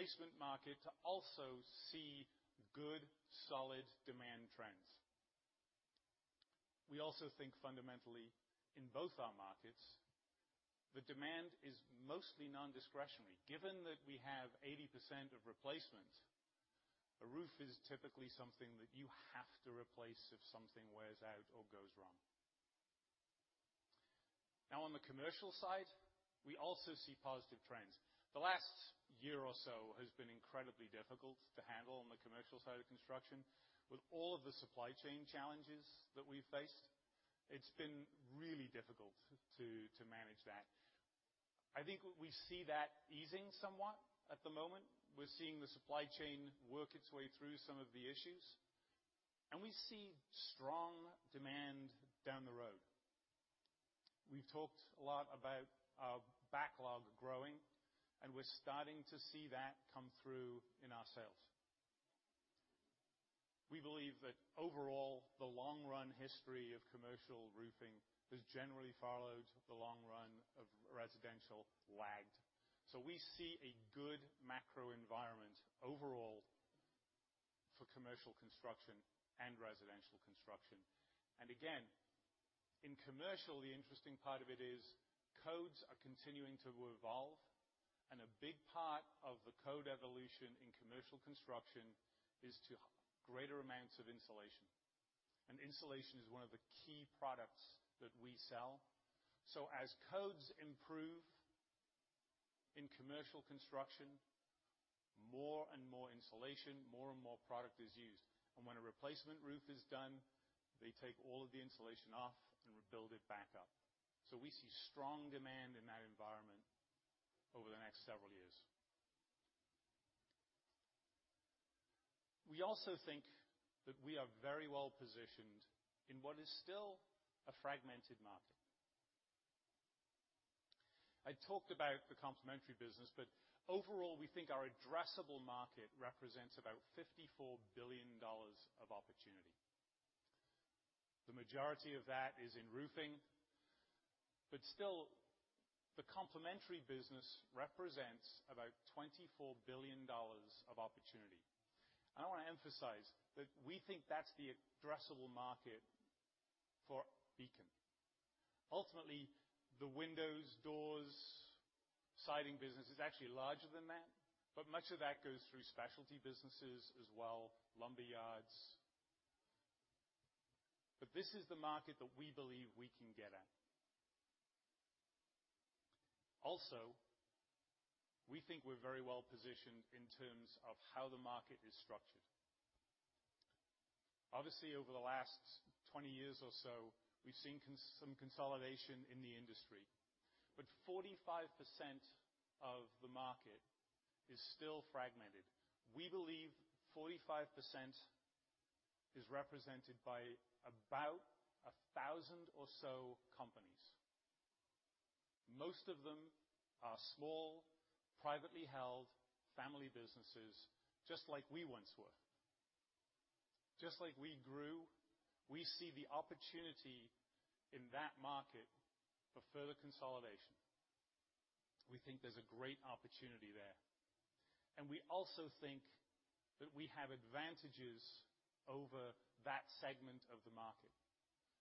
The replacement market also see good solid demand trends. We also think fundamentally in both our markets, the demand is mostly nondiscretionary. Given that we have 80% of replacement, a roof is typically something that you have to replace if something wears out or goes wrong. Now on the commercial side, we also see positive trends. The last year or so has been incredibly difficult to handle on the commercial side of construction. With all of the supply chain challenges that we faced, it's been really difficult to manage that. I think we see that easing somewhat at the moment. We're seeing the supply chain work its way through some of the issues, and we see strong demand down the road. We've talked a lot about our backlog growing, and we're starting to see that come through in our sales. We believe that overall, the long run history of commercial roofing has generally followed the long run of residential, lagged. We see a good macro environment overall for commercial construction and residential construction. Again, in commercial, the interesting part of it is codes are continuing to evolve, and a big part of the code evolution in commercial construction is to greater amounts of insulation. Insulation is one of the key products that we sell. As codes improve in commercial construction, more and more insulation, more and more product is used. When a replacement roof is done, they take all of the insulation off and rebuild it back up. We see strong demand in that environment over the next several years. We also think that we are very well positioned in what is still a fragmented market. I talked about the complementary business, but overall, we think our addressable market represents about $54 billion of opportunity. The majority of that is in roofing, but still the complementary business represents about $24 billion of opportunity. I wanna emphasize that we think that's the addressable market for Beacon. Ultimately, the windows, doors, siding business is actually larger than that, but much of that goes through specialty businesses as well, lumber yards. This is the market that we believe we can get at. Also, we think we're very well positioned in terms of how the market is structured. Obviously, over the last 20 years or so, we've seen some consolidation in the industry, but 45% of the market is still fragmented. We believe 45% is represented by about 1,000 or so companies. Most of them are small, privately held family businesses, just like we once were. Just like we grew, we see the opportunity in that market for further consolidation. We think there's a great opportunity there. We also think that we have advantages over that segment of the market.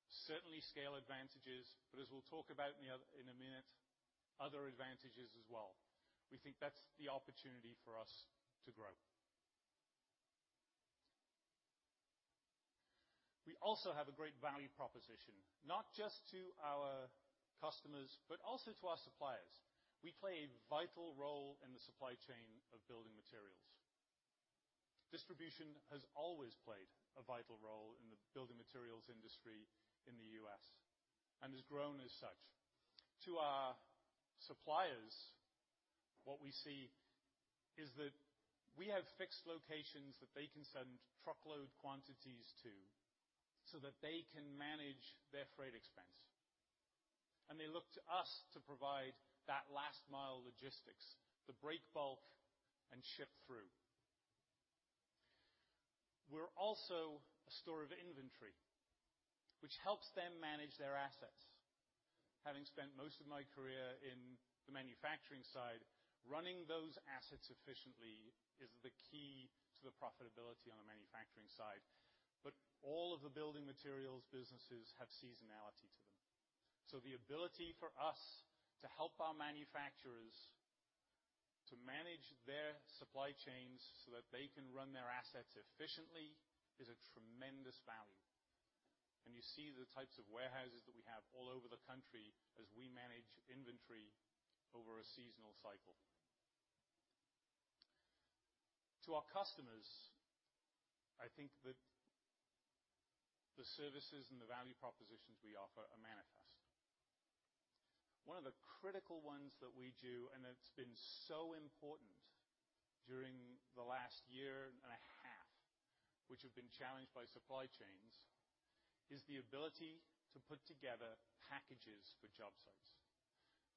Certainly scale advantages, but as we'll talk about in a minute, other advantages as well. We think that's the opportunity for us to grow. We also have a great value proposition, not just to our customers, but also to our suppliers. We play a vital role in the supply chain of building materials. Distribution has always played a vital role in the building materials industry in the U.S., and has grown as such. To our suppliers, what we see is that we have fixed locations that they can send truckload quantities to, so that they can manage their freight expense. They look to us to provide that last mile logistics, the break bulk and ship through. We're also a store of inventory, which helps them manage their assets. Having spent most of my career in the manufacturing side, running those assets efficiently is the key to the profitability on the manufacturing side. All of the building materials businesses have seasonality to them. The ability for us to help our manufacturers to manage their supply chains so that they can run their assets efficiently is a tremendous value. You see the types of warehouses that we have all over the country as we manage inventory over a seasonal cycle. To our customers, I think that the services and the value propositions we offer are manifest. One of the critical ones that we do, and it's been so important during the last year and a half, which have been challenged by supply chains, is the ability to put together packages for job sites.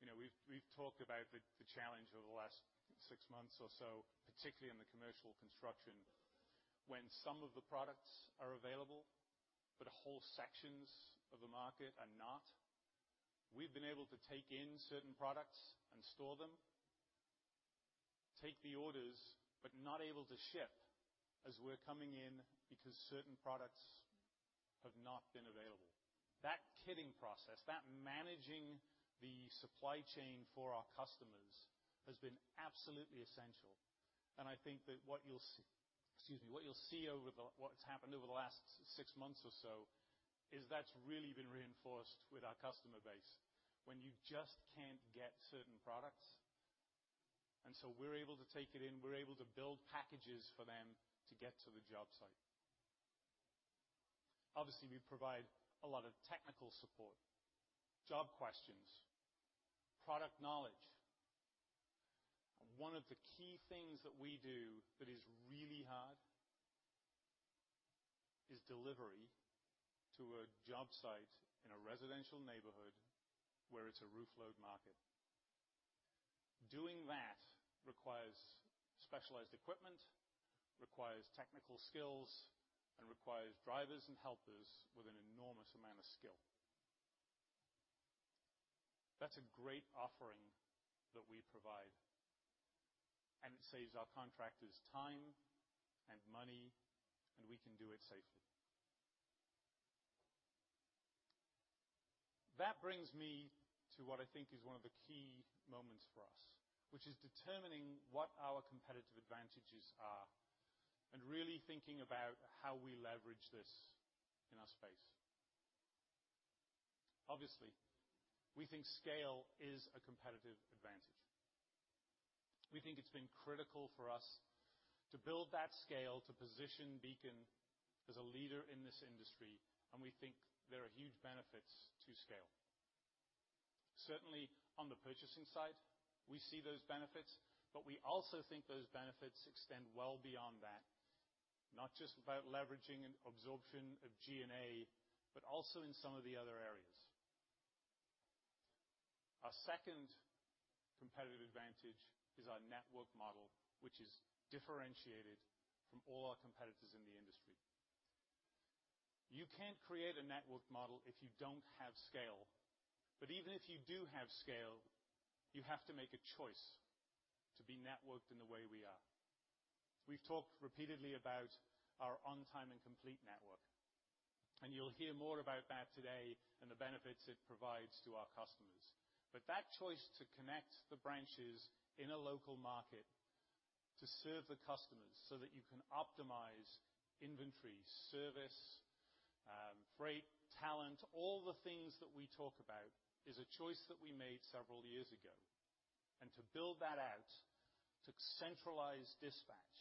You know, we've talked about the challenge over the last six months or so, particularly in the commercial construction, when some of the products are available, but whole sections of the market are not. We've been able to take in certain products and store them, take the orders, but not able to ship as we're coming in because certain products have not been available. That kitting process, that managing the supply chain for our customers has been absolutely essential. I think that what you'll see is what's happened over the last six months or so is that's really been reinforced with our customer base when you just can't get certain products. We're able to take it in, we're able to build packages for them to get to the job site. Obviously, we provide a lot of technical support, job questions, product knowledge. One of the key things that we do that is really hard is delivery to a job site in a residential neighborhood where it's a roof load market. Doing that requires specialized equipment, requires technical skills, and requires drivers and helpers with an enormous amount of skill. That's a great offering that we provide, and it saves our contractors time and money, and we can do it safely. That brings me to what I think is one of the key moments for us, which is determining what our competitive advantages are and really thinking about how we leverage this in our space. Obviously, we think scale is a competitive advantage. We think it's been critical for us to build that scale to position Beacon as a leader in this industry, and we think there are huge benefits to scale. Certainly, on the purchasing side, we see those benefits, but we also think those benefits extend well beyond that, not just about leveraging and absorption of G&A, but also in some of the other areas. Our second competitive advantage is our network model, which is differentiated from all our competitors in the industry. You can't create a network model if you don't have scale. Even if you do have scale, you have to make a choice to be networked in the way we are. We've talked repeatedly about our on-time and complete network, and you'll hear more about that today and the benefits it provides to our customers. But that choice to connect the branches in a local market to serve the customers so that you can optimize inventory, service, freight, talent, all the things that we talk about, is a choice that we made several years ago. To build that out, to centralize dispatch,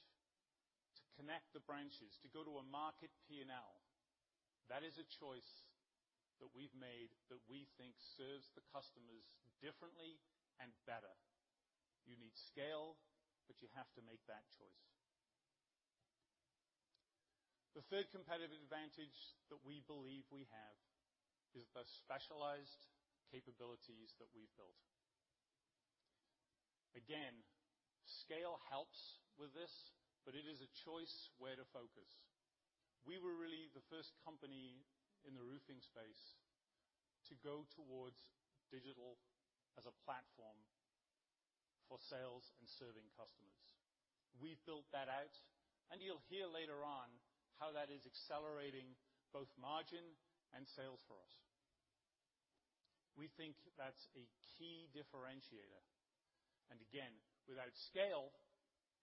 to connect the branches, to go to a market P&L, that is a choice that we've made that we think serves the customers differently and better. You need scale, but you have to make that choice. The third competitive advantage that we believe we have is the specialized capabilities that we've built. Again, scale helps with this, but it is a choice where to focus. We were really the first company in the roofing space to go towards digital as a platform for sales and serving customers. We've built that out, and you'll hear later on how that is accelerating both margin and sales for us. We think that's a key differentiator. Again, without scale,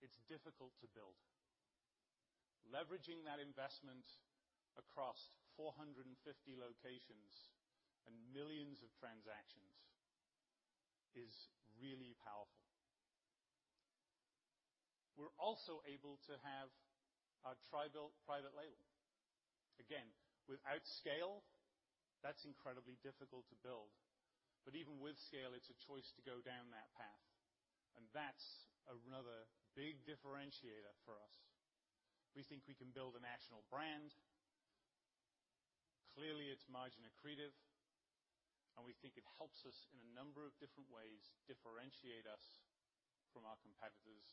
it's difficult to build. Leveraging that investment across 450 locations and millions of transactions is really powerful. We're also able to have our TRI-BUILT private label. Again, without scale, that's incredibly difficult to build. Even with scale, it's a choice to go down that path, and that's another big differentiator for us. We think we can build a national brand. Clearly, it's margin accretive, and we think it helps us in a number of different ways, differentiate us from our competitors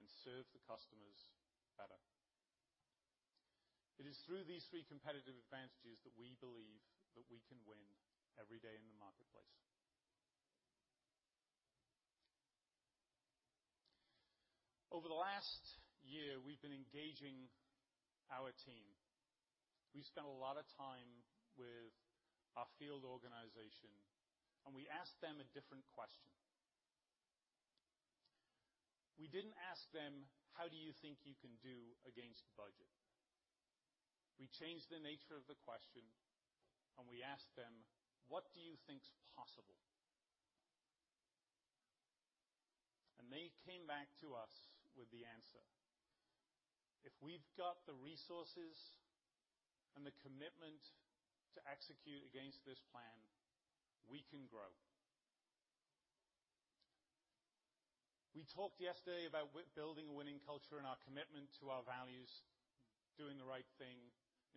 and serve the customers better. It is through these three competitive advantages that we believe that we can win every day in the marketplace. Over the last year, we've been engaging our team. We spent a lot of time with our field organization, and we asked them a different question. We didn't ask them, "How do you think you can do against budget?" We changed the nature of the question, and we asked them, "What do you think is possible?" They came back to us with the answer. If we've got the resources and the commitment to execute against this plan, we can grow. We talked yesterday about building a winning culture and our commitment to our values, doing the right thing,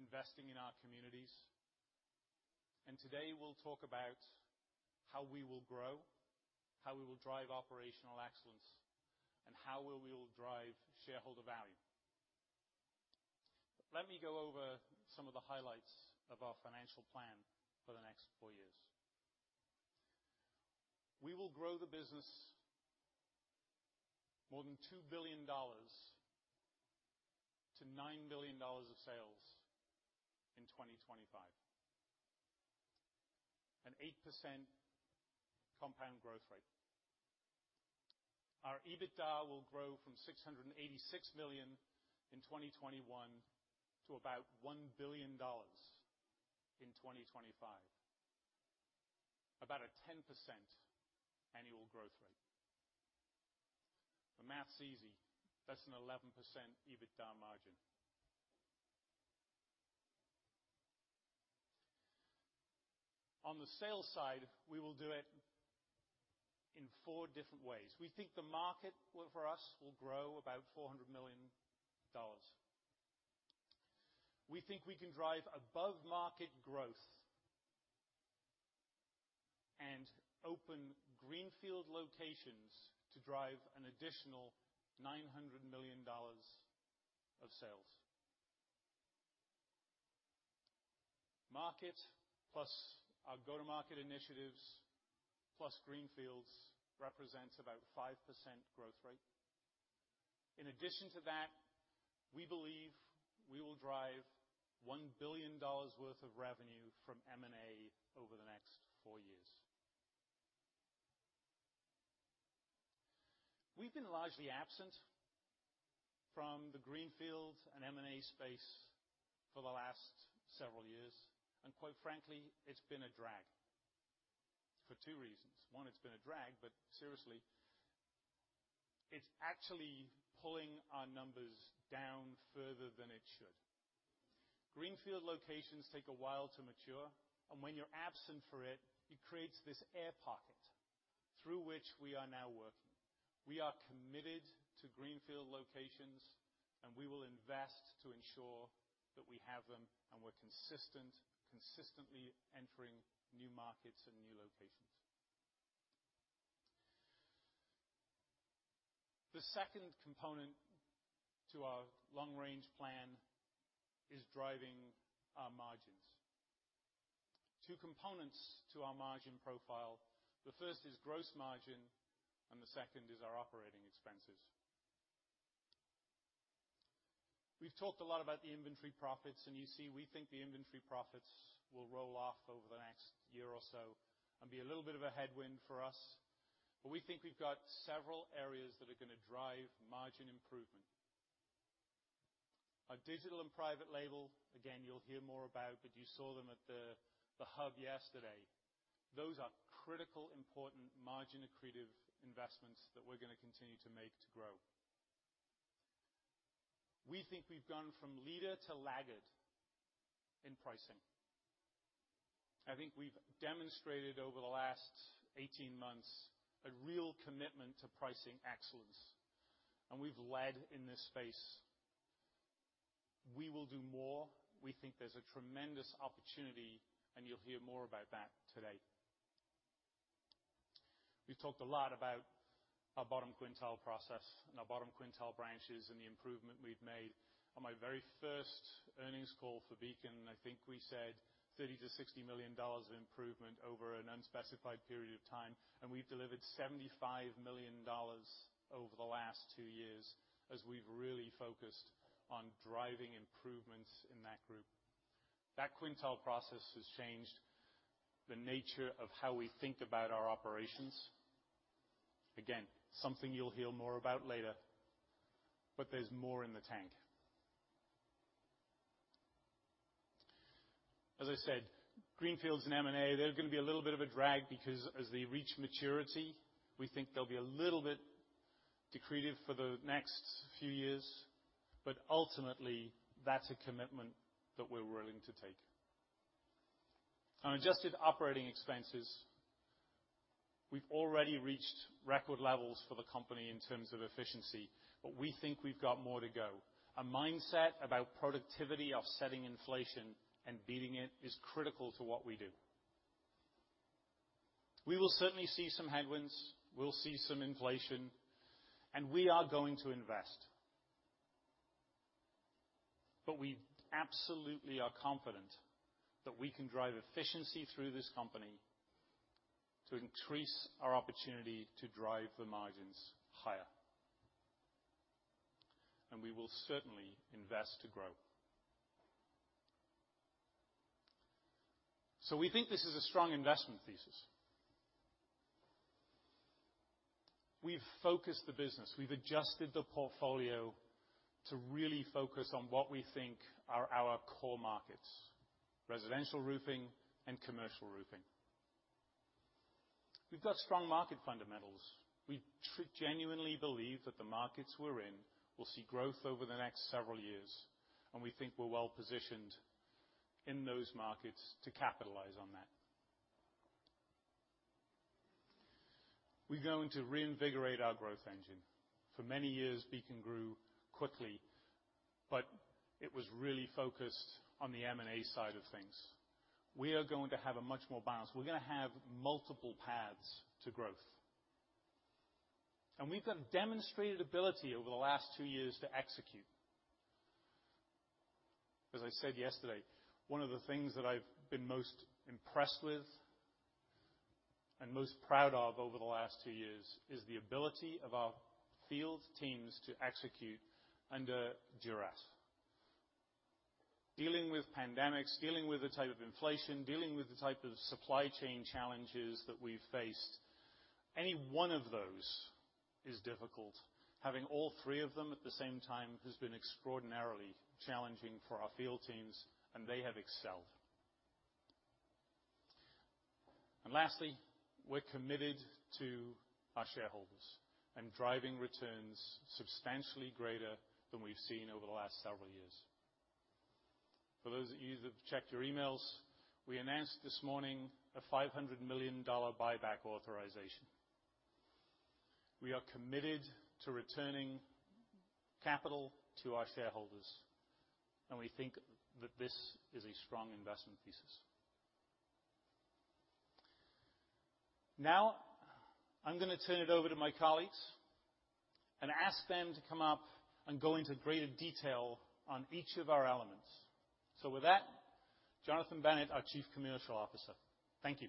investing in our communities. Today, we'll talk about how we will grow, how we will drive operational excellence, and how we will drive shareholder value. Let me go over some of the highlights of our financial plan for the next four years. We will grow the business more than $2 billion-$9 billion of sales in 2025. An 8% compound growth rate. Our EBITDA will grow from $686 million in 2021 to about $1 billion in 2025, about a 10% annual growth rate. The math's easy. That's an 11% EBITDA margin. On the sales side, we will do it in four different ways. We think the market will, for us, will grow about $400 million. We think we can drive above-market growth and open greenfield locations to drive an additional $900 million of sales. Market plus our go-to-market initiatives, plus greenfields represents about 5% growth rate. In addition to that, we believe we will drive $1 billion worth of revenue from M&A over the next four years. We've been largely absent from the greenfield and M&A space for the last several years, and quite frankly, it's been a drag for two reasons. One, it's been a drag, but seriously, it's actually pulling our numbers down further than it should. Greenfield locations take a while to mature, and when you're absent for it creates this air pocket through which we are now working. We are committed to greenfield locations, and we will invest to ensure that we have them, and we're consistent, consistently entering new markets and new locations. The second component to our long-range plan is driving our margins. Two components to our margin profile. The first is gross margin, and the second is our operating expenses. We've talked a lot about the inventory profits, and you see, we think the inventory profits will roll off over the next year or so and be a little bit of a headwind for us. We think we've got several areas that are gonna drive margin improvement. Our digital and private label, again, you'll hear more about, but you saw them at the hub yesterday. Those are critical important margin accretive investments that we're gonna continue to make to grow. We think we've gone from leader to laggard in pricing. I think we've demonstrated over the last 18 months a real commitment to pricing excellence, and we've led in this space. We will do more. We think there's a tremendous opportunity, and you'll hear more about that today. We've talked a lot about our bottom quintile process and our bottom quintile branches and the improvement we've made. On my very first earnings call for Beacon, I think we said $30 million-$60 million of improvement over an unspecified period of time, and we've delivered $75 million over the last two years as we've really focused on driving improvements in that group. That quintile process has changed the nature of how we think about our operations. Again, something you'll hear more about later, but there's more in the tank. As I said, greenfields and M&A, they're gonna be a little bit of a drag because as they reach maturity, we think they'll be a little bit decretive for the next few years. Ultimately, that's a commitment that we're willing to take. On adjusted operating expenses, we've already reached record levels for the company in terms of efficiency, but we think we've got more to go. A mindset about productivity offsetting inflation and beating it is critical to what we do. We will certainly see some headwinds, we'll see some inflation, and we are going to invest. We absolutely are confident that we can drive efficiency through this company to increase our opportunity to drive the margins higher. We will certainly invest to grow. We think this is a strong investment thesis. We've focused the business. We've adjusted the portfolio to really focus on what we think are our core markets, residential roofing and commercial roofing. We've got strong market fundamentals. We genuinely believe that the markets we're in will see growth over the next several years, and we think we're well positioned in those markets to capitalize on that. We're going to reinvigorate our growth engine. For many years, Beacon grew quickly, but it was really focused on the M&A side of things. We are going to have a much more balanced. We're gonna have multiple paths to growth. We've got demonstrated ability over the last two years to execute. As I said yesterday, one of the things that I've been most impressed with and most proud of over the last two years is the ability of our field teams to execute under duress. Dealing with pandemics, dealing with the type of inflation, dealing with the type of supply chain challenges that we've faced, any one of those is difficult. Having all three of them at the same time has been extraordinarily challenging for our field teams, and they have excelled. Lastly, we're committed to our shareholders and driving returns substantially greater than we've seen over the last several years. For those of you that have checked your emails, we announced this morning a $500 million buyback authorization. We are committed to returning capital to our shareholders, and we think that this is a strong investment thesis. Now I'm gonna turn it over to my colleagues and ask them to come up and go into greater detail on each of our elements. With that, Jonathan Bennett, our Chief Commercial Officer. Thank you.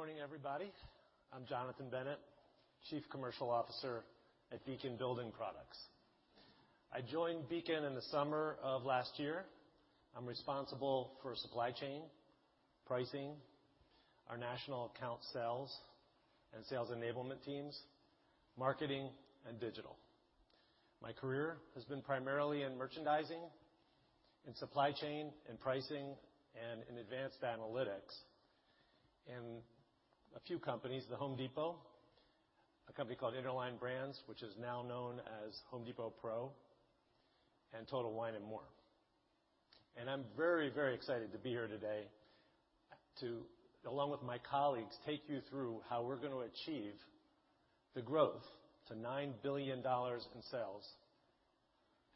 Good morning, everybody. I'm Jonathan Bennett, Chief Commercial Officer at Beacon Building Products. I joined Beacon in the summer of last year. I'm responsible for supply chain, pricing, our national account sales and sales enablement teams, marketing, and digital. My career has been primarily in merchandising, in supply chain, in pricing, and in advanced analytics in a few companies, The Home Depot, a company called Interline Brands, which is now known as Home Depot Pro, and Total Wine & More. I'm very, very excited to be here today to, along with my colleagues, take you through how we're gonna achieve the growth to $9 billion in sales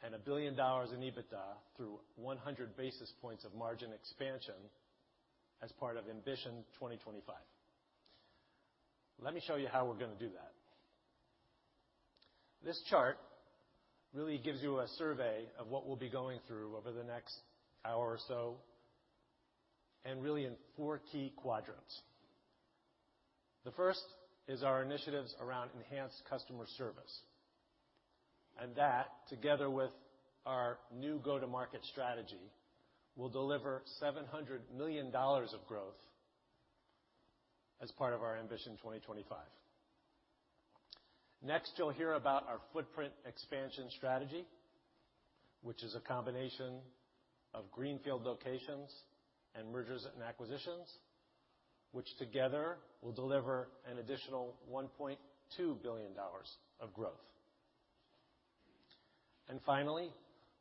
and $1 billion in EBITDA through 100 basis points of margin expansion as part of Ambition 2025. Let me show you how we're gonna do that. This chart really gives you a survey of what we'll be going through over the next hour or so, and really in four key quadrants. The first is our initiatives around enhanced customer service. That, together with our new go-to-market strategy, will deliver $700 million of growth as part of our Ambition 2025. Next, you'll hear about our footprint expansion strategy, which is a combination of greenfield locations and mergers and acquisitions, which together will deliver an additional $1.2 billion of growth. Finally,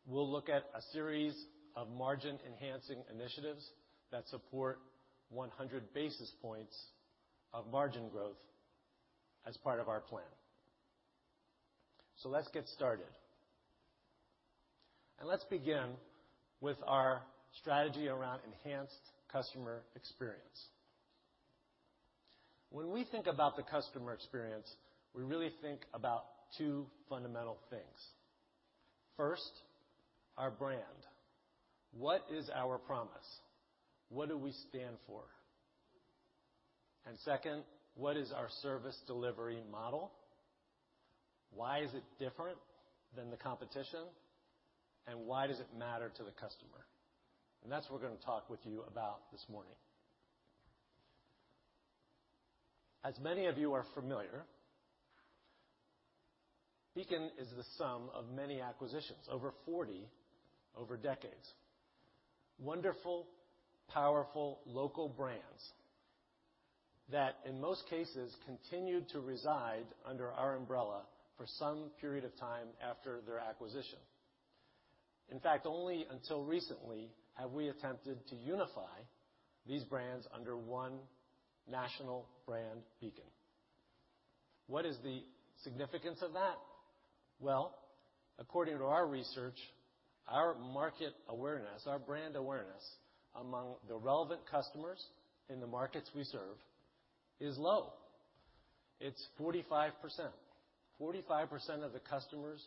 we'll look at a series of margin-enhancing initiatives that support 100 basis points of margin growth as part of our plan. Let's get started. Let's begin with our strategy around enhanced customer experience. When we think about the customer experience, we really think about two fundamental things. First, our brand. What is our promise? What do we stand for? Second, what is our service delivery model? Why is it different than the competition? Why does it matter to the customer? That's what we're gonna talk with you about this morning. As many of you are familiar, Beacon is the sum of many acquisitions, over 40 over decades. Wonderful, powerful, local brands that, in most cases, continued to reside under our umbrella for some period of time after their acquisition. In fact, only until recently have we attempted to unify these brands under one national brand, Beacon. What is the significance of that? Well, according to our research, our market awareness, our brand awareness among the relevant customers in the markets we serve is low. It's 45%. 45% of the customers,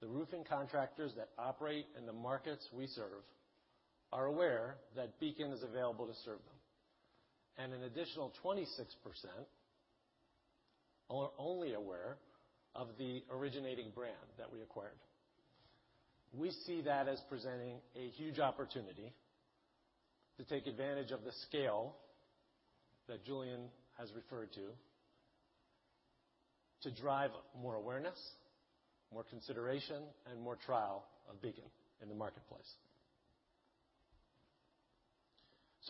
the roofing contractors that operate in the markets we serve, are aware that Beacon is available to serve them. An additional 26% are only aware of the originating brand that we acquired. We see that as presenting a huge opportunity to take advantage of the scale that Julian has referred to drive more awareness, more consideration, and more trial of Beacon in the marketplace.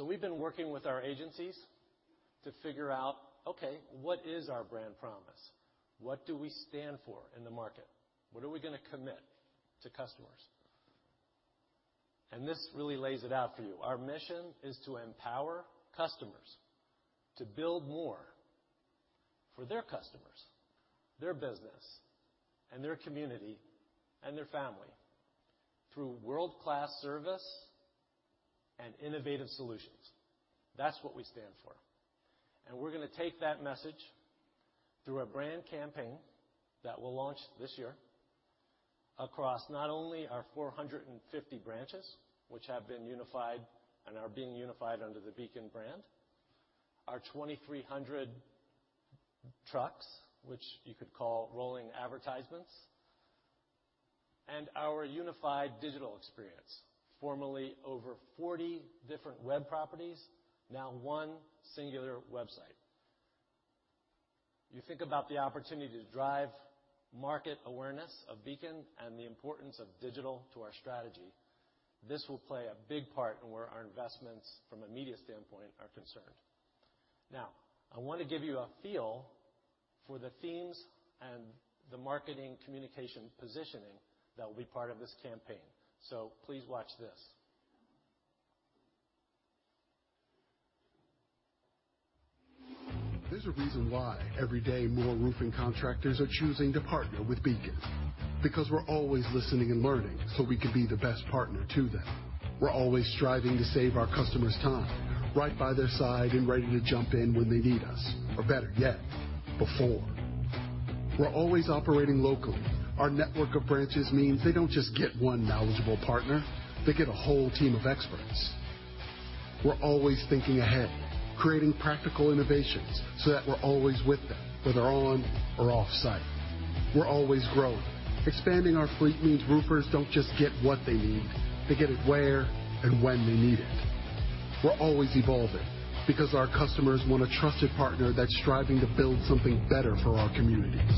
We've been working with our agencies to figure out, okay, what is our brand promise? What do we stand for in the market? What are we gonna commit to customers? This really lays it out for you. Our mission is to empower customers to build more for their customers, their business, and their community, and their family through world-class service and innovative solutions. That's what we stand for. We're gonna take that message through a brand campaign that will launch this year across not only our 450 branches, which have been unified and are being unified under the Beacon brand, our 2,300 trucks, which you could call rolling advertisements, and our unified digital experience, formerly over 40 different web properties, now one singular website. You think about the opportunity to drive market awareness of Beacon and the importance of digital to our strategy. This will play a big part in where our investments from a media standpoint are concerned. Now, I wanna give you a feel for the themes and the marketing communication positioning that will be part of this campaign. Please watch this. There's a reason why every day more roofing contractors are choosing to partner with Beacon, because we're always listening and learning so we can be the best partner to them. We're always striving to save our customers time, right by their side and ready to jump in when they need us. Or better yet, before. We're always operating locally. Our network of branches means they don't just get one knowledgeable partner, they get a whole team of experts. We're always thinking ahead, creating practical innovations, so that we're always with them, whether on or off site. We're always growing. Expanding our fleet means roofers don't just get what they need, they get it where and when they need it. We're always evolving, because our customers want a trusted partner that's striving to build something better for our communities.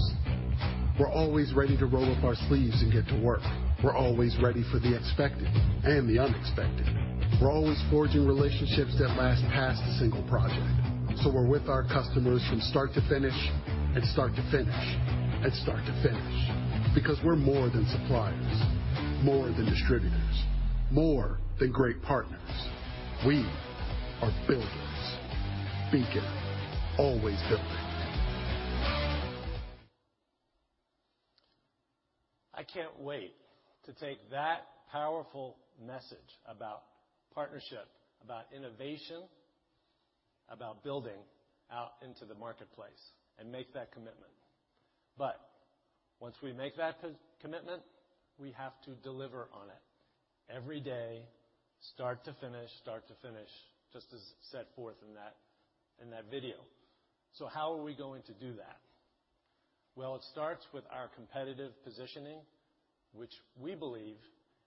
We're always ready to roll up our sleeves and get to work. We're always ready for the expected and the unexpected. We're always forging relationships that last past a single project, so we're with our customers from start to finish, and start to finish, and start to finish. Because we're more than suppliers, more than distributors, more than great partners. We are builders. Beacon. Always building. I can't wait to take that powerful message about partnership, about innovation, about building out into the marketplace and make that commitment. Once we make that co-commitment, we have to deliver on it every day, start to finish, start to finish, just as set forth in that, in that video. How are we going to do that? Well, it starts with our competitive positioning, which we believe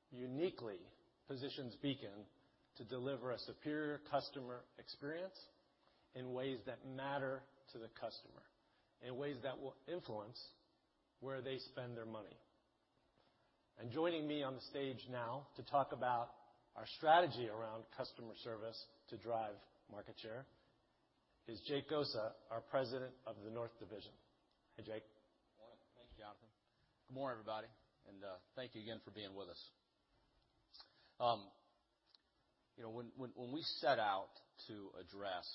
uniquely positions Beacon to deliver a superior customer experience in ways that matter to the customer, in ways that will influence where they spend their money. Joining me on the stage now to talk about our strategy around customer service to drive market share is Jake Gosa, our President of the North Division. Hey, Jake. Morning. Thank you, Jonathan. Good morning, everybody, and thank you again for being with us. You know, when we set out to address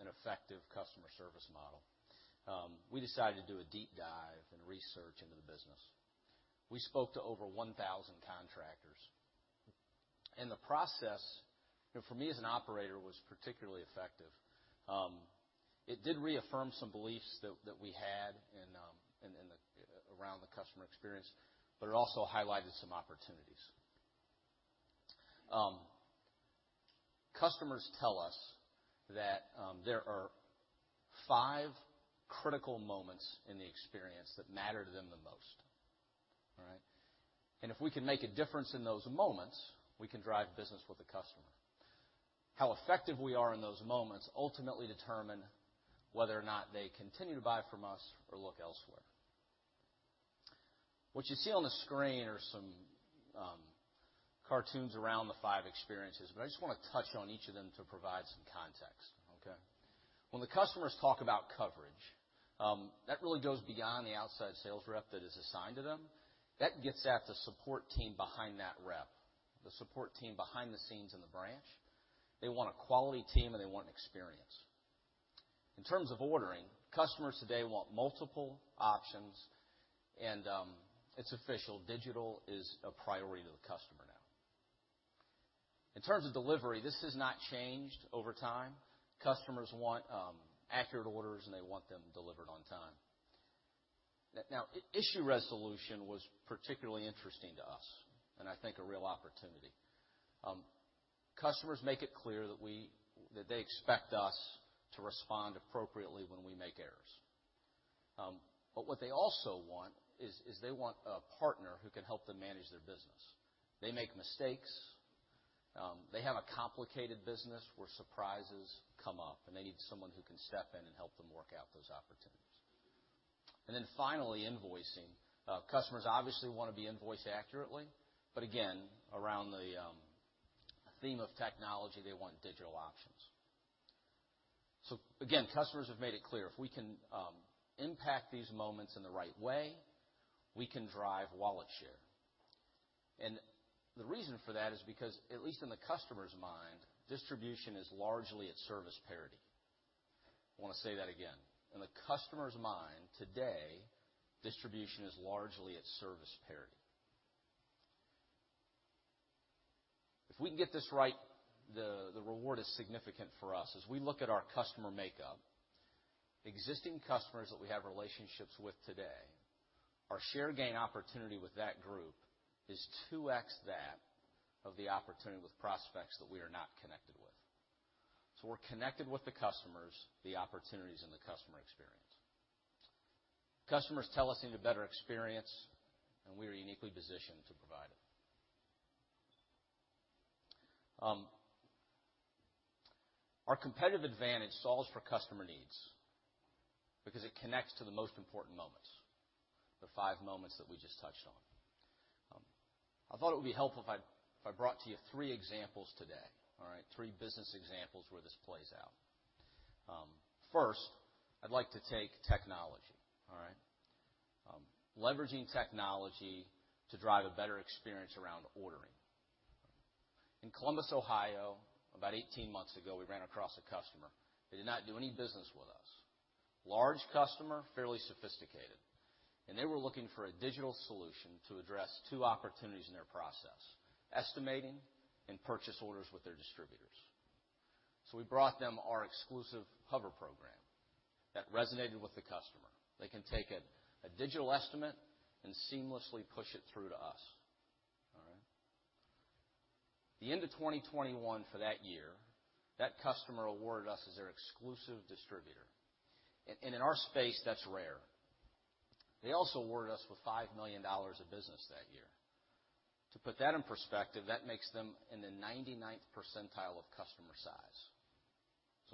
an effective customer service model, we decided to do a deep dive and research into the business. We spoke to over 1,000 contractors. The process, you know, for me as an operator, was particularly effective. It did reaffirm some beliefs that we had in and around the customer experience, but it also highlighted some opportunities. Customers tell us that there are five critical moments in the experience that matter to them the most. All right? If we can make a difference in those moments, we can drive business with a customer. How effective we are in those moments ultimately determine whether or not they continue to buy from us or look elsewhere. What you see on the screen are some cartoons around the five experiences, but I just wanna touch on each of them to provide some context. Okay? When the customers talk about coverage, that really goes beyond the outside sales rep that is assigned to them. That gets at the support team behind that rep. The support team behind the scenes in the branch. They want a quality team, and they want an experience. In terms of ordering, customers today want multiple options, and it's official, digital is a priority to the customer now. In terms of delivery, this has not changed over time. Customers want accurate orders, and they want them delivered on time. Issue resolution was particularly interesting to us, and I think a real opportunity. Customers make it clear that they expect us to respond appropriately when we make errors. What they also want is they want a partner who can help them manage their business. They make mistakes. They have a complicated business where surprises come up, and they need someone who can step in and help them work out those opportunities. Finally, invoicing. Customers obviously wanna be invoiced accurately, but again, around the theme of technology, they want digital options. Again, customers have made it clear. If we can impact these moments in the right way, we can drive wallet share. The reason for that is because, at least in the customer's mind, distribution is largely at service parity. I wanna say that again. In the customer's mind today, distribution is largely at service parity. If we can get this right, the reward is significant for us. As we look at our customer makeup, existing customers that we have relationships with today, our share gain opportunity with that group is 2x that of the opportunity with prospects that we are not connected with. We're connected with the customers, the opportunities, and the customer experience. Customers tell us they need a better experience, and we are uniquely positioned to provide it. Our competitive advantage solves for customer needs because it connects to the most important moments, the five moments that we just touched on. I thought it would be helpful if I brought to you three examples today, all right? Three business examples where this plays out. First, I'd like to take technology, all right? Leveraging technology to drive a better experience around ordering. In Columbus, Ohio, about 18 months ago, we ran across a customer. They did not do any business with us. Large customer, fairly sophisticated, and they were looking for a digital solution to address two opportunities in their process: estimating and purchase orders with their distributors. We brought them our exclusive Hover program. That resonated with the customer. They can take a digital estimate and seamlessly push it through to us. All right? The end of 2021 for that year, that customer awarded us as their exclusive distributor. In our space, that's rare. They also awarded us with $5 million of business that year. To put that in perspective, that makes them in the 99th percentile of customer size.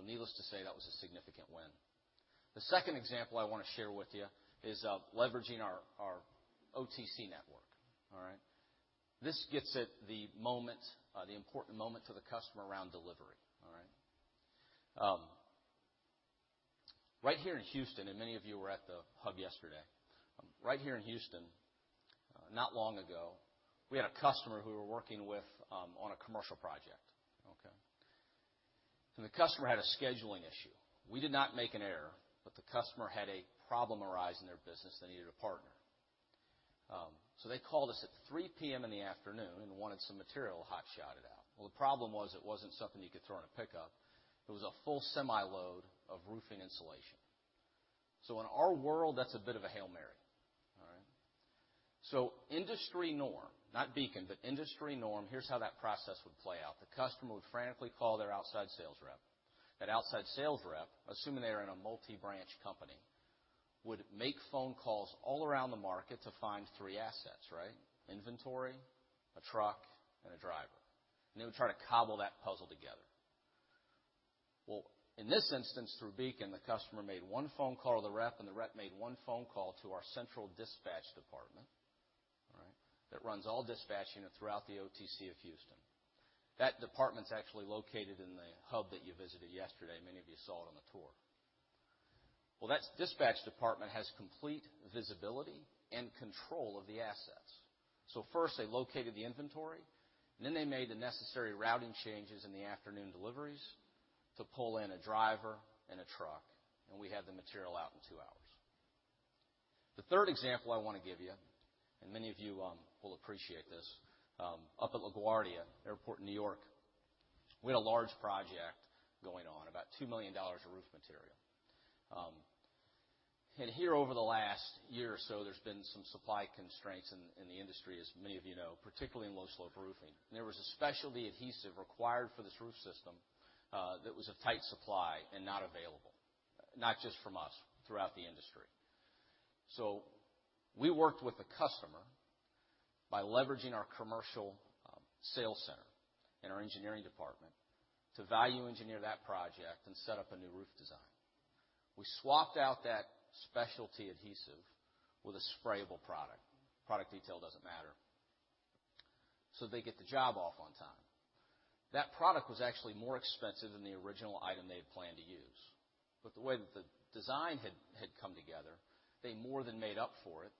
Needless to say, that was a significant win. The second example I wanna share with you is leveraging our OTC network. All right. This gets at the moment, the important moment to the customer around delivery. All right. Right here in Houston, and many of you were at the hub yesterday. Right here in Houston, not long ago, we had a customer who we were working with on a commercial project. Okay. The customer had a scheduling issue. We did not make an error, but the customer had a problem arise in their business. They needed a partner. They called us at 3:00 P.M. in the afternoon and wanted some material hot shotted out. Well, the problem was it wasn't something you could throw in a pickup. It was a full semi load of roofing insulation. In our world, that's a bit of a Hail Mary. All right? Industry norm, not Beacon, but industry norm, here's how that process would play out. The customer would frantically call their outside sales rep. That outside sales rep, assuming they're in a multi-branch company, would make phone calls all around the market to find three assets, right? Inventory, a truck, and a driver. They would try to cobble that puzzle together. Well, in this instance, through Beacon, the customer made one phone call to the rep, and the rep made one phone call to our central dispatch department, all right, that runs all dispatch unit throughout the OTC of Houston. That department's actually located in the hub that you visited yesterday. Many of you saw it on the tour. Well, that dispatch department has complete visibility and control of the assets. First, they located the inventory, and then they made the necessary routing changes in the afternoon deliveries to pull in a driver and a truck, and we had the material out in two hours. The third example I wanna give you, and many of you will appreciate this, up at LaGuardia Airport in New York, we had a large project going on, about $2 million of roof material. Here over the last year or so, there's been some supply constraints in the industry, as many of you know, particularly in low-slope roofing. There was a specialty adhesive required for this roof system, that was of tight supply and not available, not just from us, throughout the industry. We worked with the customer by leveraging our commercial sales center and our engineering department to value engineer that project and set up a new roof design. We swapped out that specialty adhesive with a sprayable product. Product detail doesn't matter. They get the job off on time. That product was actually more expensive than the original item they had planned to use. The way that the design had come together, they more than made up for it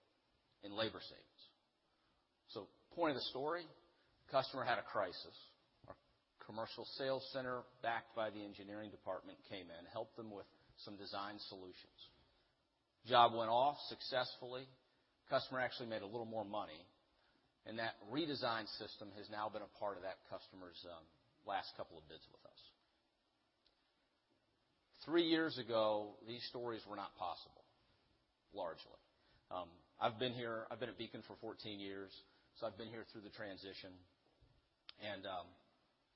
in labor savings. Point of the story, customer had a crisis. Our commercial sales center, backed by the engineering department, came in, helped them with some design solutions. Job went off successfully. Customer actually made a little more money, and that redesigned system has now been a part of that customer's last couple of bids with us. Three years ago, these stories were not possible, largely. I've been at Beacon for 14 years, so I've been here through the transition.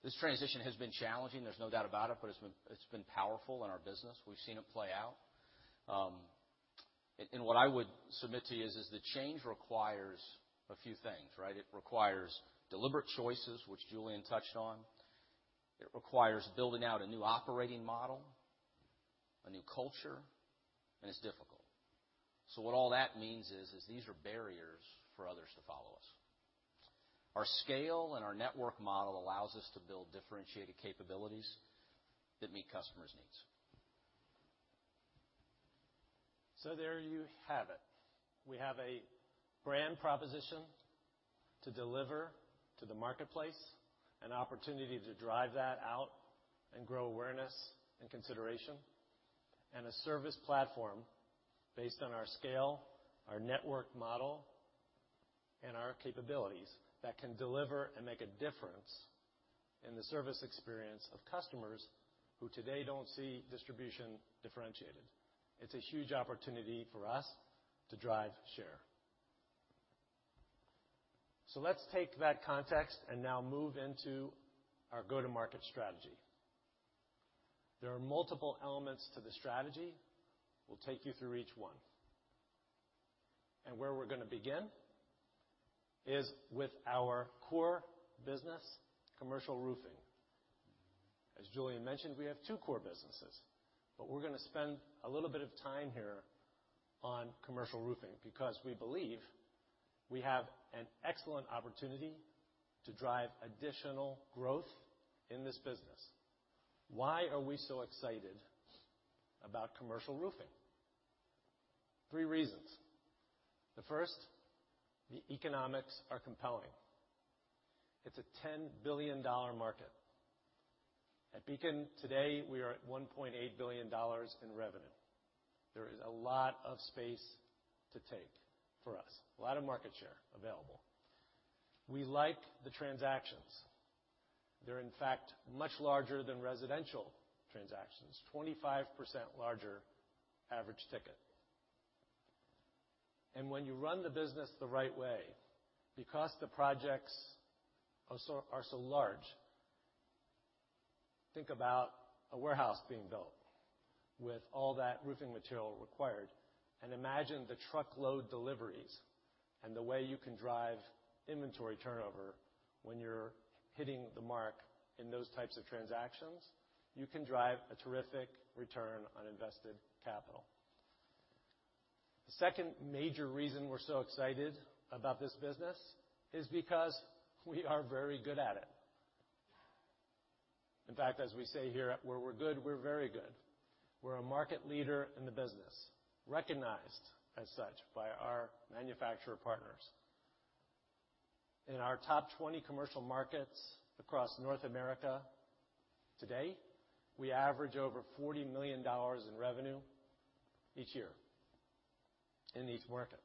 This transition has been challenging. There's no doubt about it, but it's been powerful in our business. We've seen it play out. What I would submit to you is the change requires a few things, right? It requires deliberate choices, which Julian touched on. It requires building out a new operating model, a new culture, and it's difficult. What all that means is these are barriers for others to follow us. Our scale and our network model allows us to build differentiated capabilities that meet customers' needs. There you have it. We have a brand proposition to deliver to the marketplace, an opportunity to drive that out and grow awareness and consideration, and a service platform based on our scale, our network model, and our capabilities that can deliver and make a difference in the service experience of customers who today don't see distribution differentiated. It's a huge opportunity for us to drive share. Let's take that context and now move into our go-to-market strategy. There are multiple elements to the strategy. We'll take you through each one. Where we're gonna begin is with our core business, commercial roofing. As Julian mentioned, we have two core businesses, but we're gonna spend a little bit of time here on commercial roofing because we believe we have an excellent opportunity to drive additional growth in this business. Why are we so excited about commercial roofing? Three reasons. The first, the economics are compelling. It's a $10 billion market. At Beacon today, we are at $1.8 billion in revenue. There is a lot of space to take for us, a lot of market share available. We like the transactions. They're, in fact, much larger than residential transactions, 25% larger average ticket. When you run the business the right way, because the projects are so large, think about a warehouse being built with all that roofing material required, and imagine the truckload deliveries and the way you can drive inventory turnover when you're hitting the mark in those types of transactions, you can drive a terrific return on invested capital. The second major reason we're so excited about this business is because we are very good at it. In fact, as we say here, where we're good, we're very good. We're a market leader in the business, recognized as such by our manufacturer partners. In our top 20 commercial markets across North America today, we average over $40 million in revenue each year in each market.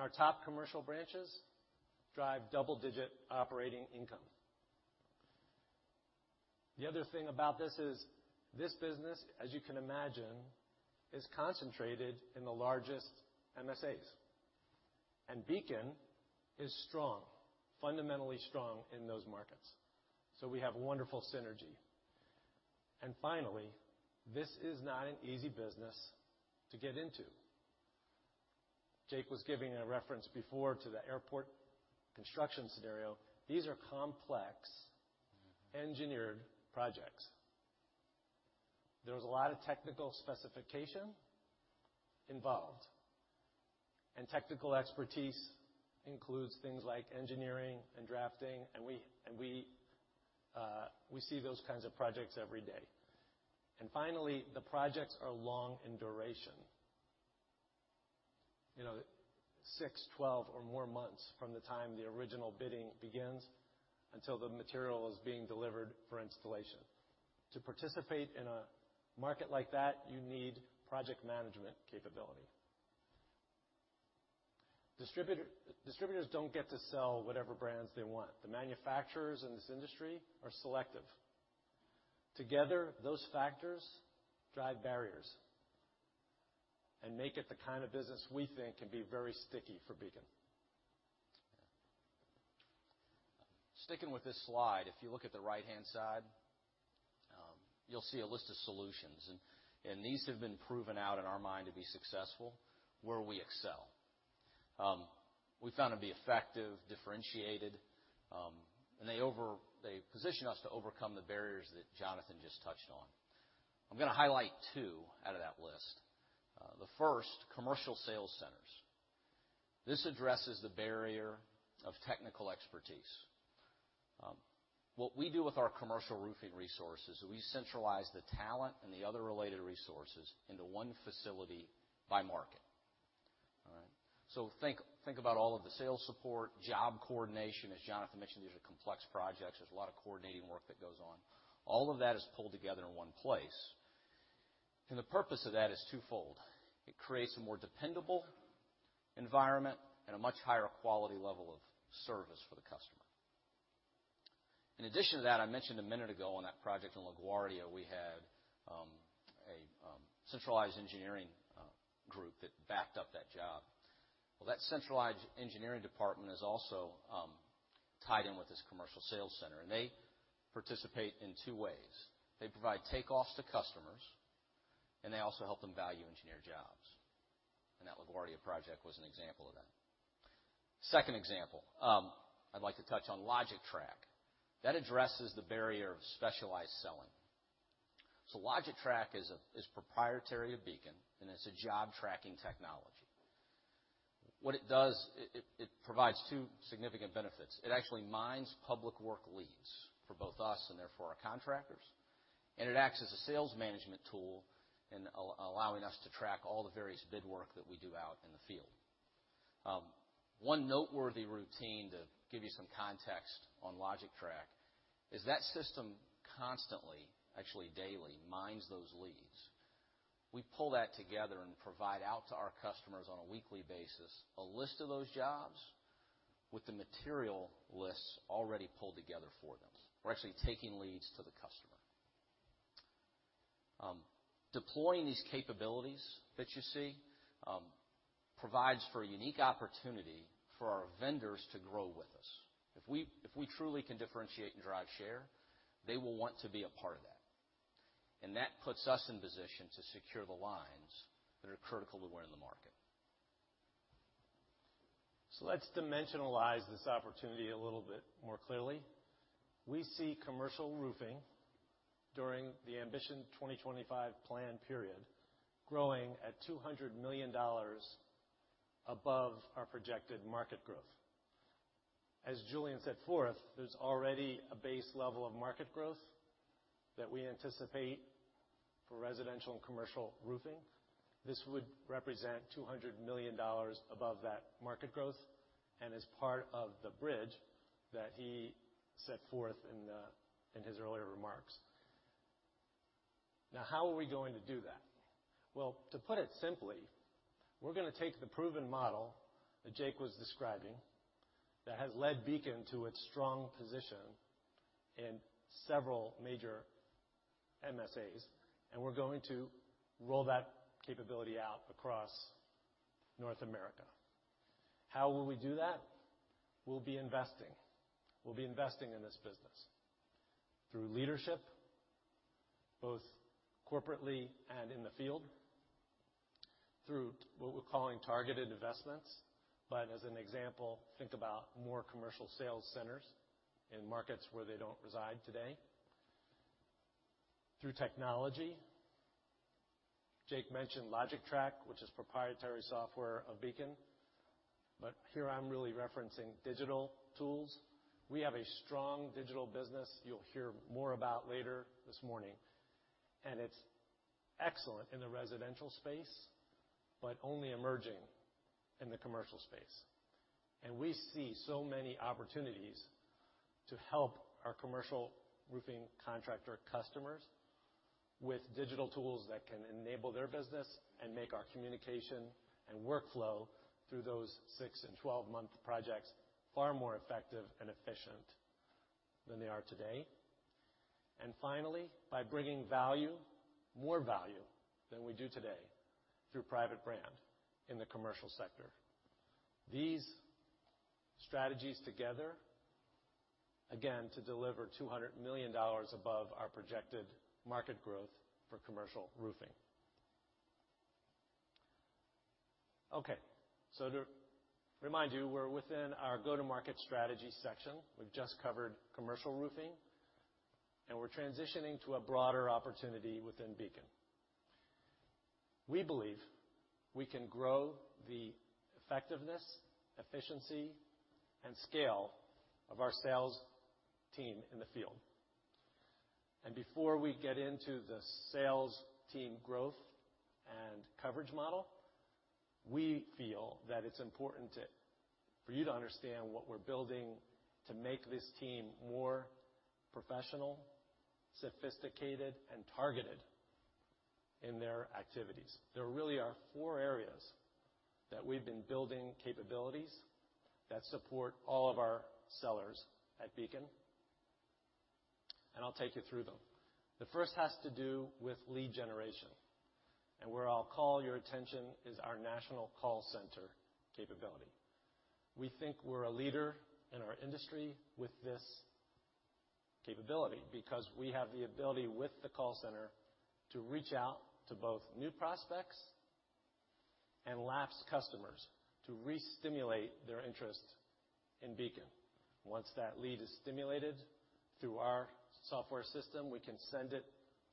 Our top commercial branches drive double-digit operating income. The other thing about this is, this business, as you can imagine, is concentrated in the largest MSAs. Beacon is strong, fundamentally strong in those markets. We have a wonderful synergy. Finally, this is not an easy business to get into. Jake was giving a reference before to the airport construction scenario. These are complex engineered projects. There's a lot of technical specification involved, and technical expertise includes things like engineering and drafting, and we see those kinds of projects every day. Finally, the projects are long in duration. You know, six, 12 or more months from the time the original bidding begins until the material is being delivered for installation. To participate in a market like that, you need project management capability. Distributors don't get to sell whatever brands they want. The manufacturers in this industry are selective. Together, those factors drive barriers and make it the kind of business we think can be very sticky for Beacon. Sticking with this slide, if you look at the right-hand side, you'll see a list of solutions, and these have been proven out in our mind to be successful, where we excel. We found them to be effective, differentiated, and they position us to overcome the barriers that Jonathan just touched on. I'm gonna highlight two out of that list. The first, commercial sales centers. This addresses the barrier of technical expertise. What we do with our commercial roofing resources, we centralize the talent and the other related resources into one facility by market. All right? So think about all of the sales support, job coordination. As Jonathan mentioned, these are complex projects. There's a lot of coordinating work that goes on. All of that is pulled together in one place. The purpose of that is twofold. It creates a more dependable environment and a much higher quality level of service for the customer. In addition to that, I mentioned a minute ago on that project in LaGuardia, we had a centralized engineering group that backed up that job. Well, that centralized engineering department is also tied in with this commercial sales center, and they participate in two ways. They provide takeoffs to customers, and they also help them value engineer jobs. That LaGuardia project was an example of that. Second example, I'd like to touch on LogicTrack. That addresses the barrier of specialized selling. LogicTrack is proprietary of Beacon, and it's a job tracking technology. What it does, it provides two significant benefits. It actually mines public work leads for both us and therefore our contractors, and it acts as a sales management tool in allowing us to track all the various bid work that we do out in the field. One noteworthy routine, to give you some context on LogicTrack, is that system constantly, actually daily, mines those leads. We pull that together and provide out to our customers on a weekly basis, a list of those jobs with the material lists already pulled together for them. We're actually taking leads to the customer. Deploying these capabilities that you see provides for a unique opportunity for our vendors to grow with us. If we truly can differentiate and drive share, they will want to be a part of that. That puts us in position to secure the lines that are critical to winning the market. Let's dimensionalize this opportunity a little bit more clearly. We see commercial roofing during the Ambition 2025 plan period growing at $200 million above our projected market growth. As Julian set forth, there's already a base level of market growth that we anticipate for residential and commercial roofing. This would represent $200 million above that market growth and is part of the bridge that he set forth in the, in his earlier remarks. Now, how are we going to do that? Well, to put it simply, we're gonna take the proven model that Jake was describing that has led Beacon to its strong position in several major MSAs, and we're going to roll that capability out across North America. How will we do that? We'll be investing. We'll be investing in this business through leadership, both corporately and in the field, through what we're calling targeted investments. As an example, think about more commercial sales centers in markets where they don't reside today. Through technology. Jake mentioned LogicTrack, which is proprietary software of Beacon, but here I'm really referencing digital tools. We have a strong digital business you'll hear more about later this morning, and it's excellent in the residential space, but only emerging in the commercial space. We see so many opportunities to help our commercial roofing contractor customers with digital tools that can enable their business and make our communication and workflow through those six and 12-month projects far more effective and efficient than they are today. Finally, by bringing value, more value than we do today through private brand in the commercial sector. These strategies together, again, to deliver $200 million above our projected market growth for commercial roofing. Okay. To remind you, we're within our go-to-market strategy section. We've just covered commercial roofing, and we're transitioning to a broader opportunity within Beacon. We believe we can grow the effectiveness, efficiency, and scale of our sales team in the field. Before we get into the sales team growth and coverage model, we feel that it's important to, for you to understand what we're building to make this team more professional, sophisticated, and targeted in their activities. There really are four areas that we've been building capabilities that support all of our sellers at Beacon, and I'll take you through them. The first has to do with lead generation, and where I'll call your attention is our national call center capability. We think we're a leader in our industry with this capability because we have the ability with the call center to reach out to both new prospects and lapsed customers to restimulate their interest in Beacon. Once that lead is stimulated through our software system, we can send it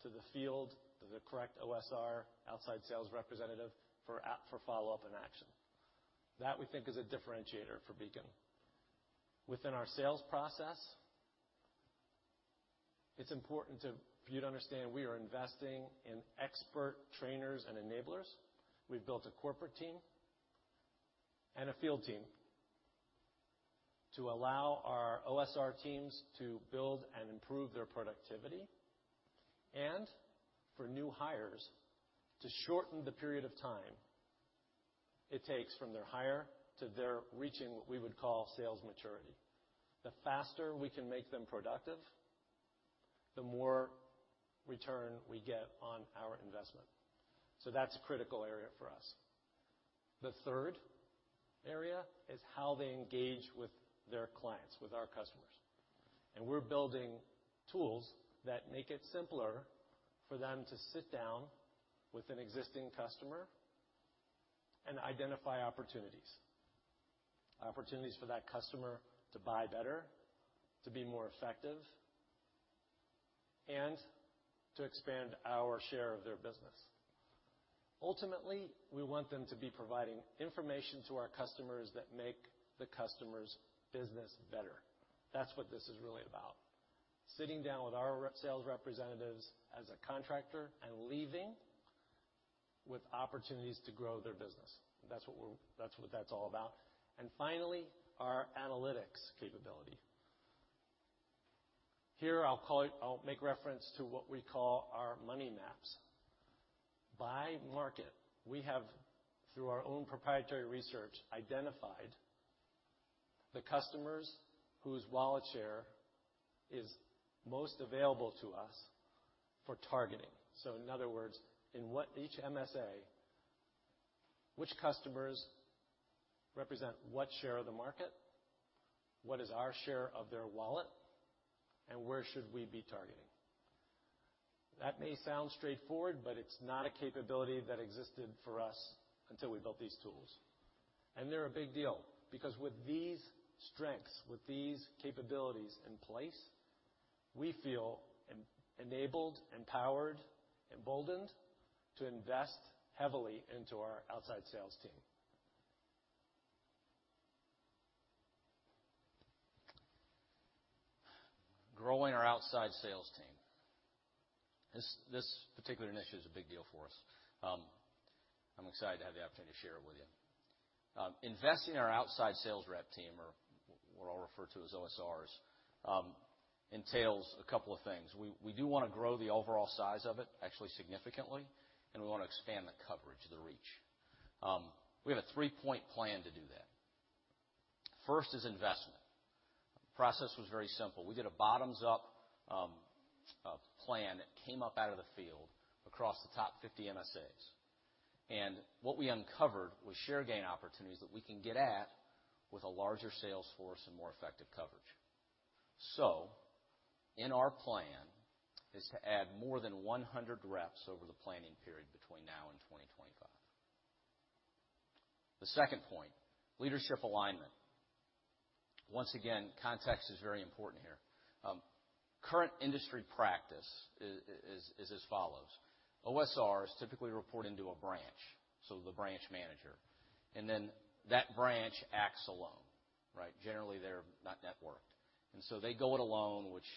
to the field, to the correct OSR, outside sales representative, for follow-up and action. That we think is a differentiator for Beacon. Within our sales process, it's important for you to understand we are investing in expert trainers and enablers. We've built a corporate team and a field team to allow our OSR teams to build and improve their productivity and for new hires to shorten the period of time it takes from their hire to their reaching what we would call sales maturity. The faster we can make them productive, the more return we get on our investment. That's a critical area for us. The third area is how they engage with their clients, with our customers. We're building tools that make it simpler for them to sit down with an existing customer and identify opportunities for that customer to buy better, to be more effective, and to expand our share of their business. Ultimately, we want them to be providing information to our customers that make the customer's business better. That's what this is really about, sitting down with our sales representatives as a contractor and leaving with opportunities to grow their business. That's what that's all about. Finally, our analytics capability. I'll make reference to what we call our Money Maps. By market, we have, through our own proprietary research, identified the customers whose wallet share is most available to us for targeting. In other words, in each MSA, which customers represent what share of the market? What is our share of their wallet? Where should we be targeting? That may sound straightforward, but it's not a capability that existed for us until we built these tools. They're a big deal because with these strengths, with these capabilities in place, we feel enabled, empowered, emboldened to invest heavily into our outside sales team. Growing our outside sales team. This particular initiative is a big deal for us. I'm excited to have the opportunity to share it with you. Investing in our outside sales rep team, or what I'll refer to as OSRs, entails a couple of things. We do wanna grow the overall size of it, actually significantly, and we wanna expand the coverage, the reach. We have a three-point plan to do that. First is investment. Process was very simple. We did a bottoms-up plan that came up out of the field across the top 50 MSAs. What we uncovered was share gain opportunities that we can get at with a larger sales force and more effective coverage. In our plan is to add more than 100 reps over the planning period between now and 2025. The second point, leadership alignment. Once again, context is very important here. Current industry practice is as follows: OSRs typically report into a branch, so the branch manager, and then that branch acts alone, right? Generally, they're not networked, and so they go it alone, which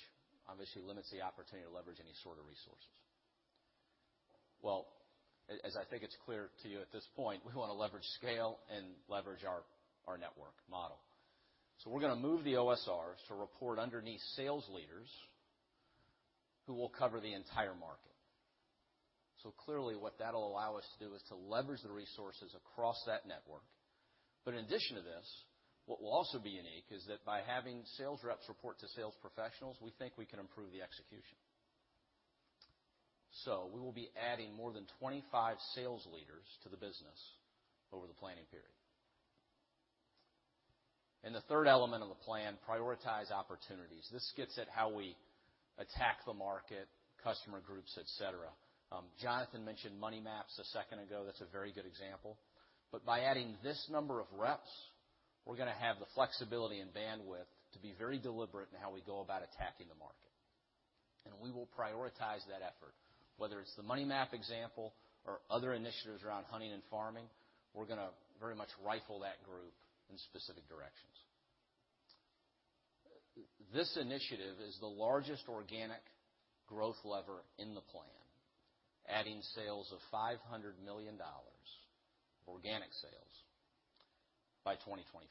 obviously limits the opportunity to leverage any sort of resources. Well, as I think it's clear to you at this point, we wanna leverage scale and leverage our network model. We're gonna move the OSRs to report underneath sales leaders who will cover the entire market. Clearly, what that'll allow us to do is to leverage the resources across that network. In addition to this, what will also be unique is that by having sales reps report to sales professionals, we think we can improve the execution. We will be adding more than 25 sales leaders to the business over the planning period. The third element of the plan, prioritize opportunities. This gets at how we attack the market, customer groups, etc. Jonathan mentioned Money Maps a second ago. That's a very good example. By adding this number of reps, we're gonna have the flexibility and bandwidth to be very deliberate in how we go about attacking the market. We will prioritize that effort. Whether it's the Money Maps example or other initiatives around hunting and farming, we're gonna very much rifle that group in specific directions. This initiative is the largest organic growth lever in the plan, adding sales of $500 million, organic sales, by 2025.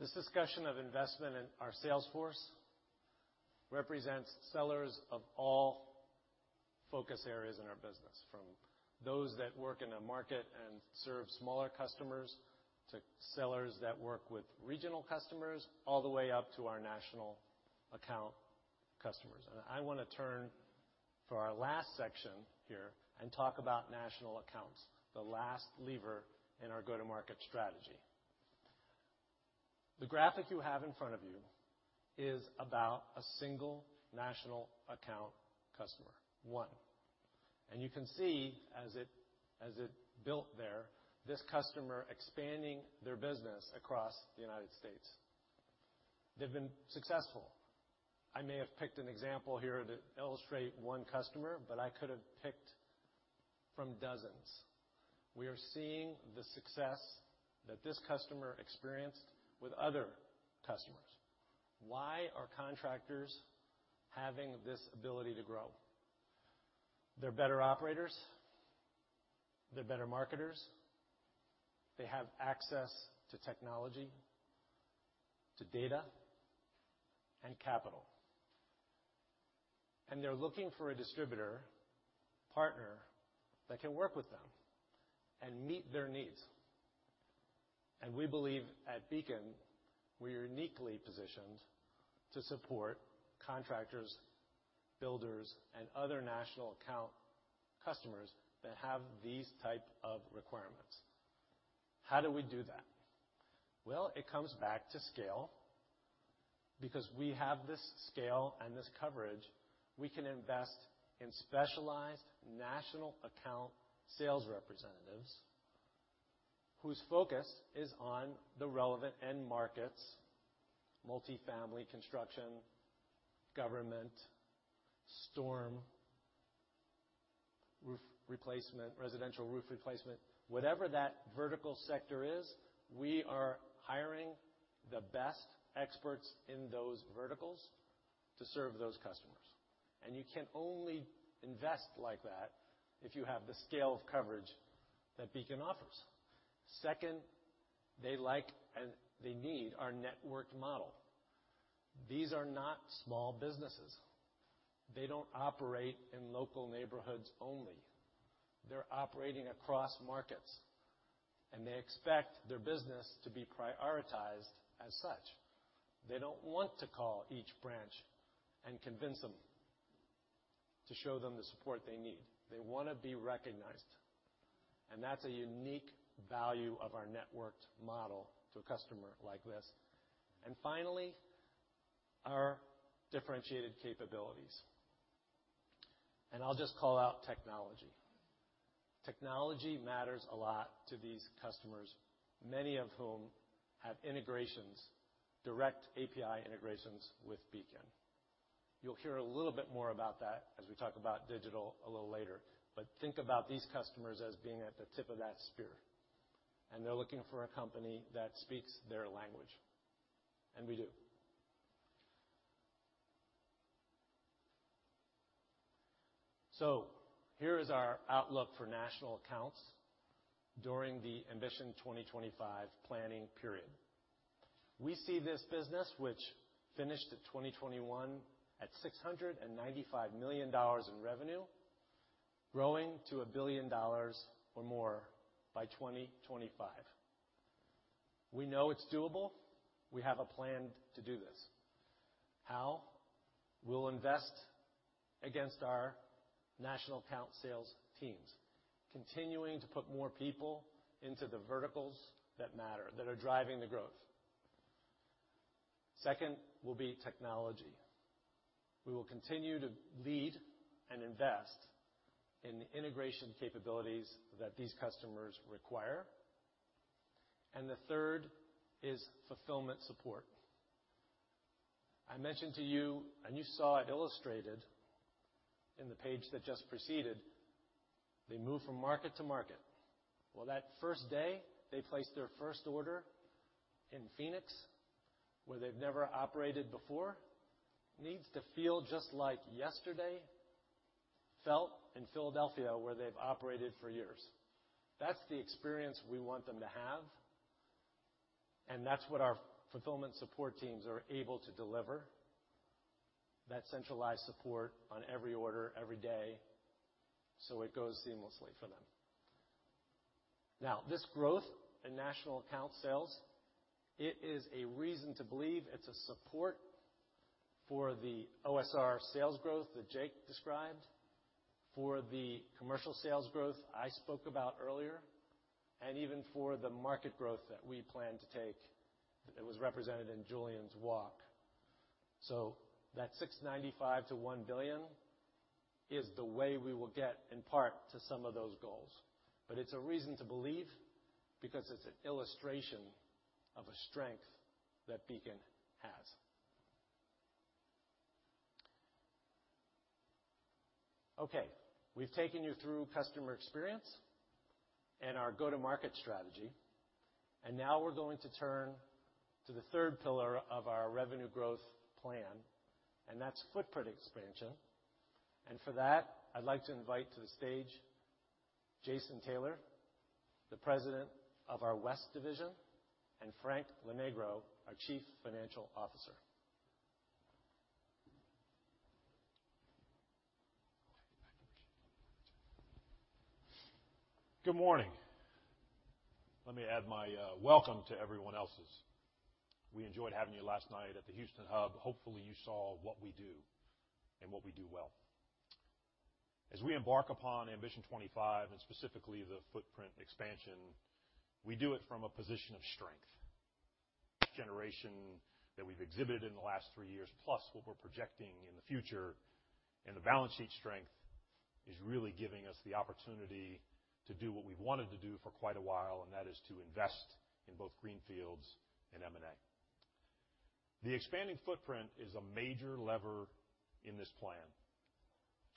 This discussion of investment in our sales force represents sellers of all focus areas in our business, from those that work in a market and serve smaller customers to sellers that work with regional customers, all the way up to our national account customers. I wanna turn for our last section here and talk about national accounts, the last lever in our go-to-market strategy. The graphic you have in front of you is about a single national account customer, one. You can see as it built there, this customer expanding their business across the United States. They've been successful. I may have picked an example here to illustrate one customer, but I could have picked from dozens. We are seeing the success that this customer experienced with other customers. Why are contractors having this ability to grow? They're better operators, they're better marketers, they have access to technology, to data, and capital. They're looking for a distributor partner that can work with them and meet their needs. We believe at Beacon, we are uniquely positioned to support contractors, builders, and other national account customers that have these type of requirements. How do we do that? Well, it comes back to scale. Because we have this scale and this coverage, we can invest in specialized national account sales representatives whose focus is on the relevant end markets, multifamily construction, government, storm, roof replacement, residential roof replacement. Whatever that vertical sector is, we are hiring the best experts in those verticals to serve those customers. You can only invest like that if you have the scale of coverage that Beacon offers. Second, they like and they need our networked model. These are not small businesses. They don't operate in local neighborhoods only. They're operating across markets, and they expect their business to be prioritized as such. They don't want to call each branch and convince them to show them the support they need. They wanna be recognized, and that's a unique value of our networked model to a customer like this. Finally, our differentiated capabilities. I'll just call out technology. Technology matters a lot to these customers, many of whom have integrations, direct API integrations with Beacon. You'll hear a little bit more about that as we talk about digital a little later. Think about these customers as being at the tip of that spear, and they're looking for a company that speaks their language, and we do. Here is our outlook for national accounts during the Ambition 2025 planning period. We see this business, which finished at 2021 at $695 million in revenue, growing to $1 billion or more by 2025. We know it's doable. We have a plan to do this. How? We'll invest against our national account sales teams, continuing to put more people into the verticals that matter, that are driving the growth. Second will be technology. We will continue to lead and invest in the integration capabilities that these customers require. The third is fulfillment support. I mentioned to you, and you saw it illustrated in the page that just preceded, they move from market to market. Well, that first day they place their first order in Phoenix, where they've never operated before, needs to feel just like yesterday felt in Philadelphia, where they've operated for years. That's the experience we want them to have, and that's what our fulfillment support teams are able to deliver, that centralized support on every order every day, so it goes seamlessly for them. Now, this growth in national account sales, it is a reason to believe it's a support for the OSR sales growth that Jake described, for the commercial sales growth I spoke about earlier, and even for the market growth that we plan to take that was represented in Julian's walk. That $695 million-$1 billion is the way we will get, in part, to some of those goals. It's a reason to believe because it's an illustration of a strength that Beacon has. Okay, we've taken you through customer experience and our go-to-market strategy, and now we're going to turn to the third pillar of our revenue growth plan, and that's footprint expansion. For that, I'd like to invite to the stage Jason Taylor, the President of our West Division, and Frank Lonegro, our Chief Financial Officer. Good morning. Let me add my welcome to everyone else's. We enjoyed having you last night at the Houston Hub. Hopefully, you saw what we do and what we do well. As we embark upon Ambition 2025 and specifically the footprint expansion, we do it from a position of strength. Generation that we've exhibited in the last three years, plus what we're projecting in the future, and the balance sheet strength is really giving us the opportunity to do what we've wanted to do for quite a while, and that is to invest in both greenfields and M&A. The expanding footprint is a major lever in this plan.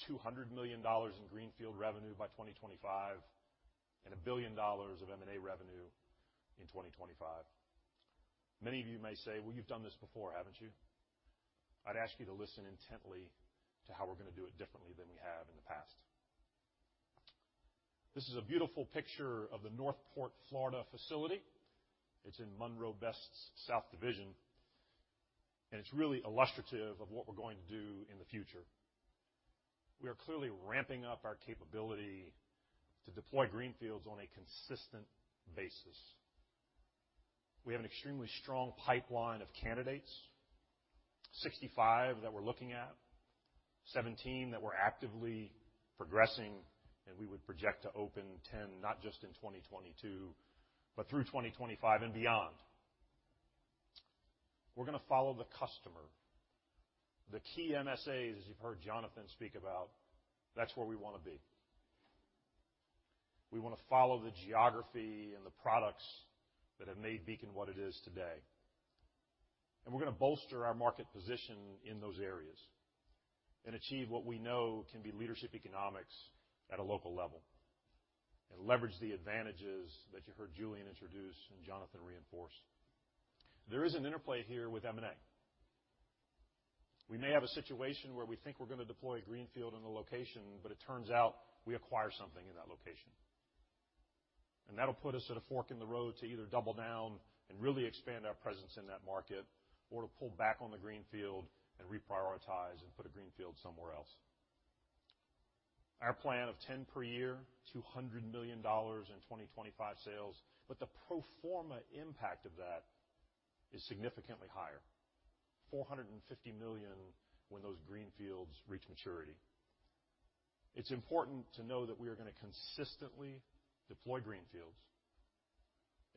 $200 million in greenfield revenue by 2025 and $1 billion of M&A revenue in 2025. Many of you may say, "Well, you've done this before, haven't you?" I'd ask you to listen intently to how we're gonna do it differently than we have in the past. This is a beautiful picture of the North Port, Florida, facility. It's in Munroe Best's South Division, and it's really illustrative of what we're going to do in the future. We are clearly ramping up our capability to deploy greenfields on a consistent basis. We have an extremely strong pipeline of candidates, 65 that we're looking at, 17 that we're actively progressing, and we would project to open 10, not just in 2022, but through 2025 and beyond. We're gonna follow the customer. The key MSAs, as you've heard Jonathan speak about, that's where we wanna be. We wanna follow the geography and the products that have made Beacon what it is today. We're gonna bolster our market position in those areas and achieve what we know can be leadership economics at a local level and leverage the advantages that you heard Julian introduce and Jonathan reinforce. There is an interplay here with M&A. We may have a situation where we think we're gonna deploy a greenfield in a location, but it turns out we acquire something in that location. That'll put us at a fork in the road to either double down and really expand our presence in that market or to pull back on the greenfield and reprioritize and put a greenfield somewhere else. Our plan of 10 per year, $200 million in 2025 sales, but the pro forma impact of that is significantly higher, $450 million when those greenfields reach maturity. It's important to know that we are gonna consistently deploy greenfields,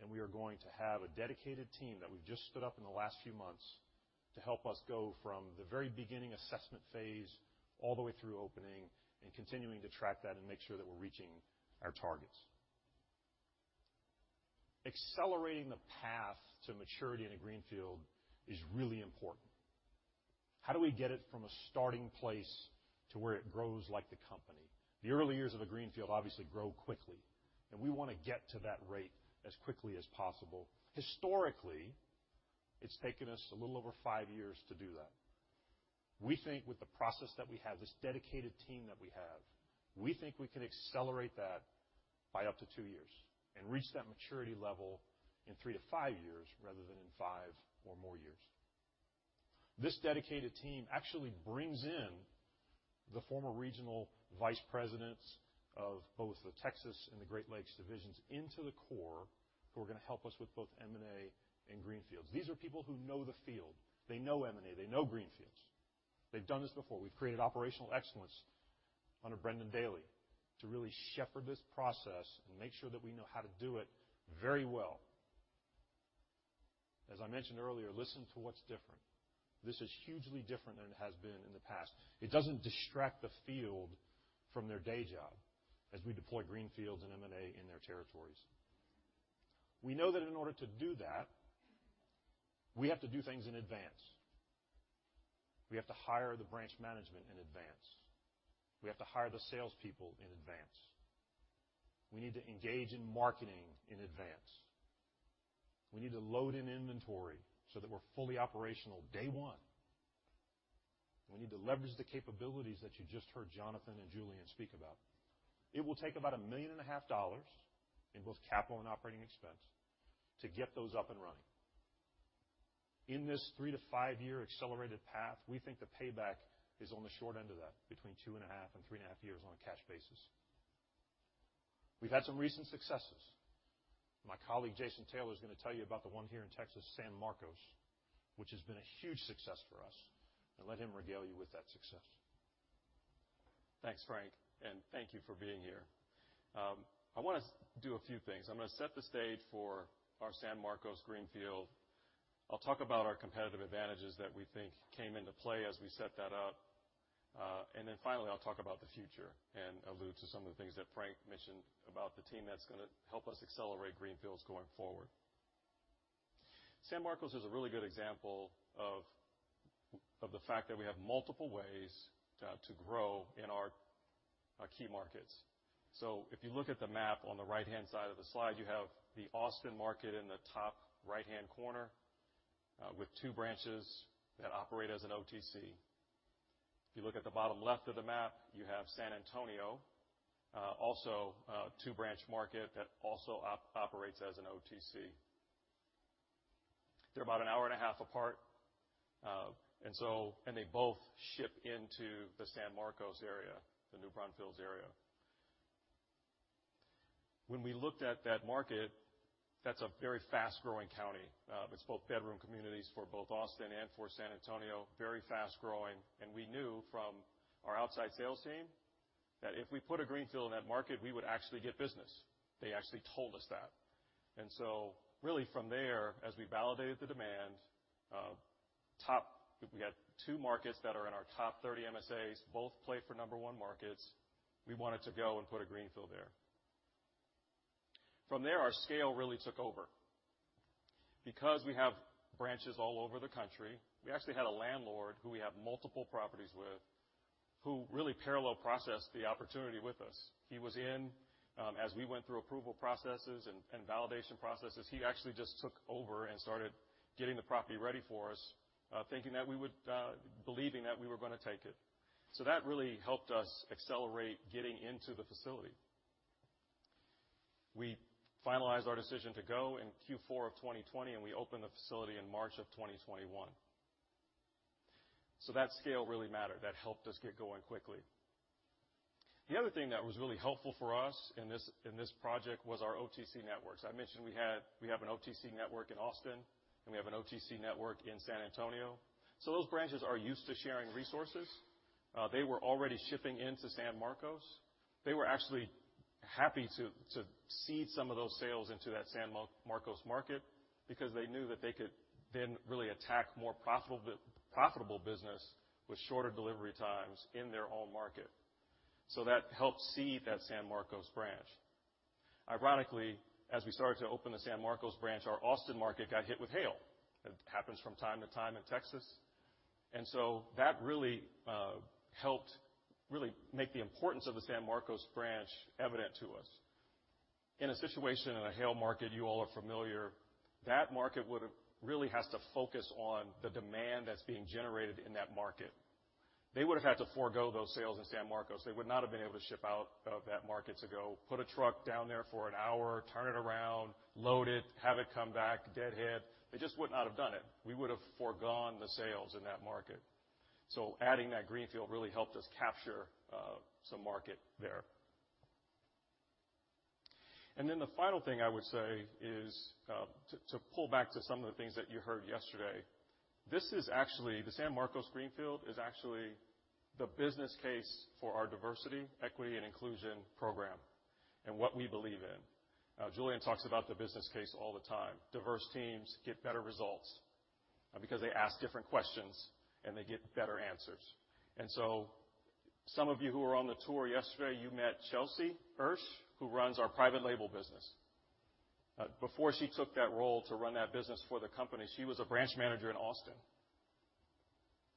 and we are going to have a dedicated team that we've just stood up in the last few months to help us go from the very beginning assessment phase all the way through opening and continuing to track that and make sure that we're reaching our targets. Accelerating the path to maturity in a greenfield is really important. How do we get it from a starting place to where it grows like the company? The early years of a greenfield obviously grow quickly, and we wanna get to that rate as quickly as possible. Historically, it's taken us a little over five years to do that. We think with the process that we have, this dedicated team that we have, we think we can accelerate that by up to two years and reach that maturity level in three to five years rather than in five or more years. This dedicated team actually brings in the former regional vice presidents of both the Texas and the Great Lakes divisions into the core who are gonna help us with both M&A and greenfields. These are people who know the field. They know M&A. They know greenfields. They've done this before. We've created operational excellence under Brendan Daly to really shepherd this process and make sure that we know how to do it very well. As I mentioned earlier, listen to what's different. This is hugely different than it has been in the past. It doesn't distract the field from their day job as we deploy greenfields and M&A in their territories. We know that in order to do that, we have to do things in advance. We have to hire the branch management in advance. We have to hire the salespeople in advance. We need to engage in marketing in advance. We need to load in inventory so that we're fully operational day one. We need to leverage the capabilities that you just heard Jonathan and Julian speak about. It will take about $1.5 million in both capital and operating expense to get those up and running. In this three to five year accelerated path, we think the payback is on the short end of that, between 2.5 And 3.5 years on a cash basis. We've had some recent successes. My colleague, Jason Taylor, is gonna tell you about the one here in Texas, San Marcos, which has been a huge success for us, and let him regale you with that success. Thanks, Frank, and thank you for being here. I wanna do a few things. I'm gonna set the stage for our San Marcos greenfield. I'll talk about our competitive advantages that we think came into play as we set that up. Then finally, I'll talk about the future and allude to some of the things that Frank mentioned about the team that's gonna help us accelerate greenfields going forward. San Marcos is a really good example of the fact that we have multiple ways to grow in our key markets. If you look at the map on the right-hand side of the slide, you have the Austin market in the top right-hand corner with two branches that operate as an OTC. If you look at the bottom left of the map, you have San Antonio, also a two-branch market that also operates as an OTC. They're about an hour and a half apart, and so they both ship into the San Marcos area, the New Braunfels area. When we looked at that market, that's a very fast-growing county. It's both bedroom communities for both Austin and for San Antonio, very fast-growing. We knew from our outside sales team that if we put a greenfield in that market, we would actually get business. They actually told us that. Really from there, as we validated the demand, we had two markets that are in our top 30 MSAs, both play for number one markets. We wanted to go and put a greenfield there. From there, our scale really took over. Because we have branches all over the country, we actually had a landlord who we have multiple properties with, who really parallel processed the opportunity with us. He was in, as we went through approval processes and validation processes. He actually just took over and started getting the property ready for us, believing that we were gonna take it. That really helped us accelerate getting into the facility. We finalized our decision to go in Q4 of 2020, and we opened the facility in March of 2021. That scale really mattered. That helped us get going quickly. The other thing that was really helpful for us in this, in this project was our OTC networks. I mentioned we have an OTC network in Austin, and we have an OTC network in San Antonio. Those branches are used to sharing resources. They were already shipping into San Marcos. They were actually happy to seed some of those sales into that San Marcos market because they knew that they could then really attack more profitable business with shorter delivery times in their own market. That helped seed that San Marcos branch. Ironically, as we started to open the San Marcos branch, our Austin market got hit with hail. It happens from time to time in Texas. That really helped make the importance of the San Marcos branch evident to us. In a situation in a hail market, you all are familiar, that market would have really had to focus on the demand that's being generated in that market. They would have had to forgo those sales in San Marcos. They would not have been able to ship out of that market to go put a truck down there for an hour, turn it around, load it, have it come back deadhead. They just would not have done it. We would have foregone the sales in that market. Adding that greenfield really helped us capture some market there. Then the final thing I would say is to pull back to some of the things that you heard yesterday, this is actually the San Marcos Greenfield is actually the business case for our diversity, equity, and inclusion program and what we believe in. Julian talks about the business case all the time. Diverse teams get better results because they ask different questions and they get better answers. Some of you who were on the tour yesterday, you met Chelsea Oesch, who runs our Private Label business. Before she took that role to run that business for the company, she was a branch manager in Austin.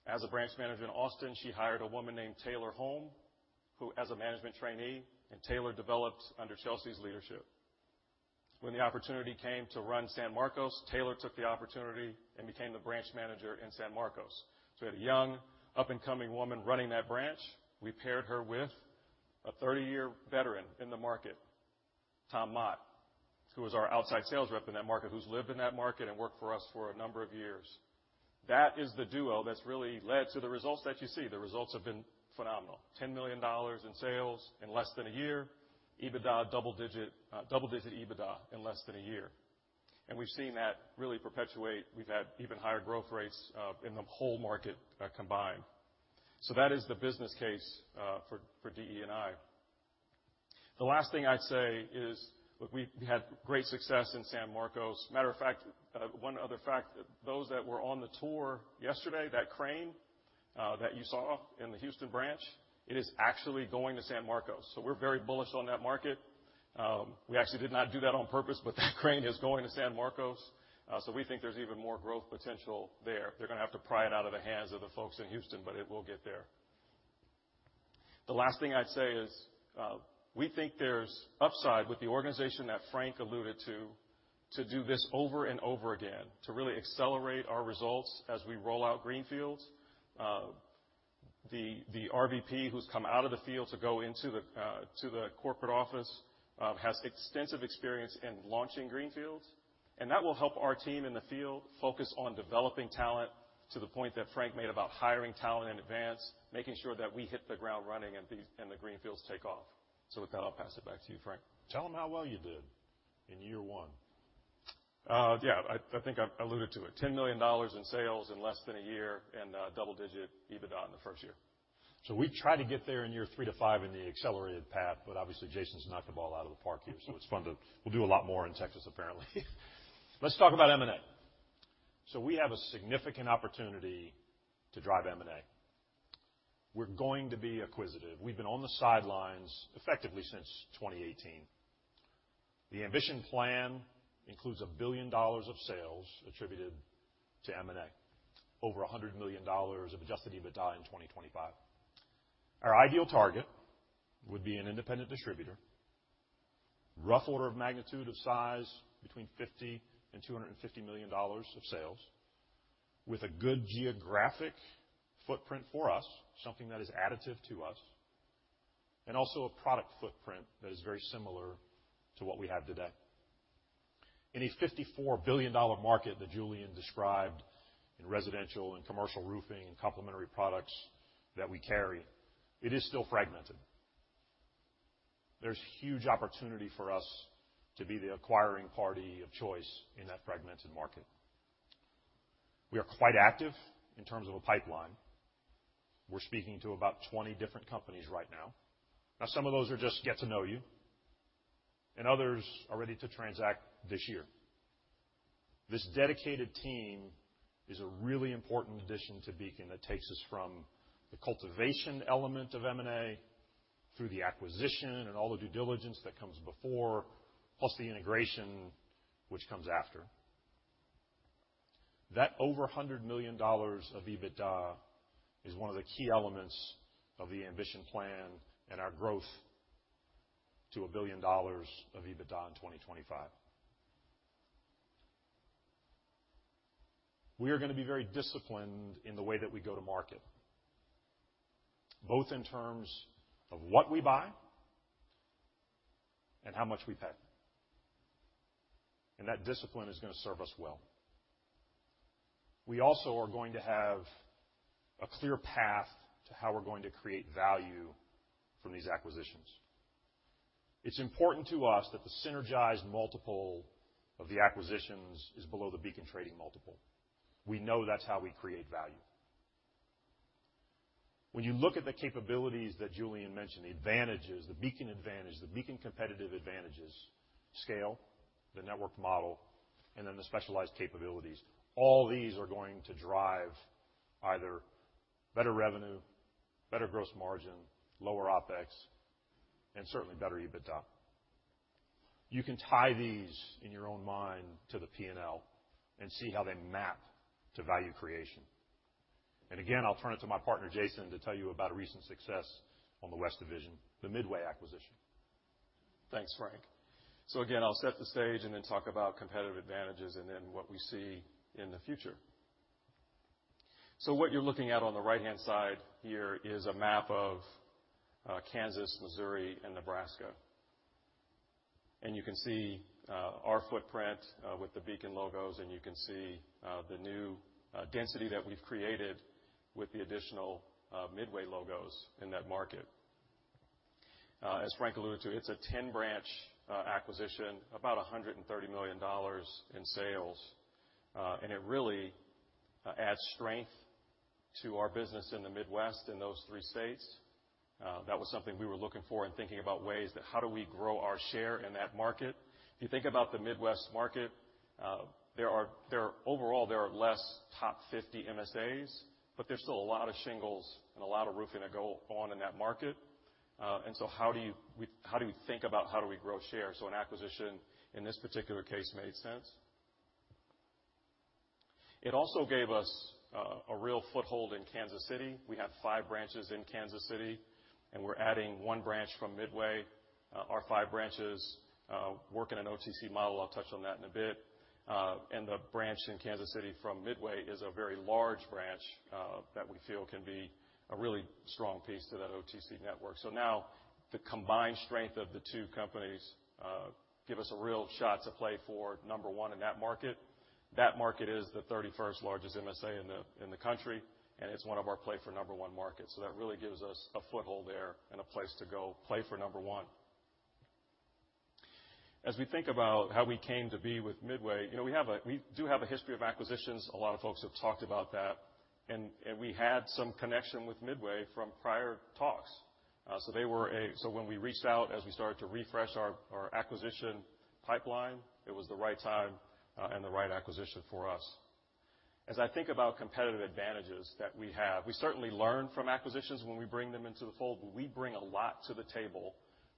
As a branch manager in Austin, she hired a woman named Taylor Holm, who was a management trainee, and Taylor developed under Chelsea's leadership. When the opportunity came to run San Marcos, Taylor took the opportunity and became the branch manager in San Marcos. We had a young, up-and-coming woman running that branch. We paired her with a 30-year veteran in the market, Tom Mott, who is our outside sales rep in that market, who's lived in that market and worked for us for a number of years. That is the duo that's really led to the results that you see. The results have been phenomenal. $10 million in sales in less than a year. Double digit EBITDA in less than a year. We've seen that really perpetuate. We've had even higher growth rates in the whole market combined. That is the business case for DE&I. The last thing I'd say is we had great success in San Marcos. Matter of fact, one other fact, those that were on the tour yesterday, that crane that you saw in the Houston branch, it is actually going to San Marcos. We're very bullish on that market. We actually did not do that on purpose, but that crane is going to San Marcos, so we think there's even more growth potential there. They're gonna have to pry it out of the hands of the folks in Houston, but it will get there. The last thing I'd say is, we think there's upside with the organization that Frank alluded to do this over and over again, to really accelerate our results as we roll out greenfields. The RVP who's come out of the field to go into the corporate office has extensive experience in launching greenfields, and that will help our team in the field focus on developing talent to the point that Frank made about hiring talent in advance, making sure that we hit the ground running and these greenfields take off. With that, I'll pass it back to you, Frank. Tell them how well you did in year one. Yeah, I think I alluded to it. $10 million in sales in less than a year and double-digit EBITDA in the first year. We try to get there in years three, five in the accelerated path, but obviously Jason's knocked the ball out of the park here, so it's fun. We'll do a lot more in Texas, apparently. Let's talk about M&A. We have a significant opportunity to drive M&A. We're going to be acquisitive. We've been on the sidelines effectively since 2018. The Ambition plan includes $1 billion of sales attributed to M&A. Over $100 million of Adjusted EBITDA in 2025. Our ideal target would be an independent distributor, rough order of magnitude of size between $50 million-$250 million of sales with a good geographic footprint for us, something that is additive to us, and also a product footprint that is very similar to what we have today. In a $54 billion market that Julian described in residential and commercial roofing and complementary products that we carry, it is still fragmented. There's huge opportunity for us to be the acquiring party of choice in that fragmented market. We are quite active in terms of a pipeline. We're speaking to about 20 different companies right now. Now, some of those are just get to know you, and others are ready to transact this year. This dedicated team is a really important addition to Beacon that takes us from the cultivation element of M&A through the acquisition and all the due diligence that comes before, plus the integration, which comes after. That over $100 million of EBITDA is one of the key elements of the Ambition 2025 plan and our growth to $1 billion of EBITDA in 2025. We are gonna be very disciplined in the way that we go to market, both in terms of what we buy and how much we pay. That discipline is gonna serve us well. We also are going to have a clear path to how we're going to create value from these acquisitions. It's important to us that the synergized multiple of the acquisitions is below the Beacon trading multiple. We know that's how we create value. When you look at the capabilities that Julian mentioned, the advantages, the Beacon advantage, the Beacon competitive advantages, scale, the network model, and then the specialized capabilities, all these are going to drive either better revenue, better gross margin, lower OpEx, and certainly better EBITDA. You can tie these in your own mind to the P&L and see how they map to value creation. Again, I'll turn it to my partner, Jason, to tell you about a recent success on the West Division, the Midway acquisition. Thanks, Frank. Again, I'll set the stage and then talk about competitive advantages and then what we see in the future. What you're looking at on the right-hand side here is a map of Kansas, Missouri, and Nebraska. You can see our footprint with the Beacon logos, and you can see the new density that we've created with the additional Midway logos in that market. As Frank alluded to, it's a 10-branch acquisition, about $130 million in sales, and it really adds strength to our business in the Midwest in those three states. That was something we were looking for and thinking about ways that how do we grow our share in that market. If you think about the Midwest market, overall, there are less top 50 MSAs, but there's still a lot of shingles and a lot of roofing that go on in that market. How do we think about how we grow share? An acquisition in this particular case made sense. It also gave us a real foothold in Kansas City. We have five branches in Kansas City, and we're adding 1 branch from Midway. Our five branches work in an OTC model. I'll touch on that in a bit. The branch in Kansas City from Midway is a very large branch that we feel can be a really strong piece to that OTC network. Now the combined strength of the two companies give us a real shot to play for number one in that market. That market is the 31st largest MSA in the country, and it's one of our play for number one markets. That really gives us a foothold there and a place to go play for number one. As we think about how we came to be with Midway, you know, we have a history of acquisitions. A lot of folks have talked about that. We had some connection with Midway from prior talks. When we reached out, as we started to refresh our acquisition pipeline, it was the right time and the right acquisition for us. As I think about competitive advantages that we have, we certainly learn from acquisitions when we bring them into the fold, but we bring a lot to the table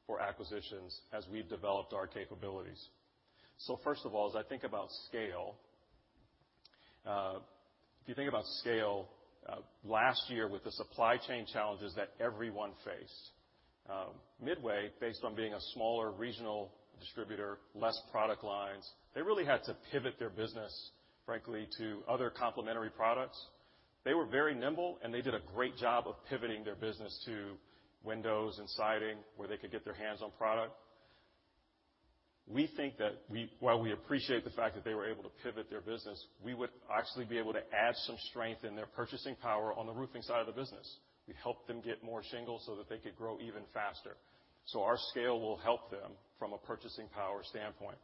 for acquisitions as we've developed our capabilities. First of all, as I think about scale, if you think about scale, last year with the supply chain challenges that everyone faced, Midway, based on being a smaller regional distributor, less product lines, they really had to pivot their business, frankly, to other complementary products. They were very nimble, and they did a great job of pivoting their business to windows and siding, where they could get their hands on product. We think that while we appreciate the fact that they were able to pivot their business, we would actually be able to add some strength in their purchasing power on the roofing side of the business. We helped them get more shingles so that they could grow even faster. Our scale will help them from a purchasing power standpoint.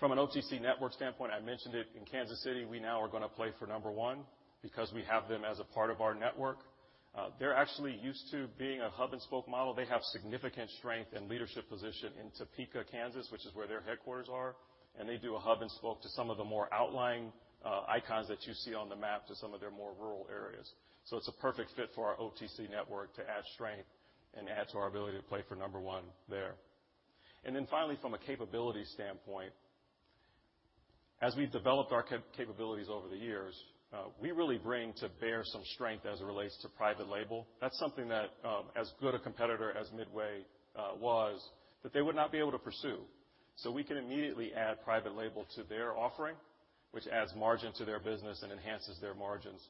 From an OTC network standpoint, I mentioned it in Kansas City, we now are gonna play for number one because we have them as a part of our network. They're actually used to being a hub and spoke model. They have significant strength and leadership position in Topeka, Kansas, which is where their headquarters are. They do a hub and spoke to some of the more outlying icons that you see on the map to some of their more rural areas. It's a perfect fit for our OTC network to add strength and add to our ability to play for number one there. Then finally, from a capability standpoint, as we've developed our capabilities over the years, we really bring to bear some strength as it relates to private label. That's something that, as good a competitor as Midway was, that they would not be able to pursue. So we can immediately add private label to their offering, which adds margin to their business and enhances their margins.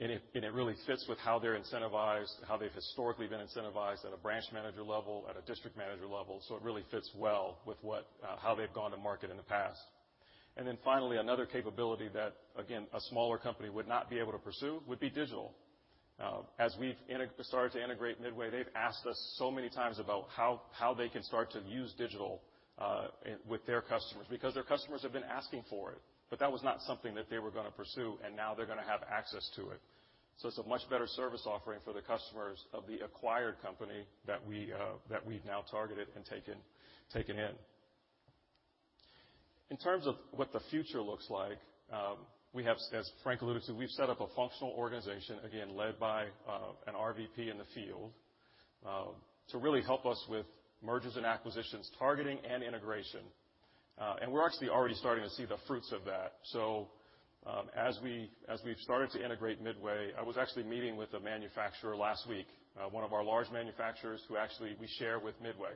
And it really fits with how they're incentivized, how they've historically been incentivized at a branch manager level, at a district manager level. So it really fits well with what, how they've gone to market in the past. Then finally, another capability that, again, a smaller company would not be able to pursue would be digital. As we've started to integrate Midway, they've asked us so many times about how they can start to use digital with their customers, because their customers have been asking for it. That was not something that they were gonna pursue, and now they're gonna have access to it. It's a much better service offering for the customers of the acquired company that we've now targeted and taken in. In terms of what the future looks like, we have, as Frank alluded to, we've set up a functional organization, again, led by an RVP in the field, to really help us with mergers and acquisitions, targeting and integration. We're actually already starting to see the fruits of that. As we've started to integrate Midway, I was actually meeting with a manufacturer last week, one of our large manufacturers who actually we share with Midway.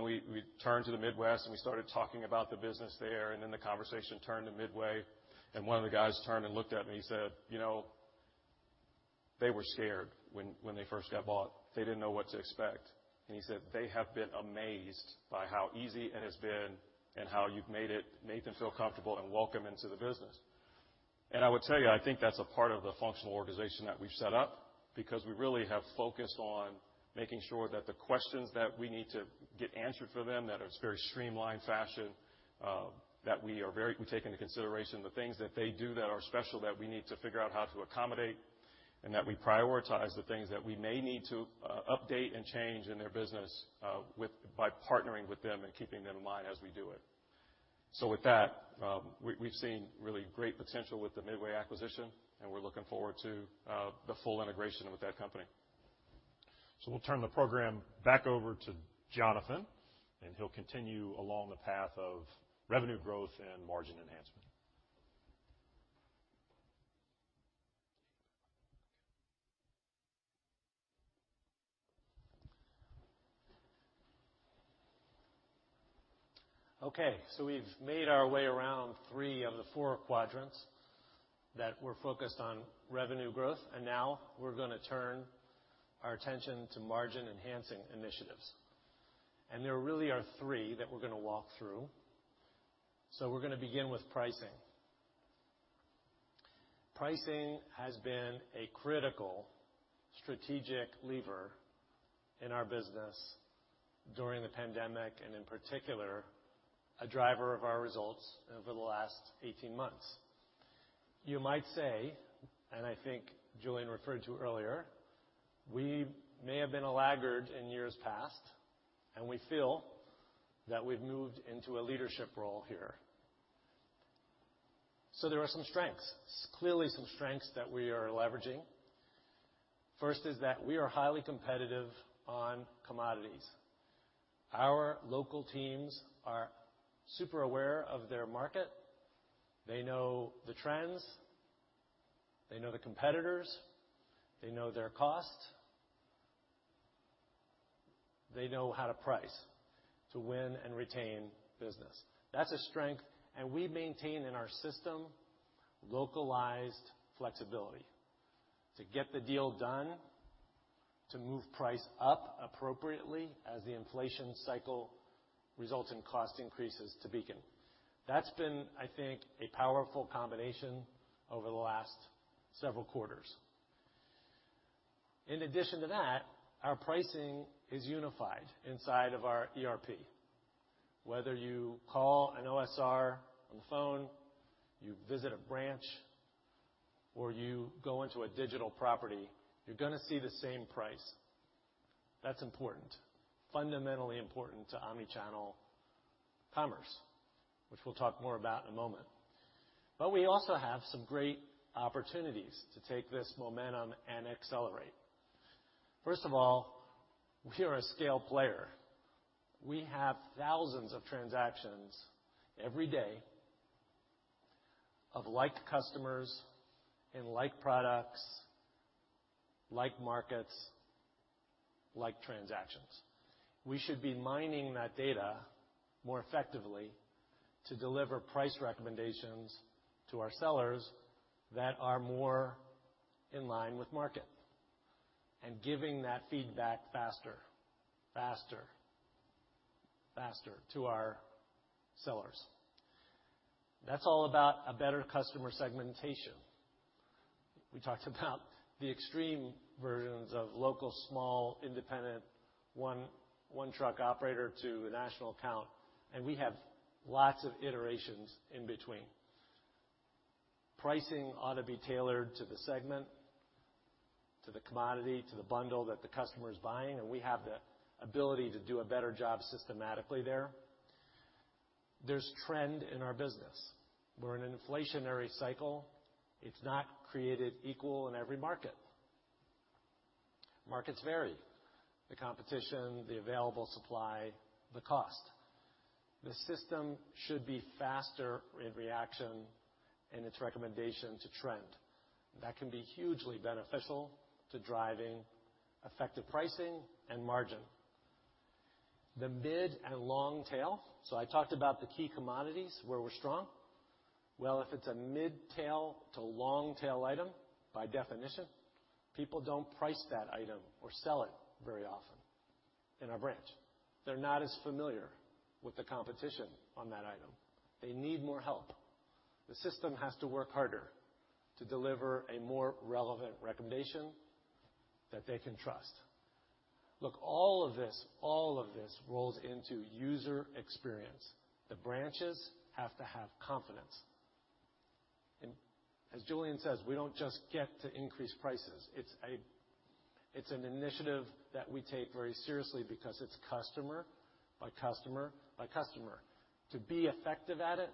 We turned to the Midwest and we started talking about the business there, and then the conversation turned to Midway, and one of the guys turned and looked at me. He said, "You know, they were scared when they first got bought. They didn't know what to expect. He said, "They have been amazed by how easy it has been and how you've made them feel comfortable and welcome into the business." I would tell you, I think that's a part of the functional organization that we've set up, because we really have focused on making sure that the questions that we need to get answered for them, that it's very streamlined fashion, that we take into consideration the things that they do that are special that we need to figure out how to accommodate, and that we prioritize the things that we may need to, update and change in their business, by partnering with them and keeping them in mind as we do it. With that, we've seen really great potential with the Midway acquisition and we're looking forward to the full integration with that company. We'll turn the program back over to Jonathan, and he'll continue along the path of revenue growth and margin enhancement. Okay, we've made our way around three of the four quadrants that we're focused on revenue growth, and now we're gonna turn our attention to margin enhancing initiatives. There really are three that we're gonna walk through. We're gonna begin with pricing. Pricing has been a critical strategic lever in our business during the pandemic, and in particular, a driver of our results over the last 18 months. You might say, and I think Julian referred to earlier, we may have been a laggard in years past, and we feel that we've moved into a leadership role here. There are some strengths. Clearly, some strengths that we are leveraging. First is that we are highly competitive on commodities. Our local teams are super aware of their market. They know the trends, they know the competitors, they know their costs. They know how to price to win and retain business. That's a strength, and we maintain in our system localized flexibility to get the deal done, to move price up appropriately as the inflation cycle results in cost increases to Beacon. That's been, I think, a powerful combination over the last several quarters. In addition to that, our pricing is unified inside of our ERP. Whether you call an OSR on the phone, you visit a branch, or you go into a digital property, you're gonna see the same price. That's important, fundamentally important to omni-channel commerce, which we'll talk more about in a moment. We also have some great opportunities to take this momentum and accelerate. First of all, we are a scale player. We have thousands of transactions every day of like customers and like products, like markets, like transactions. We should be mining that data more effectively to deliver price recommendations to our sellers that are more in line with market and giving that feedback faster to our sellers. That's all about a better customer segmentation. We talked about the extreme versions of local, small, independent one truck operator to a national account, and we have lots of iterations in between. Pricing ought to be tailored to the segment, to the commodity, to the bundle that the customer is buying, and we have the ability to do a better job systematically there. There's trend in our business. We're in an inflationary cycle. It's not created equal in every market. Markets vary. The competition, the available supply, the cost. The system should be faster in reaction in its recommendation to trend. That can be hugely beneficial to driving effective pricing and margin. The mid and long tail. I talked about the key commodities where we're strong. Well, if it's a mid tail to long tail item, by definition, people don't price that item or sell it very often in our branch. They're not as familiar with the competition on that item. They need more help. The system has to work harder to deliver a more relevant recommendation that they can trust. Look, all of this, all of this rolls into user experience. The branches have to have confidence. As Julian says, we don't just get to increase prices. It's an initiative that we take very seriously because it's customer by customer by customer. To be effective at it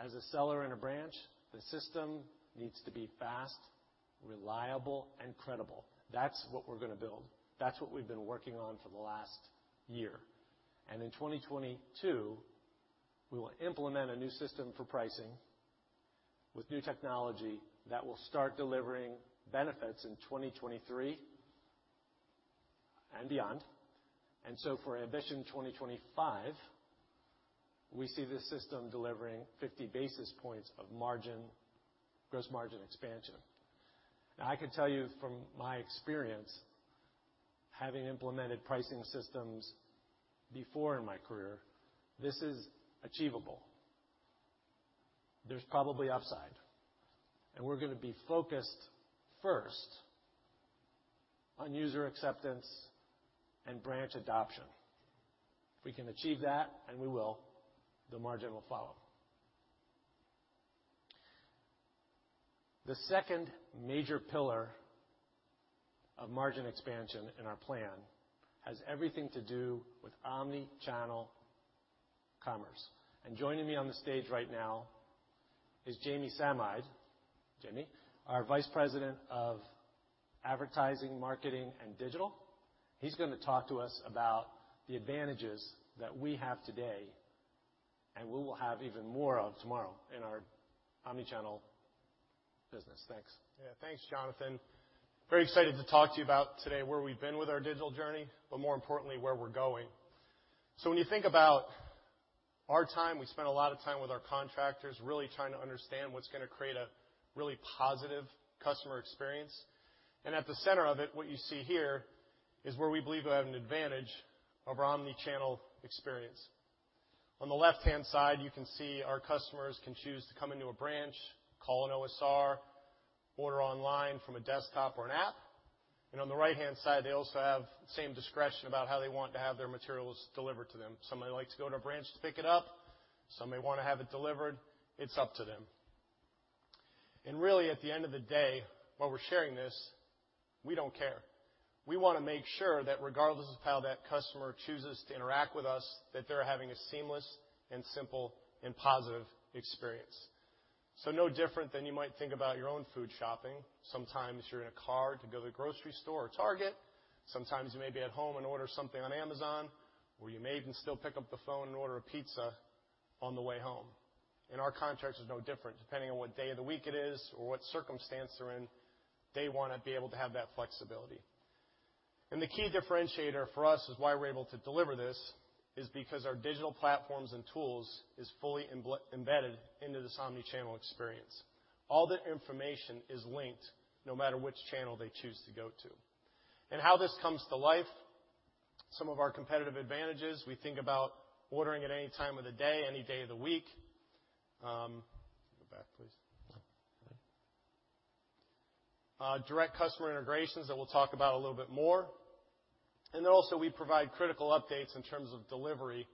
as a seller in a branch, the system needs to be fast, reliable, and credible. That's what we're gonna build. That's what we've been working on for the last year. In 2022, we will implement a new system for pricing with new technology that will start delivering benefits in 2023 and beyond. For Ambition 2025, we see this system delivering 50 basis points of margin, gross margin expansion. Now, I can tell you from my experience, having implemented pricing systems before in my career, this is achievable. There's probably upside. We're gonna be focused first on user acceptance and branch adoption. If we can achieve that, and we will, the margin will follow. The second major pillar of margin expansion in our plan has everything to do with omni-channel commerce. Joining me on the stage right now is Jamie Samide. Jamie, our Vice President of Advertising, Marketing, and Digital. He's gonna talk to us about the advantages that we have today, and we will have even more of tomorrow in our omni-channel business. Thanks. Yeah. Thanks, Jonathan. Very excited to talk to you about today where we've been with our digital journey, but more importantly, where we're going. When you think about our time, we spend a lot of time with our contractors, really trying to understand what's gonna create a really positive customer experience. At the center of it, what you see here, is where we believe we have an advantage of our omni-channel experience. On the left-hand side, you can see our customers can choose to come into a branch, call an OSR, order online from a desktop or an app. On the right-hand side, they also have same discretion about how they want to have their materials delivered to them. Some may like to go to a branch to pick it up, some may wanna have it delivered. It's up to them. Really, at the end of the day, while we're sharing this, we don't care. We wanna make sure that regardless of how that customer chooses to interact with us, that they're having a seamless and simple and positive experience. No different than you might think about your own food shopping. Sometimes you're in a car to go to the grocery store or Target. Sometimes you may be at home and order something on Amazon, or you may even still pick up the phone and order a pizza on the way home. Our contractors is no different. Depending on what day of the week it is or what circumstance they're in, they wanna be able to have that flexibility. The key differentiator for us is why we're able to deliver this, is because our digital platforms and tools is fully embedded into this omni-channel experience. All the information is linked no matter which channel they choose to go to. How this comes to life, some of our competitive advantages, we think about ordering at any time of the day, any day of the week. Direct customer integrations that we'll talk about a little bit more. We provide critical updates in terms of delivery,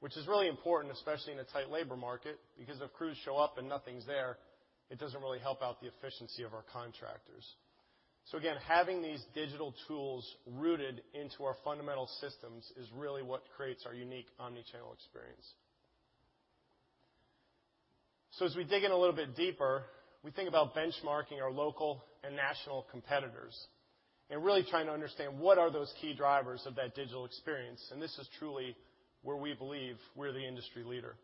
which is really important, especially in a tight labor market, because if crews show up and nothing's there, it doesn't really help out the efficiency of our contractors. Again, having these digital tools rooted into our fundamental systems is really what creates our unique omni-channel experience. As we dig in a little bit deeper, we think about benchmarking our local and national competitors and really trying to understand what are those key drivers of that digital experience. This is truly where we believe we're the industry leader.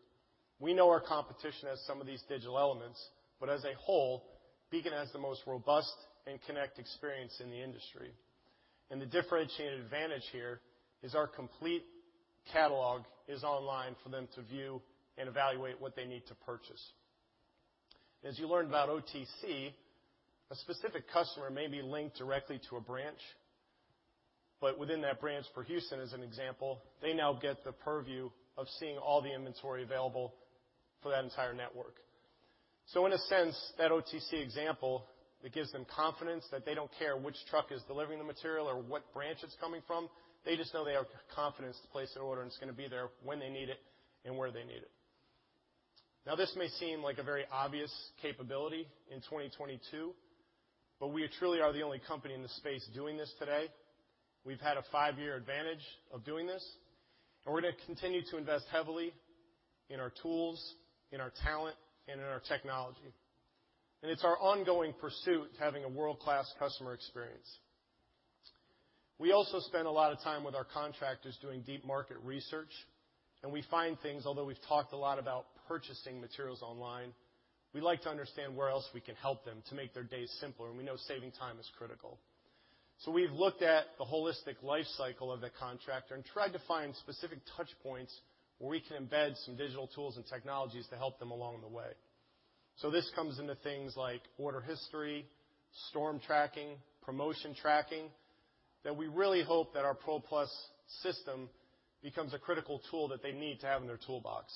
We know our competition has some of these digital elements, but as a whole, Beacon has the most robust and connected experience in the industry. The differentiating advantage here is our complete catalog is online for them to view and evaluate what they need to purchase. As you learn about OTC, a specific customer may be linked directly to a branch, but within that branch, for Houston as an example, they now get the purview of seeing all the inventory available for that entire network. In a sense, that OTC example, it gives them confidence that they don't care which truck is delivering the material or what branch it's coming from. They just know they have confidence to place their order, and it's gonna be there when they need it and where they need it. Now this may seem like a very obvious capability in 2022, but we truly are the only company in the space doing this today. We've had a five year advantage of doing this, and we're gonna continue to invest heavily in our tools, in our talent, and in our technology. It's our ongoing pursuit to having a world-class customer experience. We also spend a lot of time with our contractors doing deep market research, and we find things, although we've talked a lot about purchasing materials online, we like to understand where else we can help them to make their days simpler, and we know saving time is critical. We've looked at the holistic life cycle of the contractor and tried to find specific touch points where we can embed some digital tools and technologies to help them along the way. This comes into things like order history, storm tracking, promotion tracking, that we really hope that our PRO+ system becomes a critical tool that they need to have in their toolbox.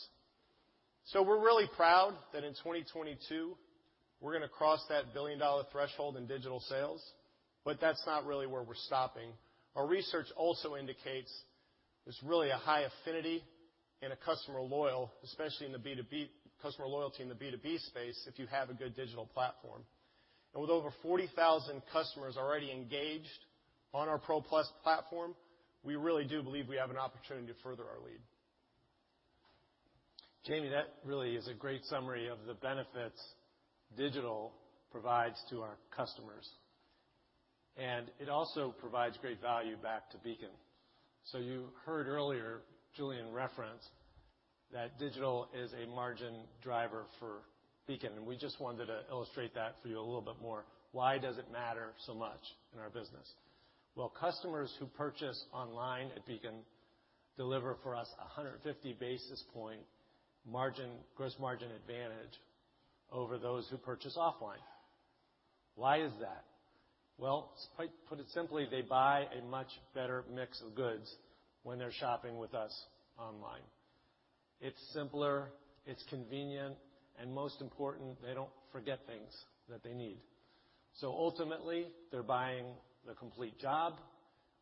We're really proud that in 2022, we're gonna cross that $1 billion threshold in digital sales, but that's not really where we're stopping. Our research also indicates there's really a high affinity in customer loyalty in the B2B space, if you have a good digital platform. With over 40,000 customers already engaged on our PRO+ platform, we really do believe we have an opportunity to further our lead. Jamie, that really is a great summary of the benefits digital provides to our customers. It also provides great value back to Beacon. You heard earlier Julian reference that digital is a margin driver for Beacon, and we just wanted to illustrate that for you a little bit more. Why does it matter so much in our business? Well, customers who purchase online at Beacon deliver for us a 150 basis point margin, gross margin advantage over those who purchase offline. Why is that? Well, to put it simply, they buy a much better mix of goods when they're shopping with us online. It's simpler, it's convenient, and most important, they don't forget things that they need. Ultimately, they're buying the complete job,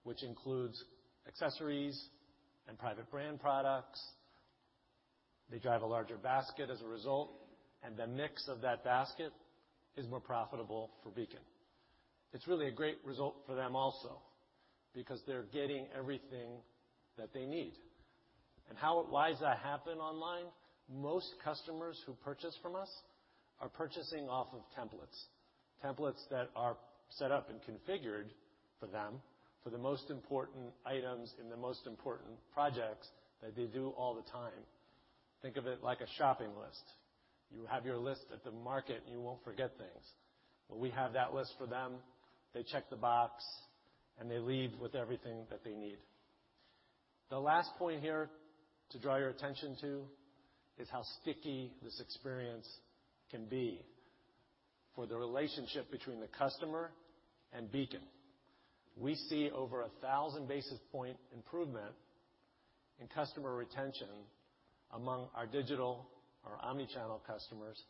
which includes accessories and private brand products. They drive a larger basket as a result, and the mix of that basket is more profitable for Beacon. It's really a great result for them also because they're getting everything that they need. Why does that happen online? Most customers who purchase from us are purchasing off of templates. Templates that are set up and configured for them for the most important items in the most important projects that they do all the time. Think of it like a shopping list. You have your list at the market, and you won't forget things. We have that list for them, they check the box, and they leave with everything that they need. The last point here to draw your attention to is how sticky this experience can be for the relationship between the customer and Beacon. We see over 1,000 basis point improvement in customer retention among our digital, our omni-channel customers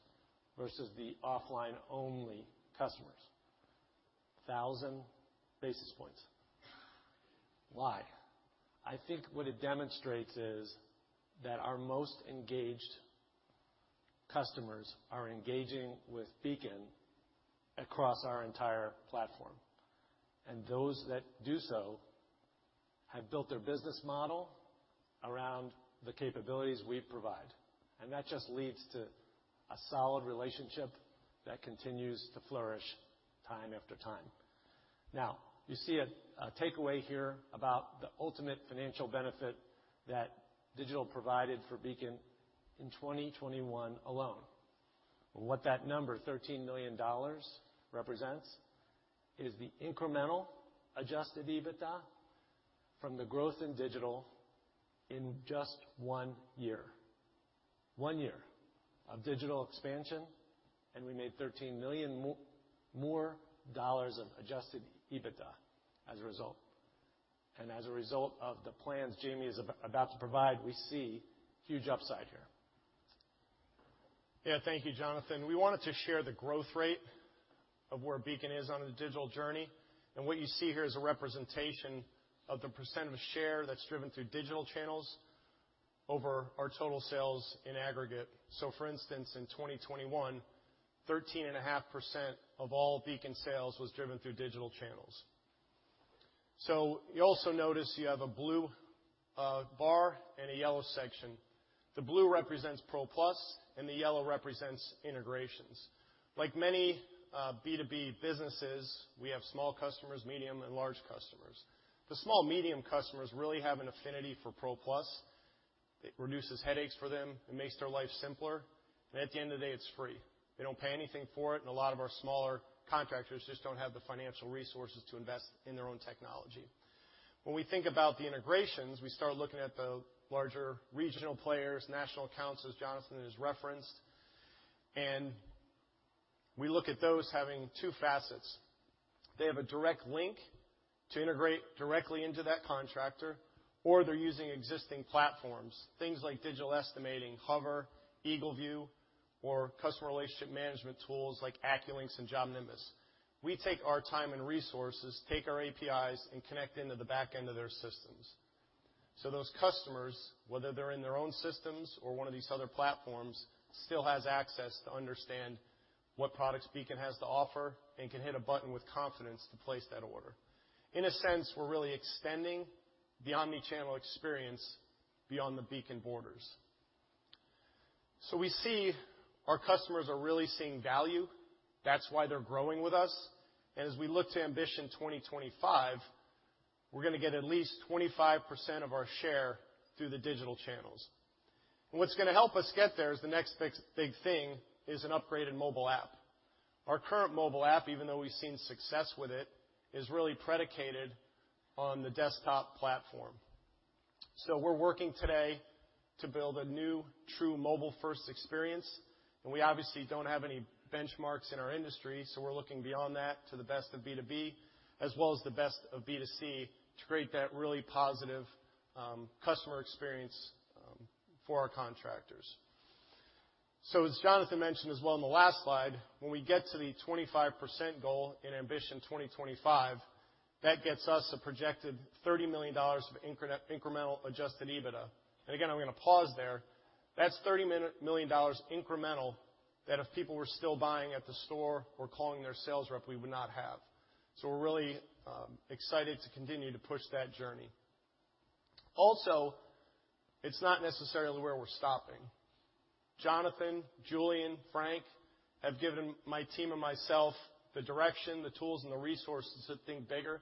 versus the offline-only customers. 1,000 basis points. Why? I think what it demonstrates is that our most engaged customers are engaging with Beacon across our entire platform. Those that do so have built their business model around the capabilities we provide. That just leads to a solid relationship that continues to flourish time after time. Now you see a takeaway here about the ultimate financial benefit that digital provided for Beacon in 2021 alone. What that number, $13 million, represents is the incremental Adjusted EBITDA from the growth in digital in just one year. One year of digital expansion, we made $13 million more of Adjusted EBITDA as a result. As a result of the plans Jamie is about to provide, we see huge upside here. Yeah. Thank you, Jonathan. We wanted to share the growth rate of where Beacon is on the digital journey. What you see here is a representation of the percent of share that's driven through digital channels over our total sales in aggregate. For instance, in 2021, 13.5% of all Beacon sales was driven through digital channels. You also notice you have a blue bar and a yellow section. The blue represents PRO+, and the yellow represents integrations. Like many B2B businesses, we have small customers, medium, and large customers. The small, medium customers really have an affinity for PRO+. It reduces headaches for them. It makes their life simpler. At the end of the day, it's free. They don't pay anything for it, and a lot of our smaller contractors just don't have the financial resources to invest in their own technology. When we think about the integrations, we start looking at the larger regional players, national accounts, as Jonathan has referenced. We look at those having two facets. They have a direct link to integrate directly into that contractor, or they're using existing platforms, things like digital estimating, Hover, EagleView, or customer relationship management tools like AccuLynx and JobNimbus. We take our time and resources, take our APIs and connect into the back end of their systems. Those customers, whether they're in their own systems or one of these other platforms, still has access to understand what products Beacon has to offer and can hit a button with confidence to place that order. In a sense, we're really extending the omni-channel experience beyond the Beacon borders. We see our customers are really seeing value. That's why they're growing with us. As we look to Ambition 2025, we're gonna get at least 25% of our share through the digital channels. What's gonna help us get there is the next big thing is an upgraded mobile app. Our current mobile app, even though we've seen success with it, is really predicated on the desktop platform. We're working today to build a new true mobile-first experience. We obviously don't have any benchmarks in our industry, so we're looking beyond that to the best of B2B as well as the best of B2C to create that really positive customer experience for our contractors. As Jonathan mentioned as well on the last slide, when we get to the 25% goal in Ambition 2025, that gets us a projected $30 million of incremental Adjusted EBITDA. Again, I'm gonna pause there. That's $30 million incremental that if people were still buying at the store or calling their sales rep, we would not have. We're really excited to continue to push that journey. Also, it's not necessarily where we're stopping. Jonathan, Julian, Frank have given my team and myself the direction, the tools, and the resources to think bigger.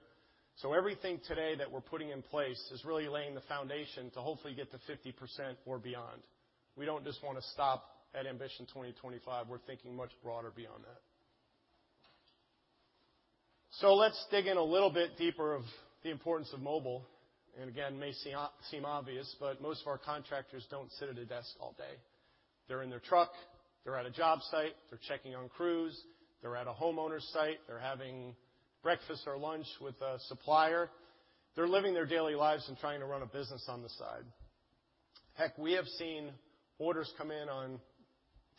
Everything today that we're putting in place is really laying the foundation to hopefully get to 50% or beyond. We don't just wanna stop at Ambition 2025, we're thinking much broader beyond that. Let's dig in a little bit deeper of the importance of mobile. Again, it may seem obvious, but most of our contractors don't sit at a desk all day. They're in their truck, they're at a job site, they're checking on crews, they're at a homeowner's site, they're having breakfast or lunch with a supplier. They're living their daily lives and trying to run a business on the side. Heck, we have seen orders come in on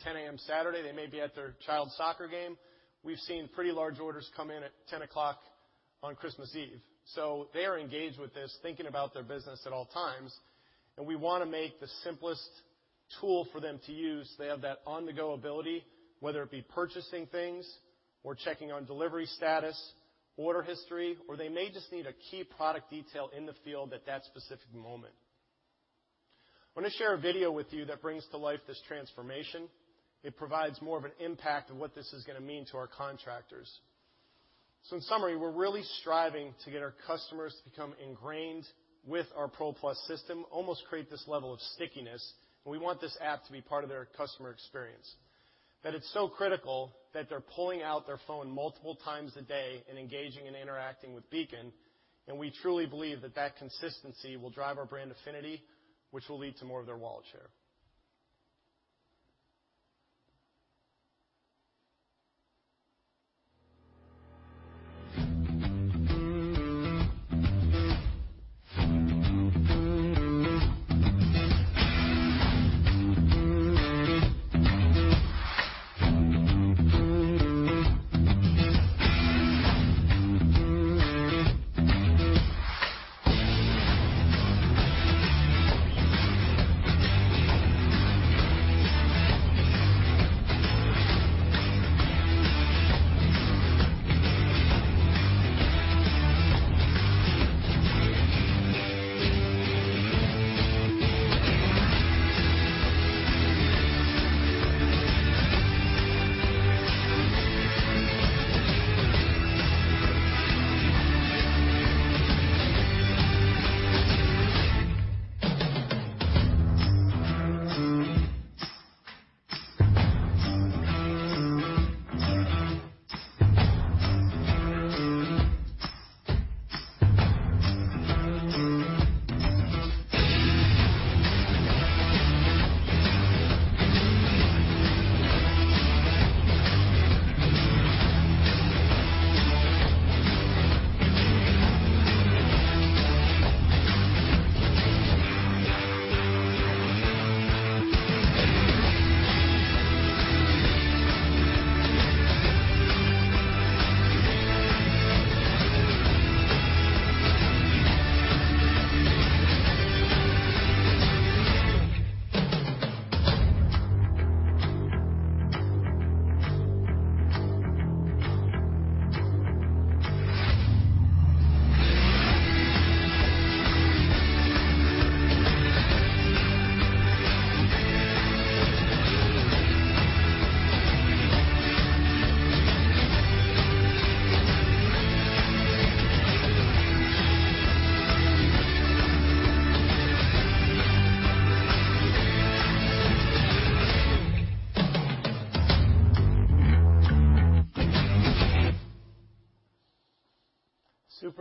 10:00 A.M. Saturday, they may be at their child's soccer game. We've seen pretty large orders come in at 10:00 o'clock on Christmas Eve. They are engaged with this, thinking about their business at all times, and we wanna make the simplest tool for them to use. They have that on-the-go ability, whether it be purchasing things or checking on delivery status, order history, or they may just need a key product detail in the field at that specific moment. I wanna share a video with you that brings to life this transformation. It provides more of an impact of what this is gonna mean to our contractors. In summary, we're really striving to get our customers to become ingrained with our PRO+ system, almost create this level of stickiness, and we want this app to be part of their customer experience. That it's so critical that they're pulling out their phone multiple times a day and engaging and interacting with Beacon, and we truly believe that that consistency will drive our brand affinity, which will lead to more of their wallet share.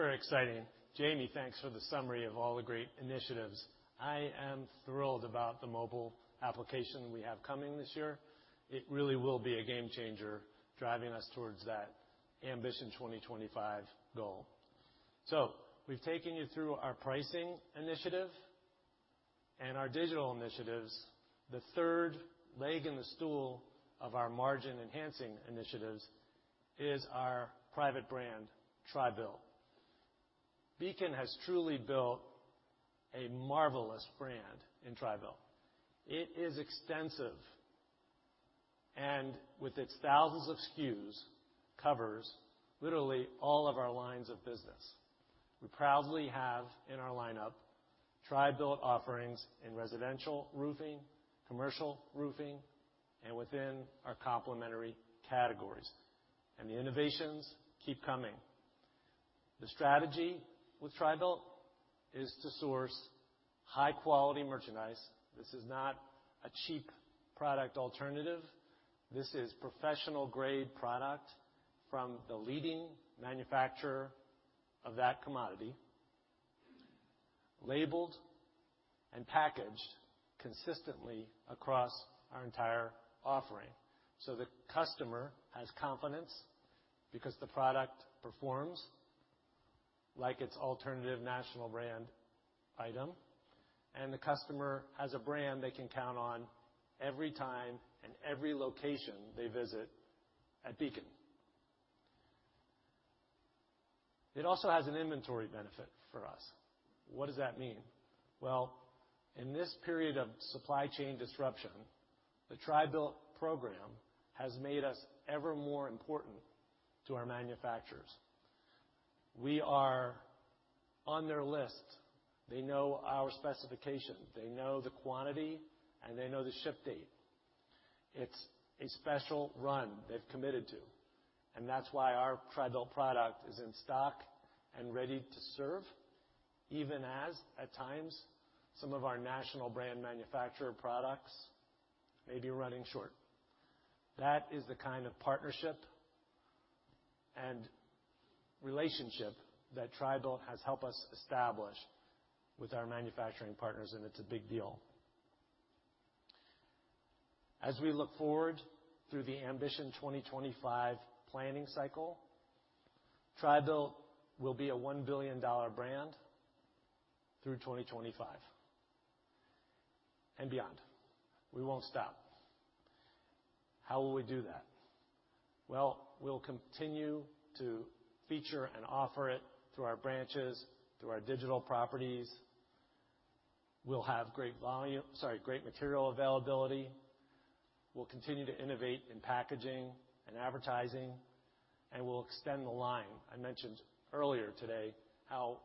Super exciting. Jamie, thanks for the summary of all the great initiatives. I am thrilled about the mobile application we have coming this year. It really will be a game changer, driving us towards that Ambition 2025 goal. We've taken you through our pricing initiative and our digital initiatives. The third leg in the stool of our margin-enhancing initiatives is our private brand, TRI-BUILT. Beacon has truly built a marvelous brand in TRI-BUILT. It is extensive, and with its thousands of SKUs, covers literally all of our lines of business. We proudly have in our lineup TRI-BUILT offerings in residential roofing, commercial roofing, and within our complementary categories. The innovations keep coming. The strategy with TRI-BUILT is to source high-quality merchandise. This is not a cheap product alternative. This is professional-grade product from the leading manufacturer of that commodity, labeled and packaged consistently across our entire offering. The customer has confidence because the product performs like its alternative national brand item, and the customer has a brand they can count on every time and every location they visit at Beacon. It also has an inventory benefit for us. What does that mean? Well, in this period of supply chain disruption. The TRI-BUILT program has made us ever more important to our manufacturers. We are on their list. They know our specification, they know the quantity, and they know the ship date. It's a special run they've committed to, and that's why our TRI-BUILT product is in stock and ready to serve, even as, at times, some of our national brand manufacturer products may be running short. That is the kind of partnership and relationship that TRI-BUILT has helped us establish with our manufacturing partners, and it's a big deal. As we look forward through the Ambition 2025 planning cycle, TRI-BUILT will be a $1 billion brand through 2025 and beyond. We won't stop. How will we do that? Well, we'll continue to feature and offer it through our branches, through our digital properties. We'll have great material availability. We'll continue to innovate in packaging and advertising, and we'll extend the line. I mentioned earlier today how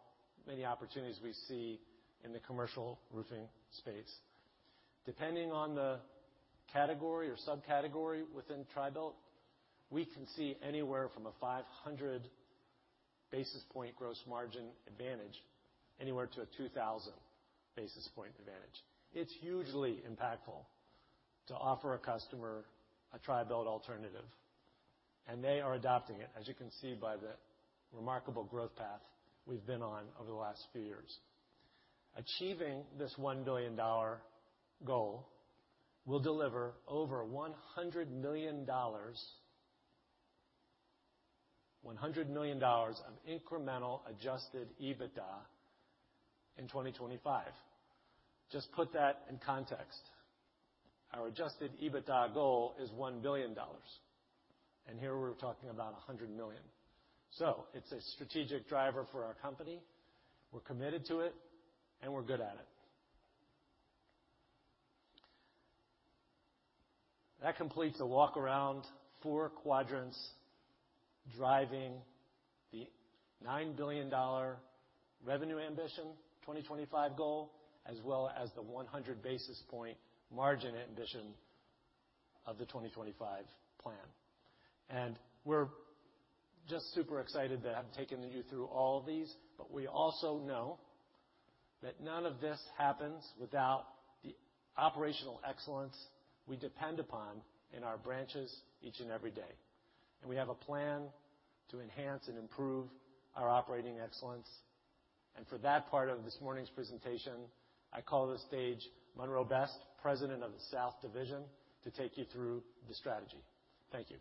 many opportunities we see in the commercial roofing space. Depending on the category or subcategory within TRI-BUILT, we can see anywhere from a 500 basis point gross margin advantage anywhere to a 2,000 basis point advantage. It's hugely impactful to offer a customer a TRI-BUILT alternative, and they are adopting it, as you can see by the remarkable growth path we've been on over the last few years. Achieving this $1 billion goal will deliver over $100 million, $100 million of incremental Adjusted EBITDA in 2025. Just put that in context. Our Adjusted EBITDA goal is $1 billion, and here we're talking about a $100 million. It's a strategic driver for our company. We're committed to it, and we're good at it. That completes a walk around four quadrants driving the $9 billion revenue ambition, 2025 goal, as well as the 100 basis point margin ambition of the 2025 plan. We're just super excited to have taken you through all of these, but we also know that none of this happens without the operational excellence we depend upon in our branches each and every day. We have a plan to enhance and improve our operating excellence. For that part of this morning's presentation, I call to the stage Munroe Best, President of the South Division, to take you through the strategy. Thank you.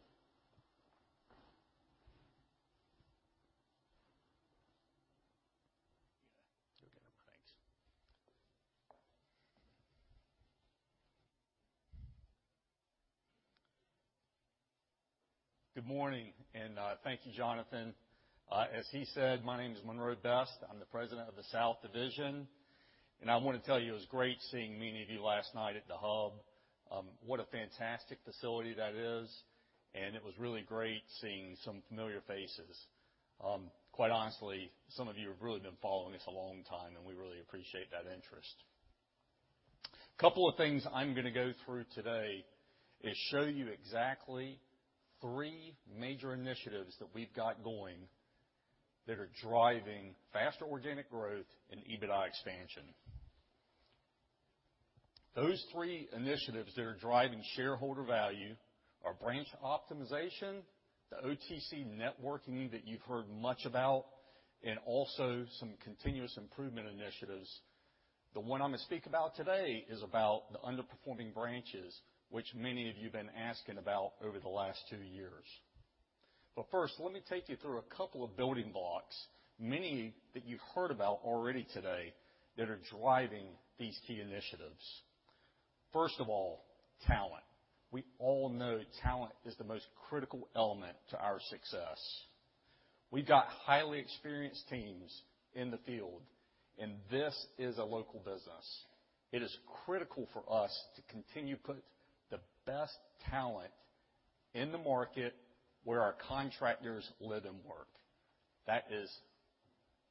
You got it. It's okay. Thanks. Good morning, and, thank you, Jonathan. As he said, my name is Munroe Best. I'm the President of the South Division, and I wanna tell you, it was great seeing many of you last night at The Hub. What a fantastic facility that is. It was really great seeing some familiar faces. Quite honestly, some of you have really been following us a long time, and we really appreciate that interest. Couple of things I'm gonna go through today is show you exactly three major initiatives that we've got going that are driving faster organic growth and EBITDA expansion. Those three initiatives that are driving shareholder value are branch optimization, the OTC networking that you've heard much about, and also some continuous improvement initiatives. The one I'm gonna speak about today is about the underperforming branches, which many of you have been asking about over the last two years. First, let me take you through a couple of building blocks, many that you've heard about already today that are driving these key initiatives. First of all, talent. We all know talent is the most critical element to our success. We've got highly experienced teams in the field, and this is a local business. It is critical for us to continue to put the best talent in the market where our contractors live and work. That is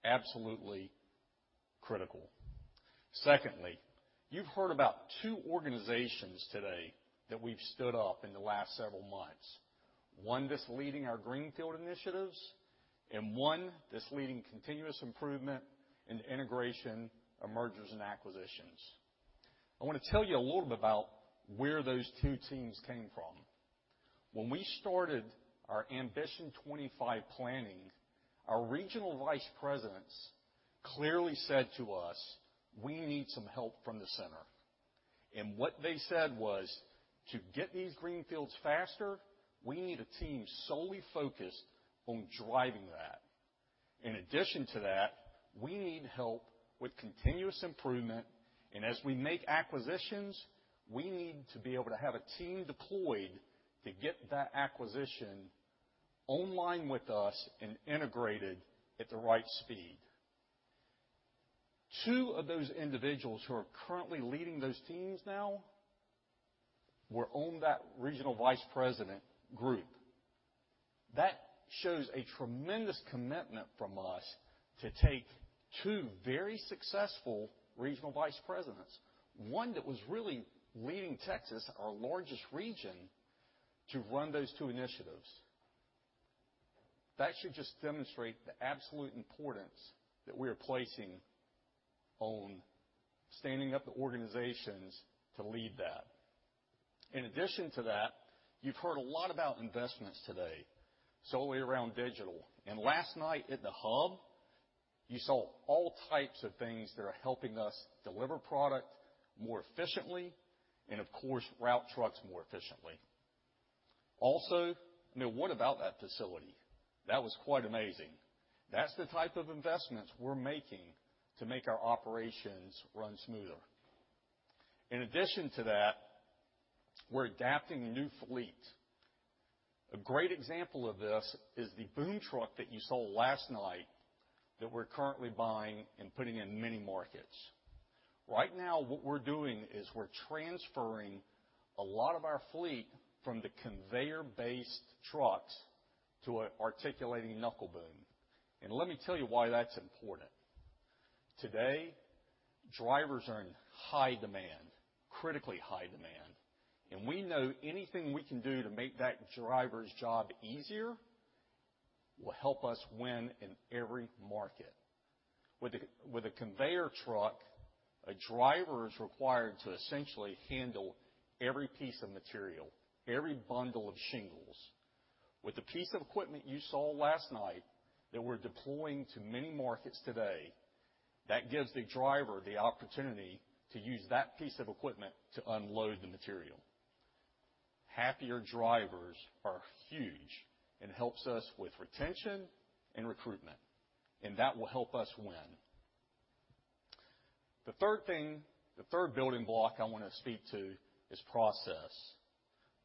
absolutely critical. Secondly, you've heard about two organizations today that we've stood up in the last several months. One that's leading our greenfield initiatives and one that's leading continuous improvement and integration of mergers and acquisitions. I wanna tell you a little bit about where those two teams came from. When we started our Ambition 2025 planning, our regional vice presidents clearly said to us, "We need some help from the center." And what they said was, "To get these greenfields faster, we need a team solely focused on driving that. In addition to that, we need help with continuous improvement, and as we make acquisitions, we need to be able to have a team deployed to get that acquisition online with us and integrated at the right speed." Two of those individuals who are currently leading those teams now were on that regional vice president group. That shows a tremendous commitment from us to take two very successful regional vice presidents, one that was really leading Texas, our largest region, to run those two initiatives. That should just demonstrate the absolute importance that we are placing on standing up the organizations to lead that. In addition to that, you've heard a lot about investments today solely around digital. Last night at the hub, you saw all types of things that are helping us deliver product more efficiently and of course, route trucks more efficiently. Also, I mean, what about that facility? That was quite amazing. That's the type of investments we're making to make our operations run smoother. In addition to that, we're adapting new fleet. A great example of this is the boom truck that you saw last night that we're currently buying and putting in many markets. Right now, what we're doing is we're transferring a lot of our fleet from the conveyor-based trucks to an articulating knuckle boom. Let me tell you why that's important. Today, drivers are in high demand, critically high demand, and we know anything we can do to make that driver's job easier will help us win in every market. With a conveyor truck, a driver is required to essentially handle every piece of material, every bundle of shingles. With the piece of equipment you saw last night that we're deploying to many markets today, that gives the driver the opportunity to use that piece of equipment to unload the material. Happier drivers are huge and helps us with retention and recruitment, and that will help us win. The third thing, the third building block I wanna speak to is process.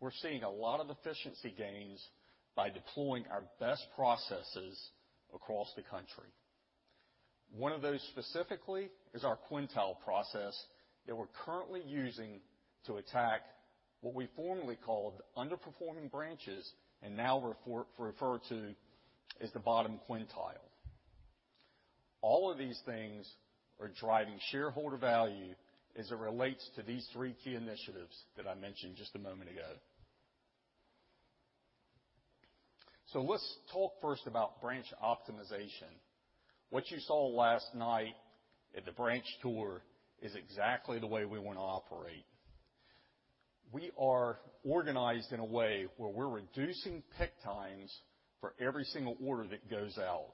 We're seeing a lot of efficiency gains by deploying our best processes across the country. One of those specifically is our quintile process that we're currently using to attack what we formerly called underperforming branches and now refer to as the bottom quintile. All of these things are driving shareholder value as it relates to these three key initiatives that I mentioned just a moment ago. Let's talk first about branch optimization. What you saw last night at the branch tour is exactly the way we wanna operate. We are organized in a way where we're reducing pick times for every single order that goes out.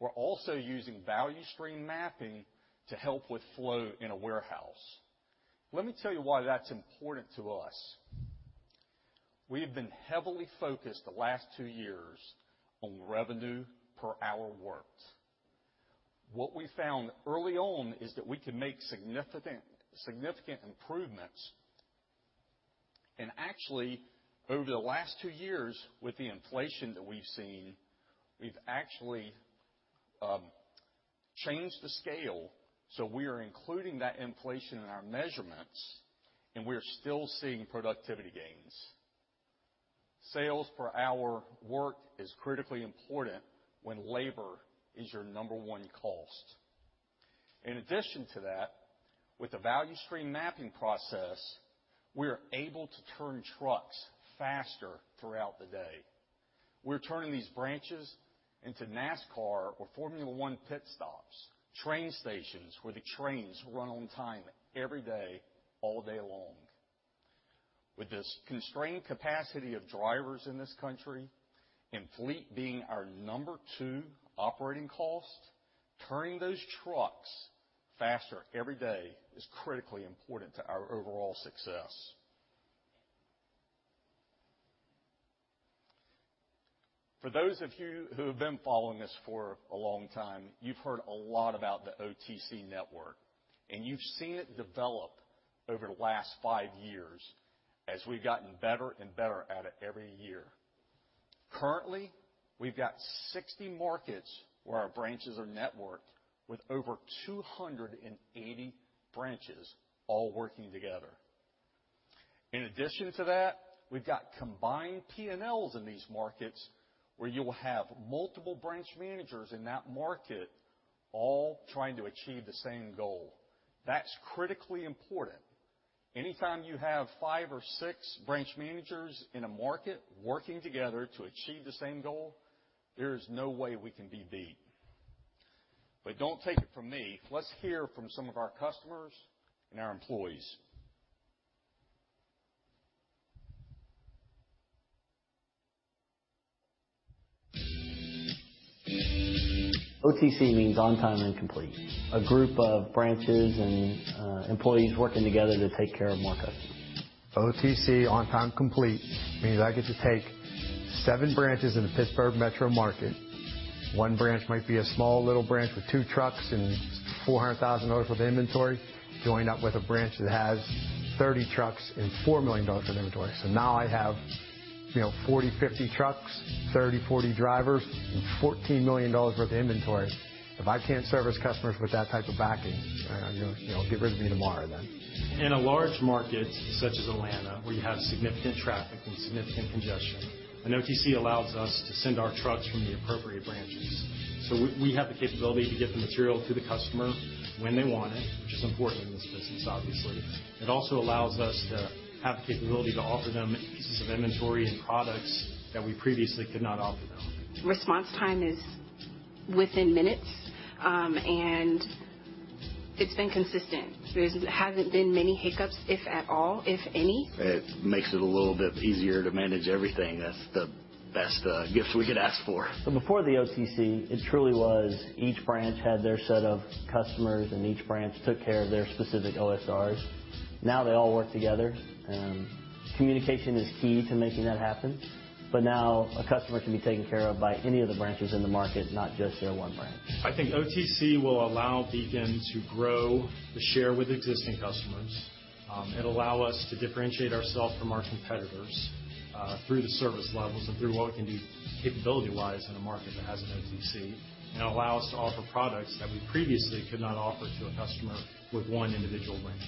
We're also using value stream mapping to help with flow in a warehouse. Let me tell you why that's important to us. We have been heavily focused the last two years on revenue per hour worked. What we found early on is that we can make significant improvements. Actually, over the last two years with the inflation that we've seen, we've actually changed the scale, so we are including that inflation in our measurements, and we are still seeing productivity gains. Sales per hour worked is critically important when labor is your number one cost. In addition to that, with the value stream mapping process, we are able to turn trucks faster throughout the day. We're turning these branches into NASCAR or Formula One pit stops, train stations where the trains run on time every day, all day long. With this constrained capacity of drivers in this country and fleet being our number two operating cost, turning those trucks faster every day is critically important to our overall success. For those of you who have been following us for a long time, you've heard a lot about the OTC network, and you've seen it develop over the last five years as we've gotten better and better at it every year. Currently, we've got 60 markets where our branches are networked with over 280 branches all working together. In addition to that, we've got combined P&Ls in these markets where you'll have multiple branch managers in that market all trying to achieve the same goal. That's critically important. Anytime you have five or six branch managers in a market working together to achieve the same goal, there is no way we can be beat. But don't take it from me. Let's hear from some of our customers and our employees. OTC means on time and complete. A group of branches and employees working together to take care of more customers. OTC, on time complete, means I get to take seven branches in the Pittsburgh metro market. One branch might be a small little branch with two trucks and $400,000 worth of inventory, joined up with a branch that has 30 trucks and $4 million of inventory. Now I have, you know, 40-50 trucks, 30-40 drivers, and $14 million worth of inventory. If I can't service customers with that type of backing, you know, get rid of me tomorrow then. In a large market such as Atlanta, where you have significant traffic and significant congestion, an OTC allows us to send our trucks from the appropriate branches. We have the capability to get the material to the customer when they want it, which is important in this business, obviously. It also allows us to have the capability to offer them pieces of inventory and products that we previously could not offer them. Response time is within minutes. It's been consistent. There hasn't been many hiccups, if at all, if any. It makes it a little bit easier to manage everything. That's the best gift we could ask for. Before the OTC, it truly was each branch had their set of customers, and each branch took care of their specific OSRs. Now they all work together, and communication is key to making that happen. Now a customer can be taken care of by any of the branches in the market, not just their one branch. I think OTC will allow Beacon to grow the share with existing customers. It'll allow us to differentiate ourselves from our competitors through the service levels and through what we can do capability-wise in a market that has an OTC, allow us to offer products that we previously could not offer to a customer with one individual branch.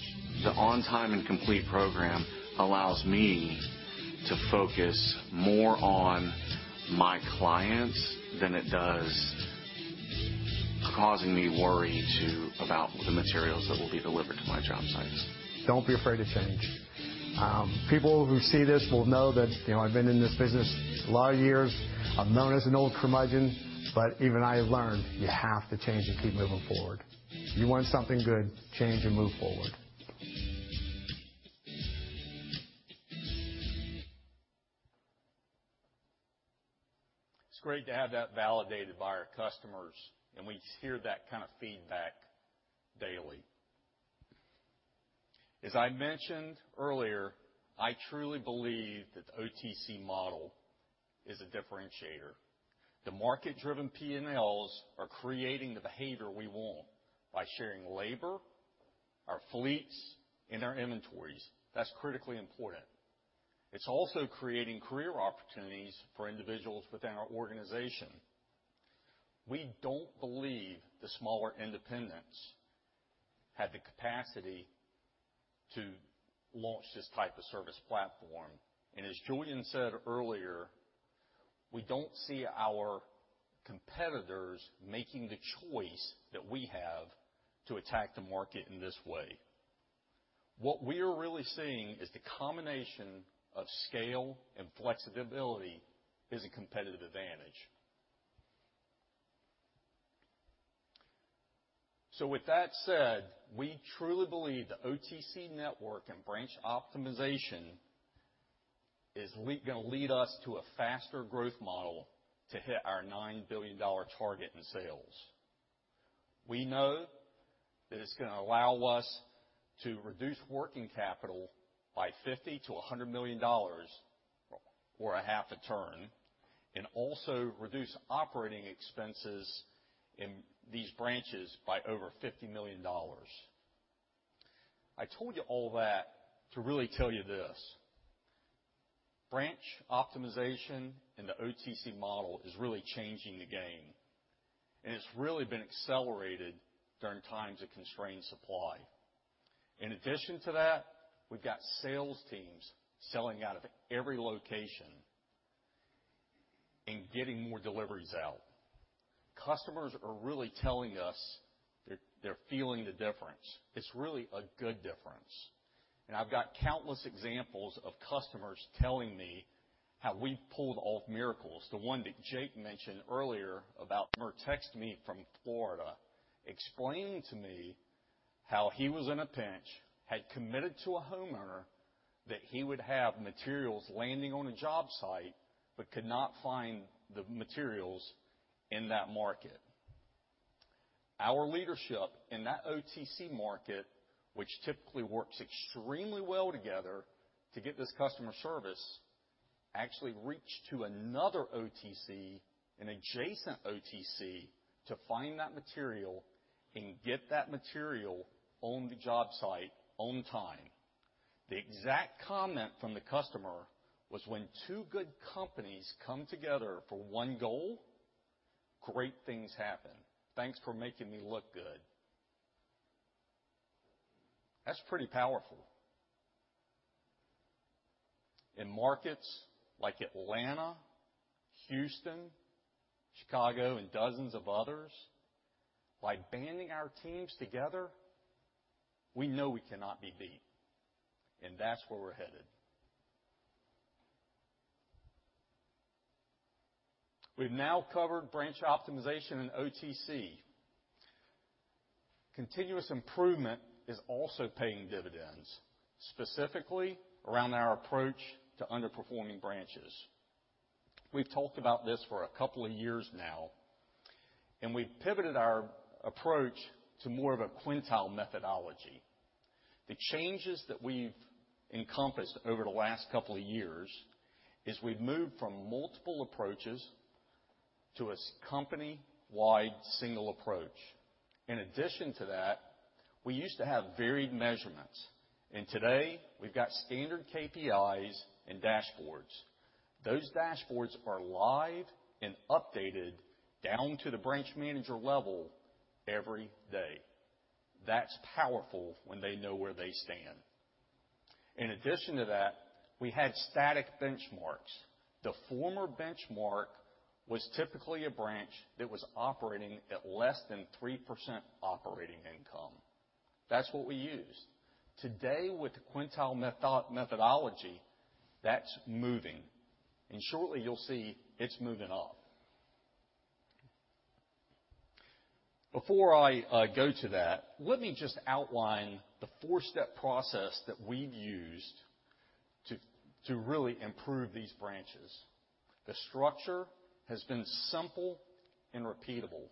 The On-Time and Complete program allows me to focus more on my clients than it does causing me worry, too, about the materials that will be delivered to my job sites. Don't be afraid to change. People who see this will know that, you know, I've been in this business a lot of years. I'm known as an old curmudgeon, but even I have learned you have to change and keep moving forward. You want something good. Change and move forward. It's great to have that validated by our customers, and we hear that kind of feedback daily. As I mentioned earlier, I truly believe that the OTC model is a differentiator. The market-driven P&Ls are creating the behavior we want by sharing labor, our fleets, and our inventories. That's critically important. It's also creating career opportunities for individuals within our organization. We don't believe the smaller independents have the capacity to launch this type of service platform. as Julian said earlier, we don't see our competitors making the choice that we have to attack the market in this way. What we are really seeing is the combination of scale and flexibility is a competitive advantage. with that said, we truly believe the OTC network and branch optimization is gonna lead us to a faster growth model to hit our $9 billion target in sales. We know that it's gonna allow us to reduce working capital by $50 million-$100 million or a half a turn, and also reduce operating expenses in these branches by over $50 million. I told you all that to really tell you this. Branch optimization and the OTC model is really changing the game, and it's really been accelerated during times of constrained supply. In addition to that, we've got sales teams selling out of every location and getting more deliveries out. Customers are really telling us that they're feeling the difference. It's really a good difference. I've got countless examples of customers telling me how we pulled off miracles. The one that Jake mentioned earlier about Murtex to me from Florida, explaining to me how he was in a pinch, had committed to a homeowner that he would have materials landing on a job site, but could not find the materials in that market. Our leadership in that OTC market, which typically works extremely well together to get this customer service, actually reached to another OTC, an adjacent OTC, to find that material and get that material on the job site on time. The exact comment from the customer was, "When two good companies come together for one goal, great things happen. Thanks for making me look good." That's pretty powerful. In markets like Atlanta, Houston, Chicago, and dozens of others, by banding our teams together, we know we cannot be beat, and that's where we're headed. We've now covered branch optimization and OTC. Continuous improvement is also paying dividends, specifically around our approach to underperforming branches. We've talked about this for a couple of years now, and we've pivoted our approach to more of a quintile methodology. The changes that we've encompassed over the last couple of years is we've moved from multiple approaches to a single company-wide approach. In addition to that, we used to have varied measurements, and today we've got standard KPIs and dashboards. Those dashboards are live and updated down to the branch manager level every day. That's powerful when they know where they stand. In addition to that, we had static benchmarks. The former benchmark was typically a branch that was operating at less than 3% operating income. That's what we used. Today, with the quintile methodology, that's moving, and shortly you'll see it's moving up. Before I go to that, let me just outline the four-step process that we've used to really improve these branches. The structure has been simple and repeatable.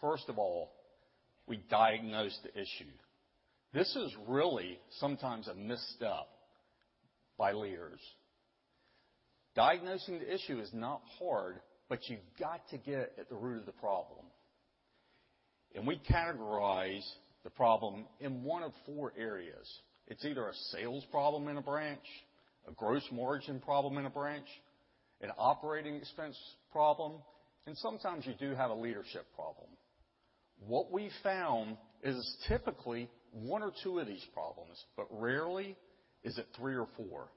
First of all, we diagnose the issue. This is really sometimes a missed step by leaders. Diagnosing the issue is not hard, but you've got to get at the root of the problem. We categorize the problem in one of four areas. It's either a sales problem in a branch, a gross margin problem in a branch, an operating expense problem, and sometimes you do have a leadership problem. What we found is typically one or two of these problems, but rarely is it three or four.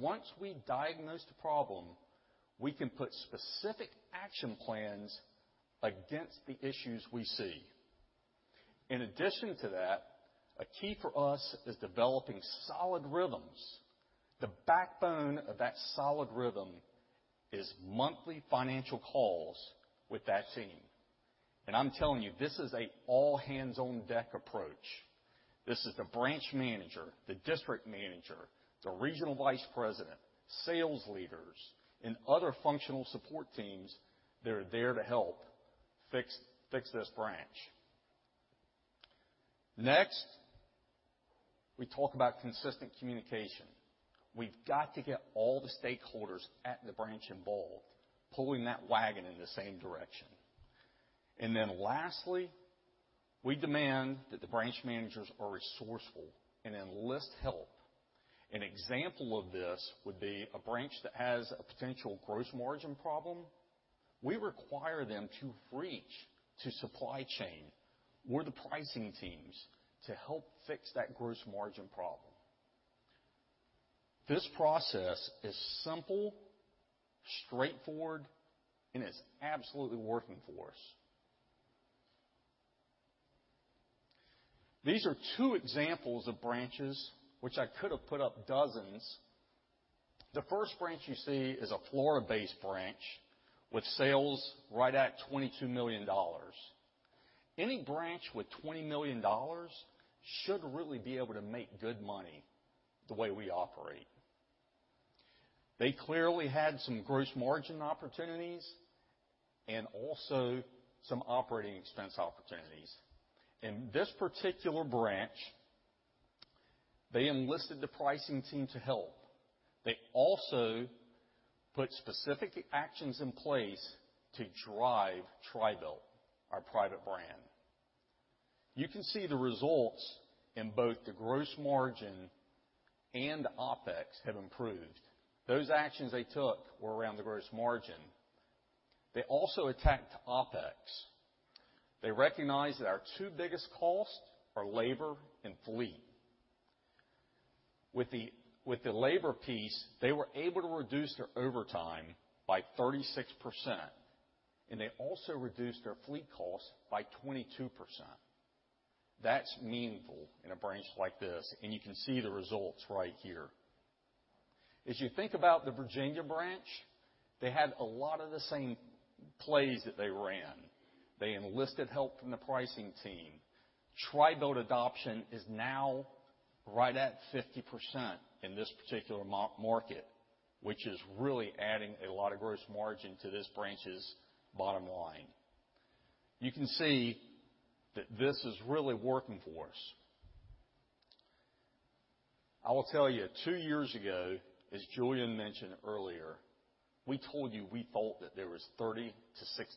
Once we diagnose the problem, we can put specific action plans against the issues we see. In addition to that, a key for us is developing solid rhythms. The backbone of that solid rhythm is monthly financial calls with that team. I'm telling you, this is an all-hands-on-deck approach. This is the branch manager, the district manager, the regional vice president, sales leaders, and other functional support teams that are there to help fix this branch. Next, we talk about consistent communication. We've got to get all the stakeholders at the branch involved, pulling that wagon in the same direction. Then lastly, we demand that the branch managers are resourceful and enlist help. An example of this would be a branch that has a potential gross margin problem. We require them to reach out to supply chain or the pricing teams to help fix that gross margin problem. This process is simple, straightforward, and it's absolutely working for us. These are two examples of branches which I could have put up dozens. The first branch you see is a Florida-based branch with sales right at $22 million. Any branch with $20 million should really be able to make good money the way we operate. They clearly had some gross margin opportunities and also some operating expense opportunities. In this particular branch, they enlisted the pricing team to help. They also put specific actions in place to drive TRI-BUILT, our private brand. You can see the results in both the gross margin and OpEx have improved. Those actions they took were around the gross margin. They also attacked OpEx. They recognized that our two biggest costs are labor and fleet. With the labor piece, they were able to reduce their overtime by 36%, and they also reduced their fleet costs by 22%. That's meaningful in a branch like this, and you can see the results right here. As you think about the Virginia branch, they had a lot of the same plays that they ran. They enlisted help from the pricing team. TRI-BUILT adoption is now right at 50% in this particular market, which is really adding a lot of gross margin to this branch's bottom line. You can see that this is really working for us. I will tell you, two years ago, as Julian mentioned earlier, we told you we thought that there was $30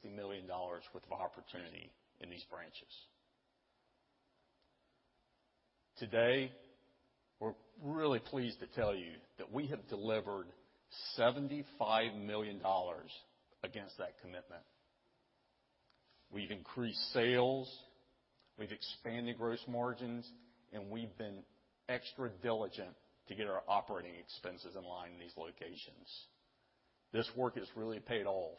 million-$60 million worth of opportunity in these branches. Today, we're really pleased to tell you that we have delivered $75 million against that commitment. We've increased sales, we've expanded gross margins, and we've been extra diligent to get our operating expenses in line in these locations. This work has really paid off.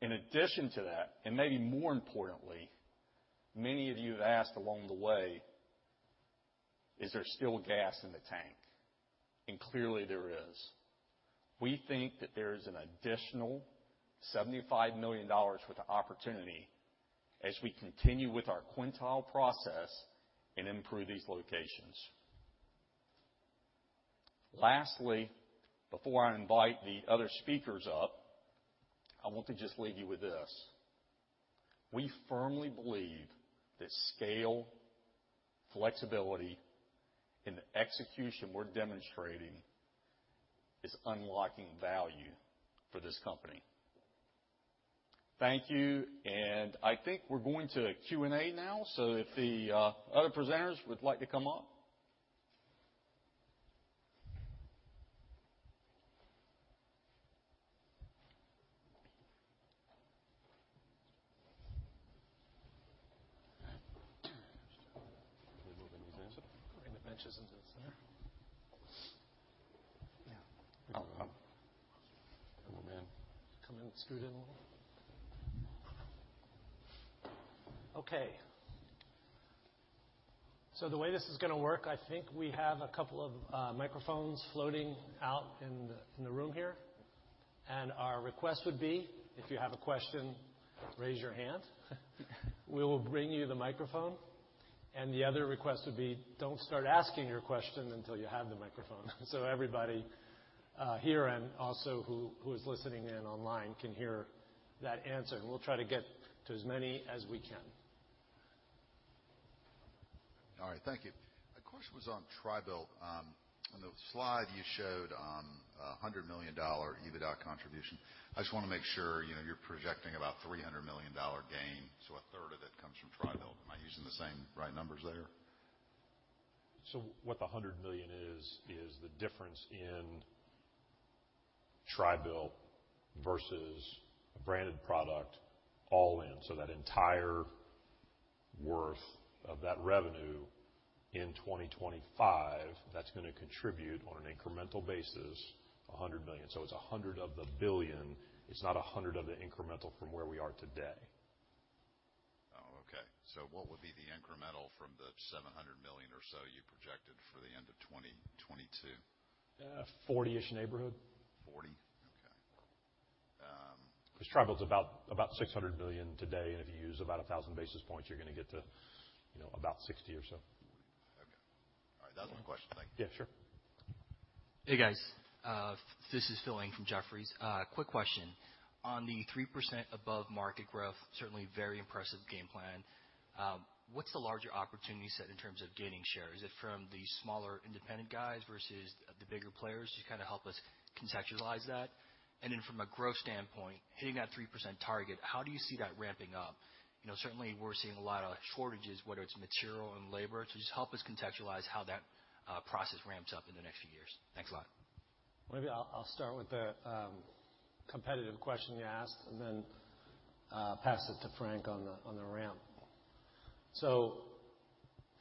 In addition to that, and maybe more importantly, many of you have asked along the way, "Is there still gas in the tank?" Clearly, there is. We think that there is an additional $75 million for the opportunity as we continue with our quintile process and improve these locations. Lastly, before I invite the other speakers up, I want to just leave you with this. We firmly believe that scale, flexibility, and the execution we're demonstrating is unlocking value for this company. Thank you. I think we're going to Q&A now. If the other presenters would like to come up. Move in these ends. In the branches and this, yeah. Yeah. I'll come on in. Come in, scoot in a little. Okay. The way this is gonna work, I think we have a couple of microphones floating out in the room here. Our request would be, if you have a question, raise your hand. We will bring you the microphone. The other request would be, don't start asking your question until you have the microphone. Everybody here and also who is listening in online can hear that answer, and we'll try to get to as many as we can. All right. Thank you. My question was on TRI-BUILT. On the slide you showed, a $100 million EBITDA contribution. I just wanna make sure, you know, you're projecting about $300 million gain, so a third of it comes from TRI-BUILT. Am I using the same right numbers there? What the $100 million is the difference in TRI-BUILT versus a branded product all in. That entire worth of that revenue in 2025, that's gonna contribute on an incremental basis, $100 million. It's $100 of the $1 billion, it's not $100 of the incremental from where we are today. Oh, okay. What would be the incremental from the $700 million or so you projected for the end of 2022? 40-ish neighborhood. 40? Okay. 'Cause TRI-BUILT's about $600 million today, and if you use about 1,000 basis points, you're gonna get to, you know, about 60 or so. Okay. All right. That was my question. Thank you. Yeah, sure. Hey, guys. This is Phil Ng from Jefferies. Quick question. On the 3% above market growth, certainly very impressive game plan. What's the larger opportunity set in terms of gaining share? Is it from the smaller independent guys versus the bigger players? Just kinda help us contextualize that. From a growth standpoint, hitting that 3% target, how do you see that ramping up? You know, certainly we're seeing a lot of shortages, whether it's material and labor. Just help us contextualize how that process ramps up in the next few years. Thanks a lot. Maybe I'll start with the competitive question you asked, and then pass it to Frank on the ramp.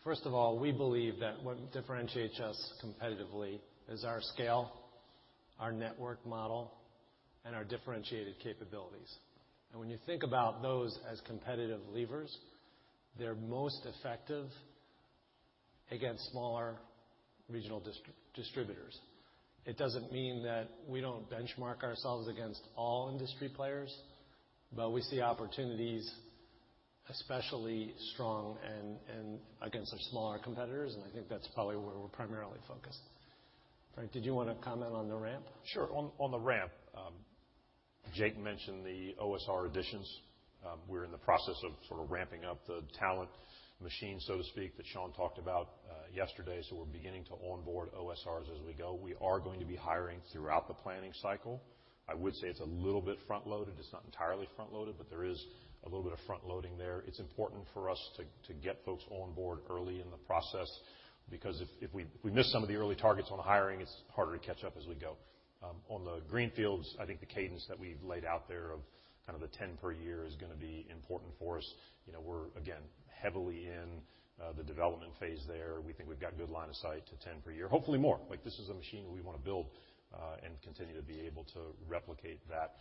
First of all, we believe that what differentiates us competitively is our scale, our network model, and our differentiated capabilities. When you think about those as competitive levers, they're most effective against smaller regional distributors. It doesn't mean that we don't benchmark ourselves against all industry players, but we see opportunities especially strong and against our smaller competitors, and I think that's probably where we're primarily focused. Frank, did you wanna comment on the ramp? Sure. On the ramp, Jake mentioned the OSR additions. We're in the process of sort of ramping up the talent machine, so to speak, that Sean talked about yesterday, so we're beginning to onboard OSRs as we go. We are going to be hiring throughout the planning cycle. I would say it's a little bit front-loaded. It's not entirely front-loaded, but there is a little bit of front-loading there. It's important for us to get folks on board early in the process, because if we miss some of the early targets on hiring, it's harder to catch up as we go. On the greenfields, I think the cadence that we've laid out there of kind of the 10 per year is gonna be important for us. You know, we're again heavily in the development phase there. We think we've got good line of sight to 10 per year. Hopefully more. Like, this is a machine we wanna build and continue to be able to replicate that.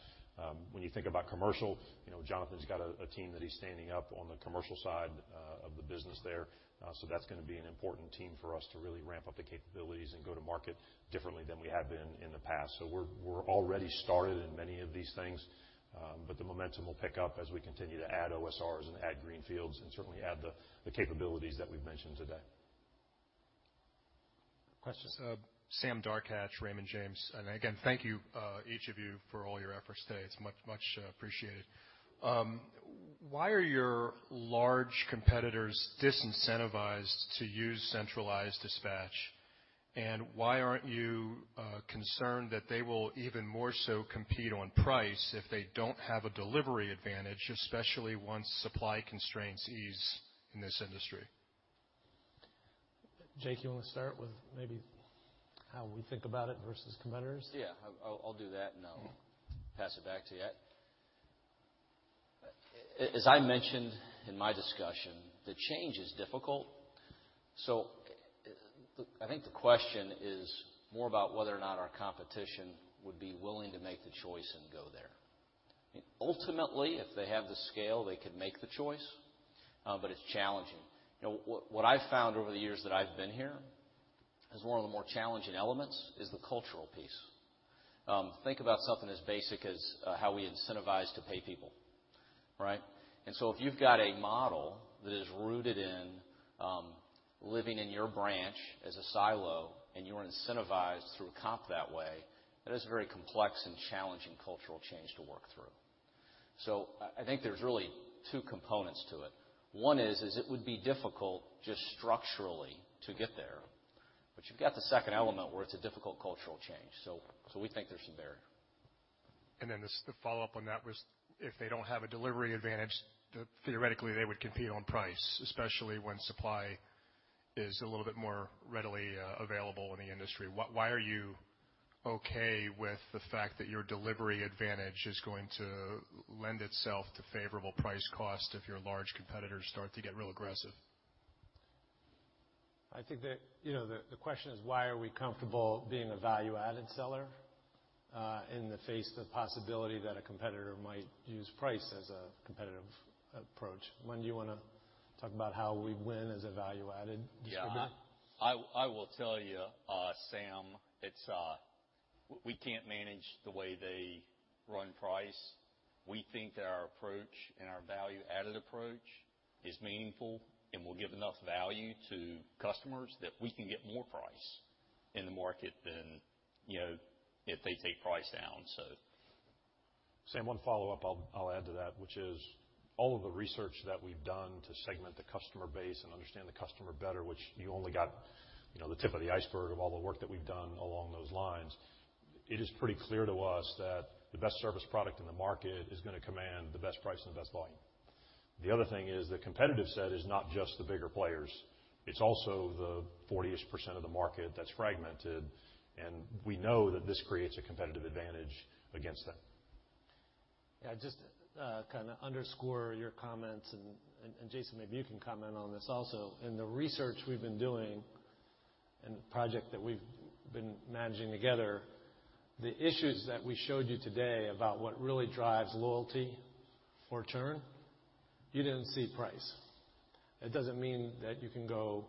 When you think about commercial, you know, Jonathan's got a team that he's standing up on the commercial side of the business there. That's gonna be an important team for us to really ramp up the capabilities and go to market differently than we have been in the past. We're already started in many of these things, but the momentum will pick up as we continue to add OSRs and add greenfields, and certainly add the capabilities that we've mentioned today. Questions? Sam Darkatsh, Raymond James. Again, thank you, each of you for all your efforts today. It's much appreciated. Why are your large competitors disincentivized to use centralized dispatch? Why aren't you concerned that they will even more so compete on price if they don't have a delivery advantage, especially once supply constraints ease in this industry? Jake, you wanna start with maybe how we think about it versus competitors? Yeah. I'll do that, and then I'll pass it back to you. As I mentioned in my discussion, the change is difficult. I think the question is more about whether or not our competition would be willing to make the choice and go there. Ultimately, if they have the scale, they can make the choice, but it's challenging. You know, what I've found over the years that I've been here, as one of the more challenging elements, is the cultural piece. Think about something as basic as how we incentivize to pay people, right? If you've got a model that is rooted in, Living in your branch as a silo and you're incentivized through comp that way, that is a very complex and challenging cultural change to work through. I think there's really two components to it. One is it would be difficult just structurally to get there. You've got the second element where it's a difficult cultural change. We think there's some there. The follow-up on that was if they don't have a delivery advantage, theoretically, they would compete on price, especially when supply is a little bit more readily available in the industry. Why are you okay with the fact that your delivery advantage is going to lend itself to favorable price cost if your large competitors start to get real aggressive? I think that, you know, the question is why are we comfortable being a value-added seller in the face of the possibility that a competitor might use price as a competitive approach. Glenn, do you wanna talk about how we win as a value-added distributor? Yeah. I will tell you, Sam, it's we can't manage the way they run price. We think that our approach and our value-added approach is meaningful and will give enough value to customers that we can get more price in the market than, you know, if they take price down so. Sam, one follow-up I'll add to that, which is all of the research that we've done to segment the customer base and understand the customer better, which you only got, you know, the tip of the iceberg of all the work that we've done along those lines. It is pretty clear to us that the best service product in the market is gonna command the best price and the best volume. The other thing is the competitive set is not just the bigger players. It's also the 40-ish% of the market that's fragmented, and we know that this creates a competitive advantage against them. Yeah, just to kinda underscore your comments, and Jason maybe you can comment on this also. In the research we've been doing and the project that we've been managing together, the issues that we showed you today about what really drives loyalty or churn, you didn't see price. That doesn't mean that you can go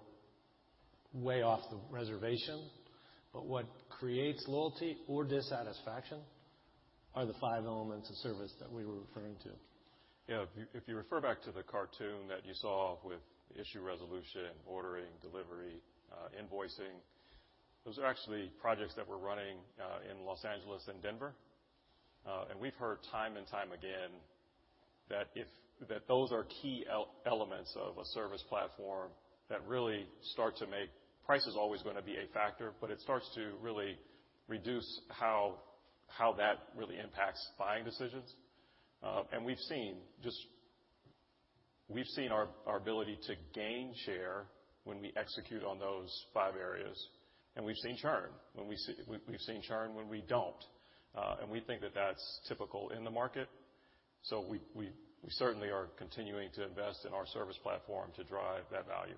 way off the reservation, but what creates loyalty or dissatisfaction are the five elements of service that we were referring to. Yeah. If you refer back to the cartoon that you saw with issue resolution, ordering, delivery, invoicing, those are actually projects that we're running in Los Angeles and Denver. We've heard time and time again that those are key elements of a service platform that really start to make. Price is always gonna be a factor, but it starts to really reduce how that really impacts buying decisions. We've seen our ability to gain share when we execute on those five areas, and we've seen churn when we don't. We think that that's typical in the market. We certainly are continuing to invest in our service platform to drive that value.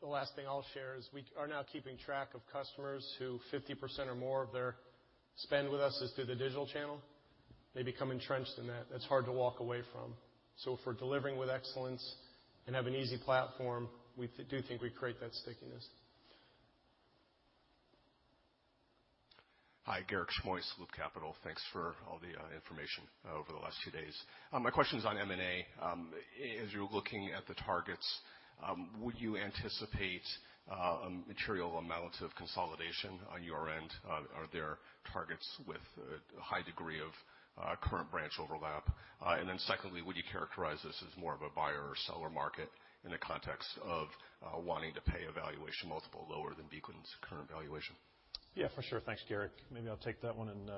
The last thing I'll share is we are now keeping track of customers who 50% or more of their spend with us is through the digital channel. They become entrenched in that. That's hard to walk away from. If we're delivering with excellence and have an easy platform, we do think we create that stickiness. Hi, Garik Shmois, Loop Capital. Thanks for all the information over the last few days. My question's on M&A. As you're looking at the targets, would you anticipate a material amount of consolidation on your end? Are there targets with a high degree of current branch overlap? Then secondly, would you characterize this as more of a buyer or seller market in the context of wanting to pay a valuation multiple lower than Beacon's current valuation? Yeah, for sure. Thanks, Garik. Maybe I'll take that one and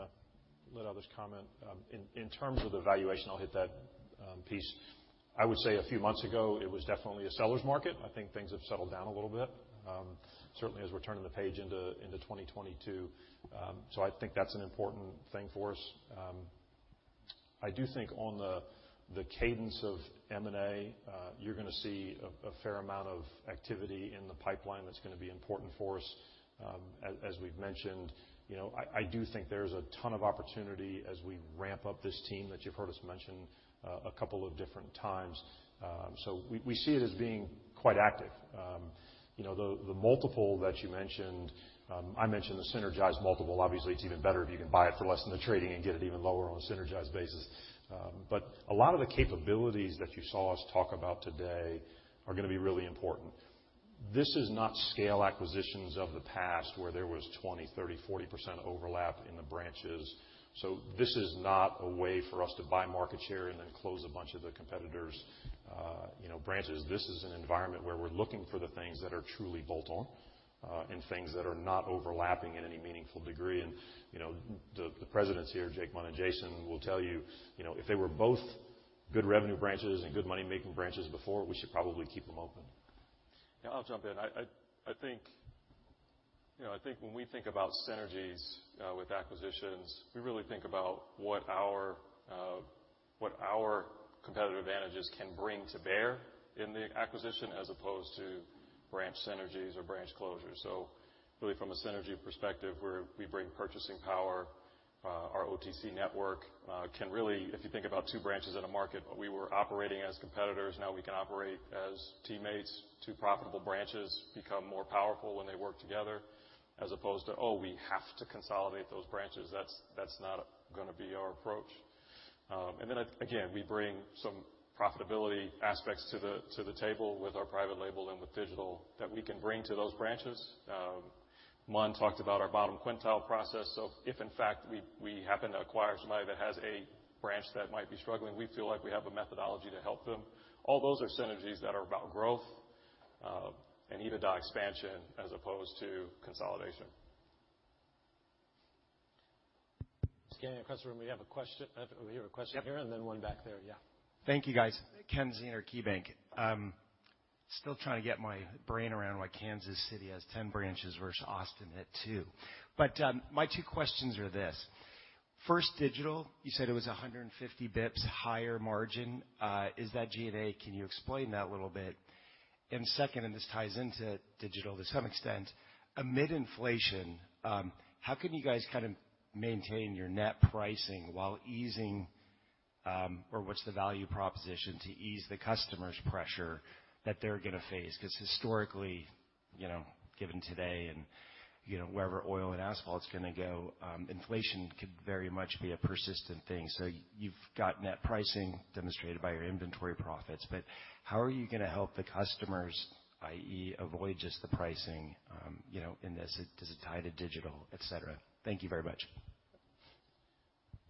let others comment. In terms of the valuation, I'll hit that piece. I would say a few months ago, it was definitely a seller's market. I think things have settled down a little bit, certainly as we're turning the page into 2022. I think that's an important thing for us. I do think on the cadence of M&A, you're gonna see a fair amount of activity in the pipeline that's gonna be important for us, as we've mentioned. You know, I do think there's a ton of opportunity as we ramp up this team that you've heard us mention a couple of different times. We see it as being quite active. You know, the multiple that you mentioned, I mentioned the synergized multiple. Obviously, it's even better if you can buy it for less than the trading and get it even lower on a synergized basis. A lot of the capabilities that you saw us talk about today are gonna be really important. This is not scale acquisitions of the past where there was 20%, 30%, 40% overlap in the branches. This is not a way for us to buy market share and then close a bunch of the competitors', you know, branches. This is an environment where we're looking for the things that are truly bolt-on, and things that are not overlapping in any meaningful degree. You know, the presidents here, Jake, Glenn, and Jason will tell you know, if they were both good revenue branches and good money-making branches before, we should probably keep them open. Yeah, I'll jump in. I think, you know, when we think about synergies with acquisitions, we really think about what our competitive advantages can bring to bear in the acquisition as opposed to branch synergies or branch closures. Really from a synergy perspective, we bring purchasing power. Our OTC network can really, if you think about two branches in a market, we were operating as competitors, now we can operate as teammates. Two profitable branches become more powerful when they work together as opposed to, "Oh, we have to consolidate those branches." That's not gonna be our approach. Again, we bring some profitability aspects to the table with our private label and with digital that we can bring to those branches. Mon talked about our bottom quintile process. If, in fact, we happen to acquire somebody that has a branch that might be struggling, we feel like we have a methodology to help them. All those are synergies that are about growth, and EBITDA expansion as opposed to consolidation. Scanning across the room, we have a question. I have over here a question here. Yep. One back there. Yeah. Thank you, guys. Ken Zener, KeyBanc. Still trying to get my brain around why Kansas City has 10 branches versus Austin at 2. My two questions are this. First, digital, you said it was 150 bps higher margin. Is that G&A? Can you explain that a little bit? Second, and this ties into digital to some extent, amid inflation, how can you guys kind of maintain your net pricing while easing, or what's the value proposition to ease the customer's pressure that they're gonna face? 'Cause historically, you know, given today and, you know, wherever oil and asphalt's gonna go, inflation could very much be a persistent thing. You've got net pricing demonstrated by your inventory profits, but how are you gonna help the customers, i.e., avoid just the pricing, you know, in this? Does it tie to digital, etc? Thank you very much.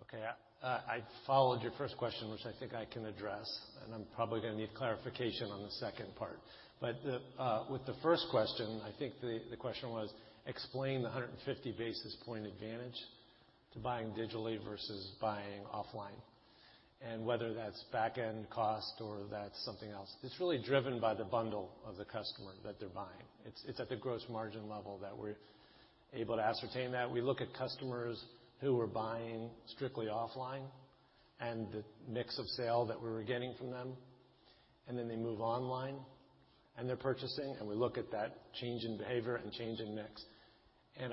Okay. I followed your first question, which I think I can address, and I'm probably gonna need clarification on the second part. With the first question, I think the question was explain the 150 basis point advantage to buying digitally versus buying offline. Whether that's back-end cost or that's something else, it's really driven by the bundle of the customer that they're buying. It's at the gross margin level that we're able to ascertain that. We look at customers who are buying strictly offline and the mix of sale that we were getting from them, and then they move online, and they're purchasing, and we look at that change in behavior and change in mix.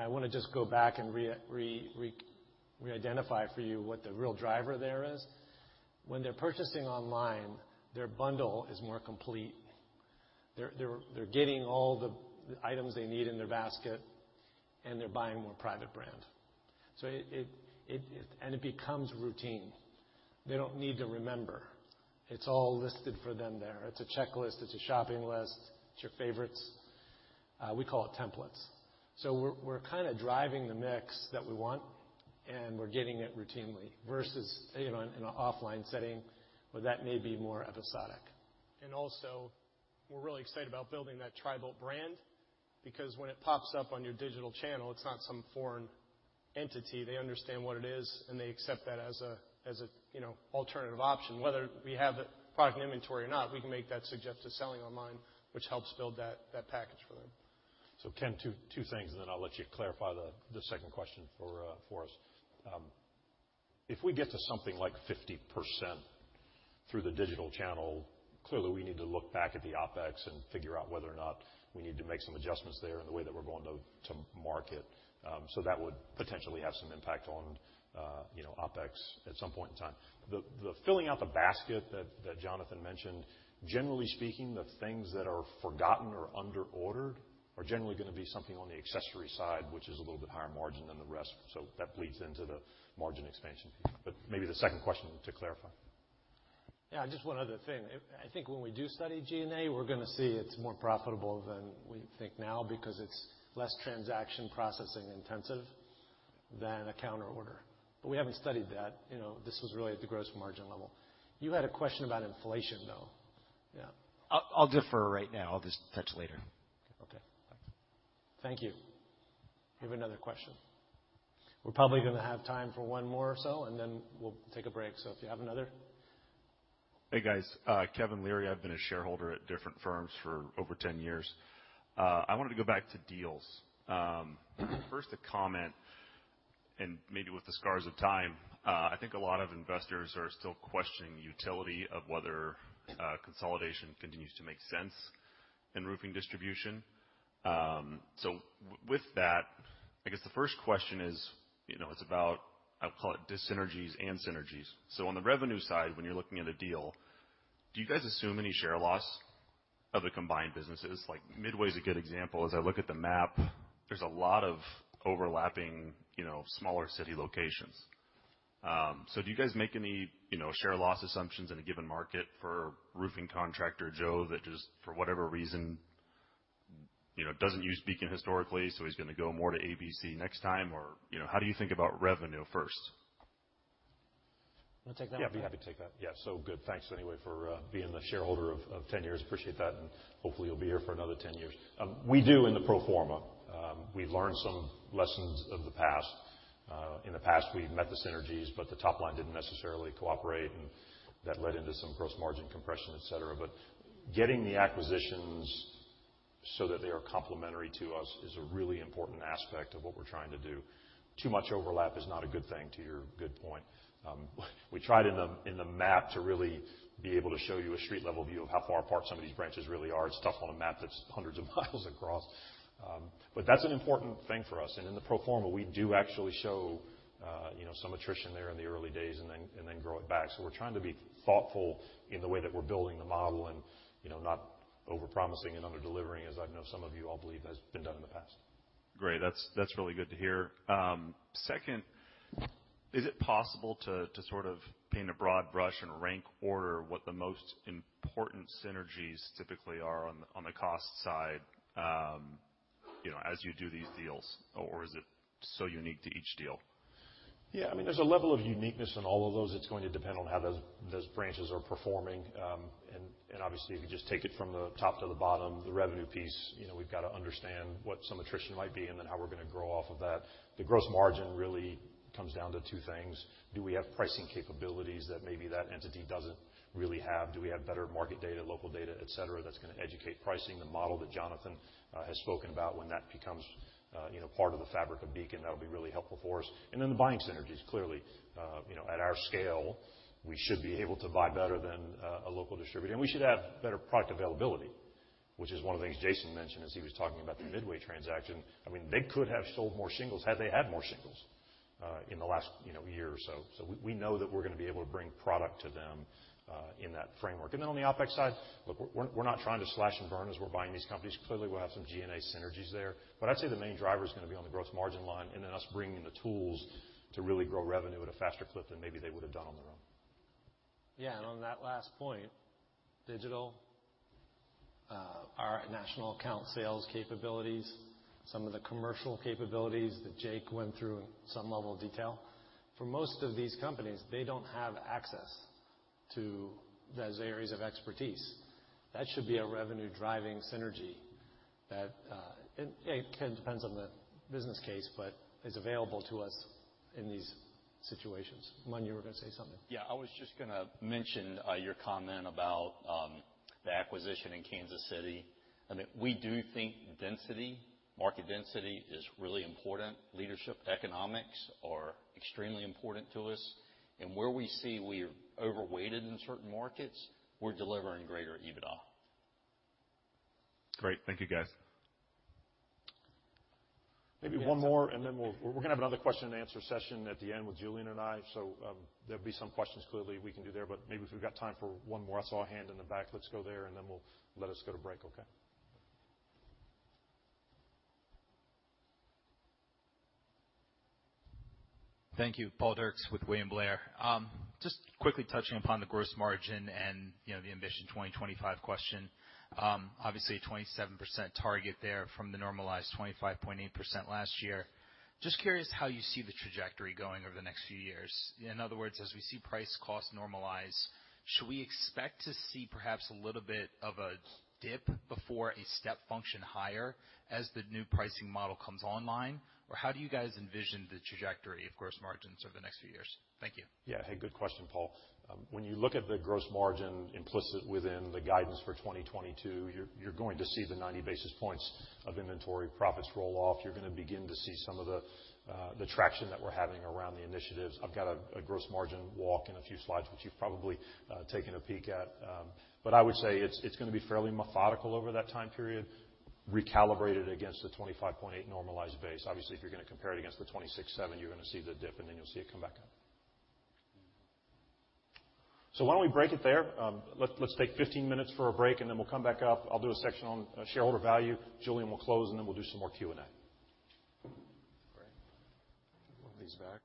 I wanna just go back and re-identify for you what the real driver there is. When they're purchasing online, their bundle is more complete. They're getting all the items they need in their basket, and they're buying more private brand. It becomes routine. They don't need to remember. It's all listed for them there. It's a checklist. It's a shopping list. It's your favorites. We call it templates. We're kinda driving the mix that we want, and we're getting it routinely versus, you know, in an offline setting where that may be more episodic. We're really excited about building that TRI-BUILT brand because when it pops up on your digital channel, it's not some foreign entity. They understand what it is, and they accept that as a, you know, alternative option. Whether we have the product in inventory or not, we can make that suggested selling online, which helps build that package for them. Ken, two things, and then I'll let you clarify the second question for us. If we get to something like 50% through the digital channel, clearly, we need to look back at the OpEx and figure out whether or not we need to make some adjustments there in the way that we're going to market. That would potentially have some impact on, you know, OpEx at some point in time. The filling out the basket that Jonathan mentioned, generally speaking, the things that are forgotten or under ordered are generally gonna be something on the accessory side, which is a little bit higher margin than the rest, so that bleeds into the margin expansion. Maybe the second question to clarify. Yeah, just one other thing. I think when we do study G&A, we're gonna see it's more profitable than we think now because it's less transaction processing intensive than a counter order. But we haven't studied that. You know, this was really at the gross margin level. You had a question about inflation, though. Yeah. I'll defer right now. I'll just touch later. Okay. Thanks. Thank you. You have another question? We're probably gonna have time for one more or so, and then we'll take a break. If you have another. Hey, guys. Kevin O’Leary, I've been a shareholder at different firms for over 10 years. I wanted to go back to deals. First a comment, and maybe with the scars of time, I think a lot of investors are still questioning the utility of whether consolidation continues to make sense in roofing distribution. With that, I guess the first question is, you know, it's about. I'll call it dyssynergies and synergies. On the revenue side, when you're looking at a deal, do you guys assume any share loss of the combined businesses? Like, Midway is a good example. As I look at the map, there's a lot of overlapping, you know, smaller city locations. Do you guys make any, you know, share loss assumptions in a given market for Roofing Contractor Joe that just, for whatever reason, you know, doesn't use Beacon historically, so he's gonna go more to ABC next time? Or, you know, how do you think about revenue first? Wanna take that one? Yeah, I'd be happy to take that. Yeah. Good. Thanks anyway for being the shareholder of ten years. Appreciate that, and hopefully you'll be here for another ten years. We do in the pro forma. We've learned some lessons of the past. In the past, we've met the synergies, but the top line didn't necessarily cooperate, and that led into some gross margin compression, etc. Getting the acquisitions so that they are complementary to us is a really important aspect of what we're trying to do. Too much overlap is not a good thing, to your good point. We tried in the map to really be able to show you a street-level view of how far apart some of these branches really are. It's tough on a map that's hundreds of miles across. That's an important thing for us. In the pro forma, we do actually show, you know, some attrition there in the early days and then grow it back. We're trying to be thoughtful in the way that we're building the model and, you know, not overpromising and underdelivering, as I know some of you all believe has been done in the past. Great. That's really good to hear. Second, is it possible to sort of paint a broad brush and rank order what the most important synergies typically are on the cost side, you know, as you do these deals? Or is it so unique to each deal? Yeah. I mean, there's a level of uniqueness in all of those. It's going to depend on how those branches are performing. Obviously, if you just take it from the top to the bottom, the revenue piece, you know, we've gotta understand what some attrition might be and then how we're gonna grow off of that. The gross margin really comes down to two things. Do we have pricing capabilities that maybe that entity doesn't really have? Do we have better market data, local data, etc, that's gonna educate pricing? The model that Jonathan has spoken about, when that becomes, you know, part of the fabric of Beacon, that'll be really helpful for us. The buying synergies, clearly. You know, at our scale, we should be able to buy better than a local distributor, and we should have better product availability, which is one of the things Jason mentioned as he was talking about the Midway transaction. I mean, they could have sold more shingles had they had more shingles in the last, you know, year or so. So we know that we're gonna be able to bring product to them in that framework. Then on the OpEx side, look, we're not trying to slash and burn as we're buying these companies. Clearly, we'll have some G&A synergies there, but I'd say the main driver is gonna be on the gross margin line and then us bringing the tools to really grow revenue at a faster clip than maybe they would have done on their own. Yeah. On that last point, digital, our national account sales capabilities, some of the commercial capabilities that Jake went through in some level of detail, for most of these companies, they don't have access to those areas of expertise. That should be a revenue-driving synergy that it kind of depends on the business case, but is available to us in these situations. Mun, you were gonna say something. Yeah. I was just gonna mention your comment about the acquisition in Kansas City. I mean, we do think density, market density is really important. Leverage economics are extremely important to us. Where we see we're overweighted in certain markets, we're delivering greater EBITDA. Great. Thank you, guys. Maybe one more, and then we're gonna have another question and answer session at the end with Julian and I. There'll be some questions clearly we can do there, but maybe if we've got time for one more. I saw a hand in the back. Let's go there, and then we'll let us go to break. Okay? Thank you. Paul Dirks with William Blair. Just quickly touching upon the gross margin and, you know, the Ambition 2025 question, obviously a 27% target there from the normalized 25.8% last year. Just curious how you see the trajectory going over the next few years. In other words, as we see price cost normalize, should we expect to see perhaps a little bit of a dip before a step function higher as the new pricing model comes online? Or how do you guys envision the trajectory of gross margins over the next few years? Thank you. Yeah. Hey, good question, Paul. When you look at the gross margin implicit within the guidance for 2022, you're going to see the 90 basis points of inventory profits roll off. You're gonna begin to see some of the traction that we're having around the initiatives. I've got a gross margin walk in a few slides, which you've probably taken a peek at. But I would say it's gonna be fairly methodical over that time period, recalibrated against the 25.8 normalized base. Obviously, if you're gonna compare it against the 26.7, you're gonna see the dip, and then you'll see it come back up. Why don't we break it there? Let's take 15 minutes for a break, and then we'll come back up. I'll do a section on shareholder value. Julian will close, and then we'll do some more Q&A. Great. Move these back.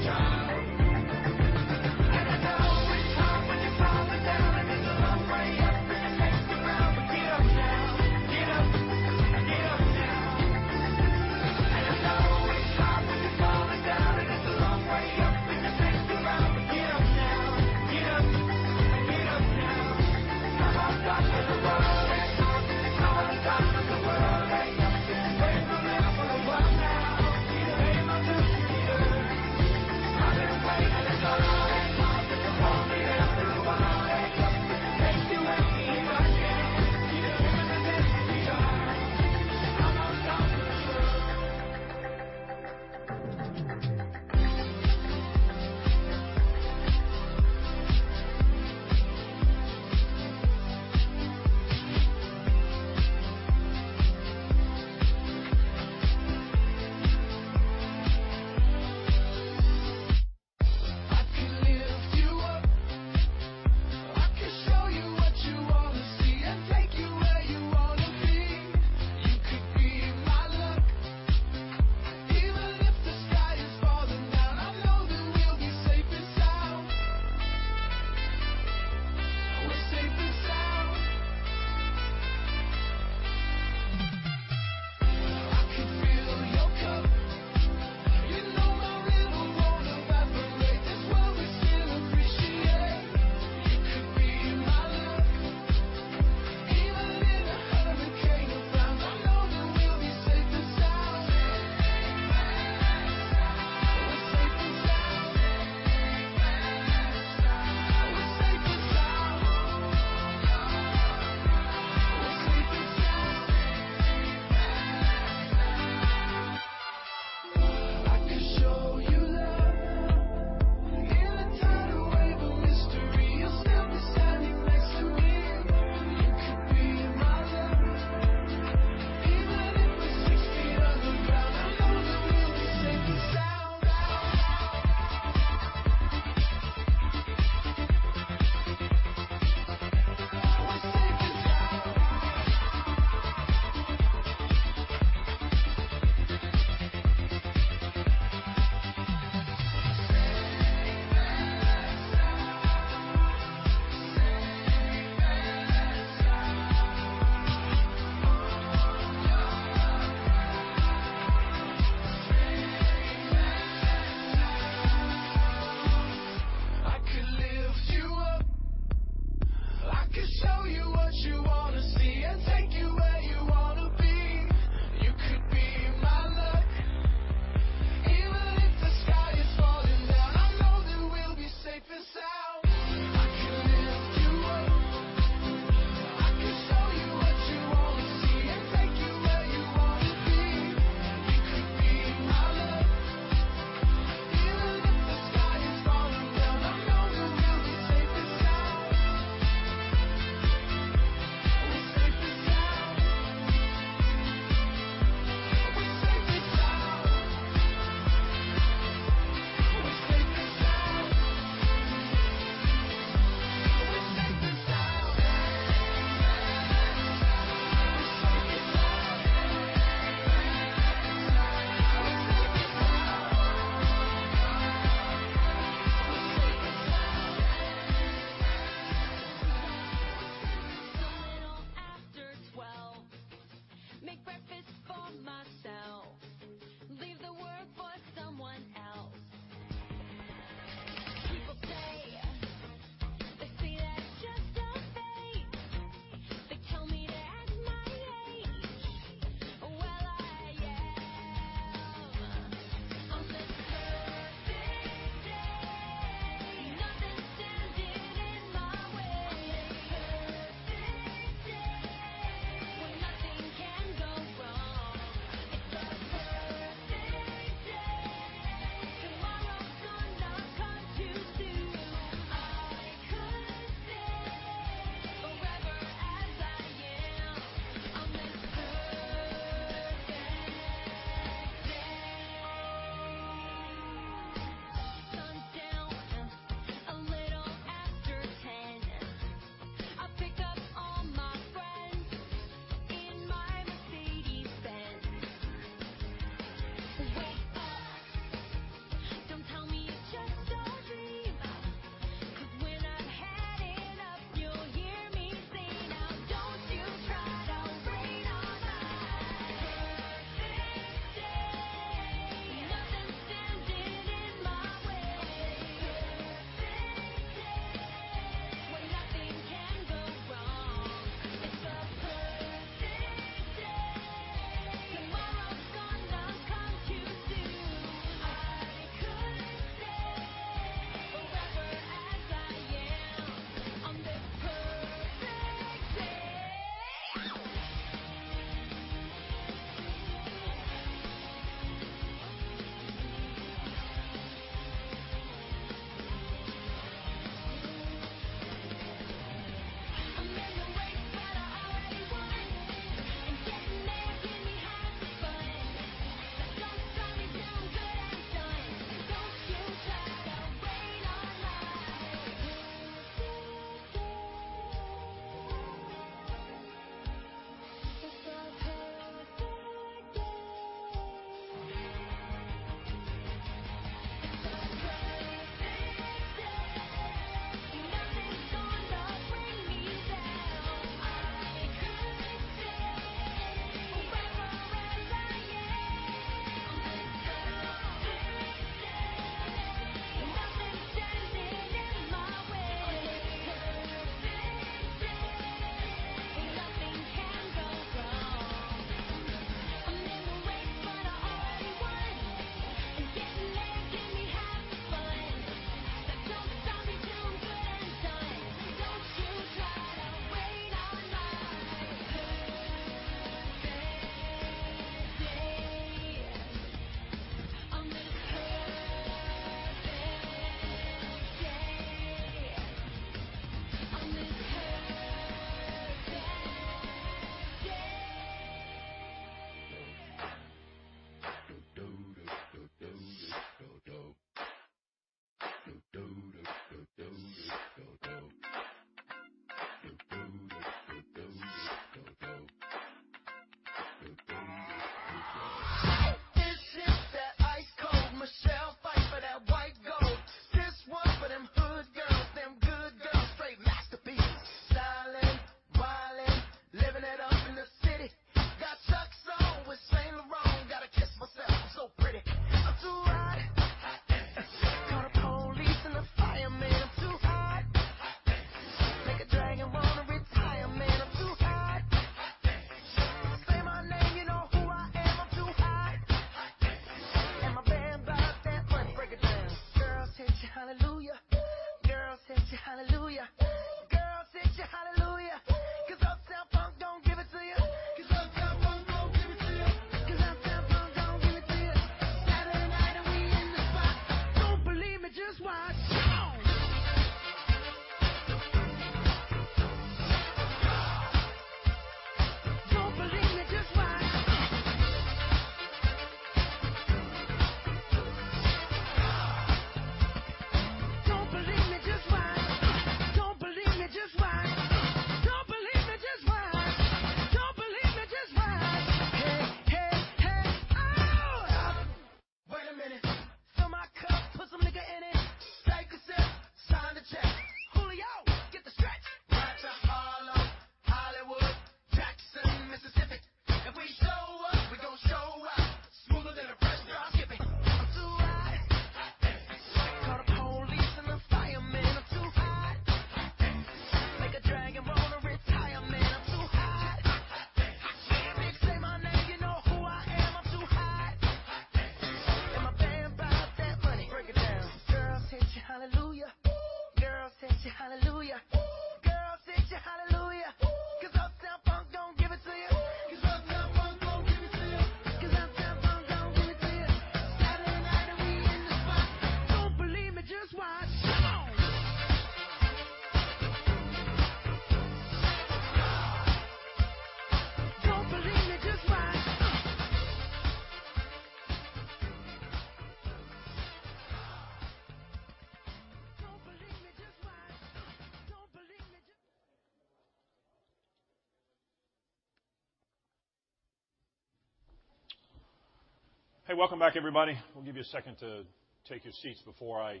Hey, welcome back, everybody. We'll give you a second to take your seats before I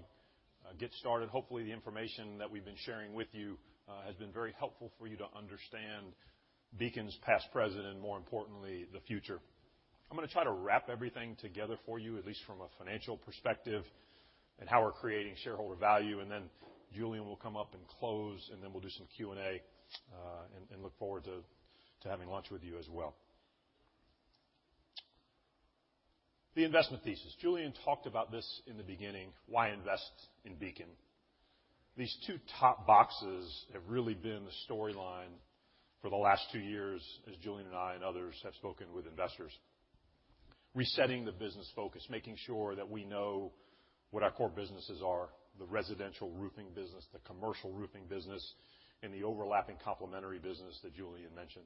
get started. Hopefully, the information that we've been sharing with you has been very helpful for you to understand Beacon's past, present, and more importantly, the future. I'm gonna try to wrap everything together for you, at least from a financial perspective and how we're creating shareholder value, and then Julian will come up and close, and then we'll do some Q&A and look forward to having lunch with you as well. The investment thesis. Julian talked about this in the beginning. Why invest in Beacon? These two top boxes have really been the storyline for the last two years as Julian and I and others have spoken with investors. Resetting the business focus, making sure that we know what our core businesses are, the residential roofing business, the commercial roofing business, and the overlapping complementary business that Julian mentioned.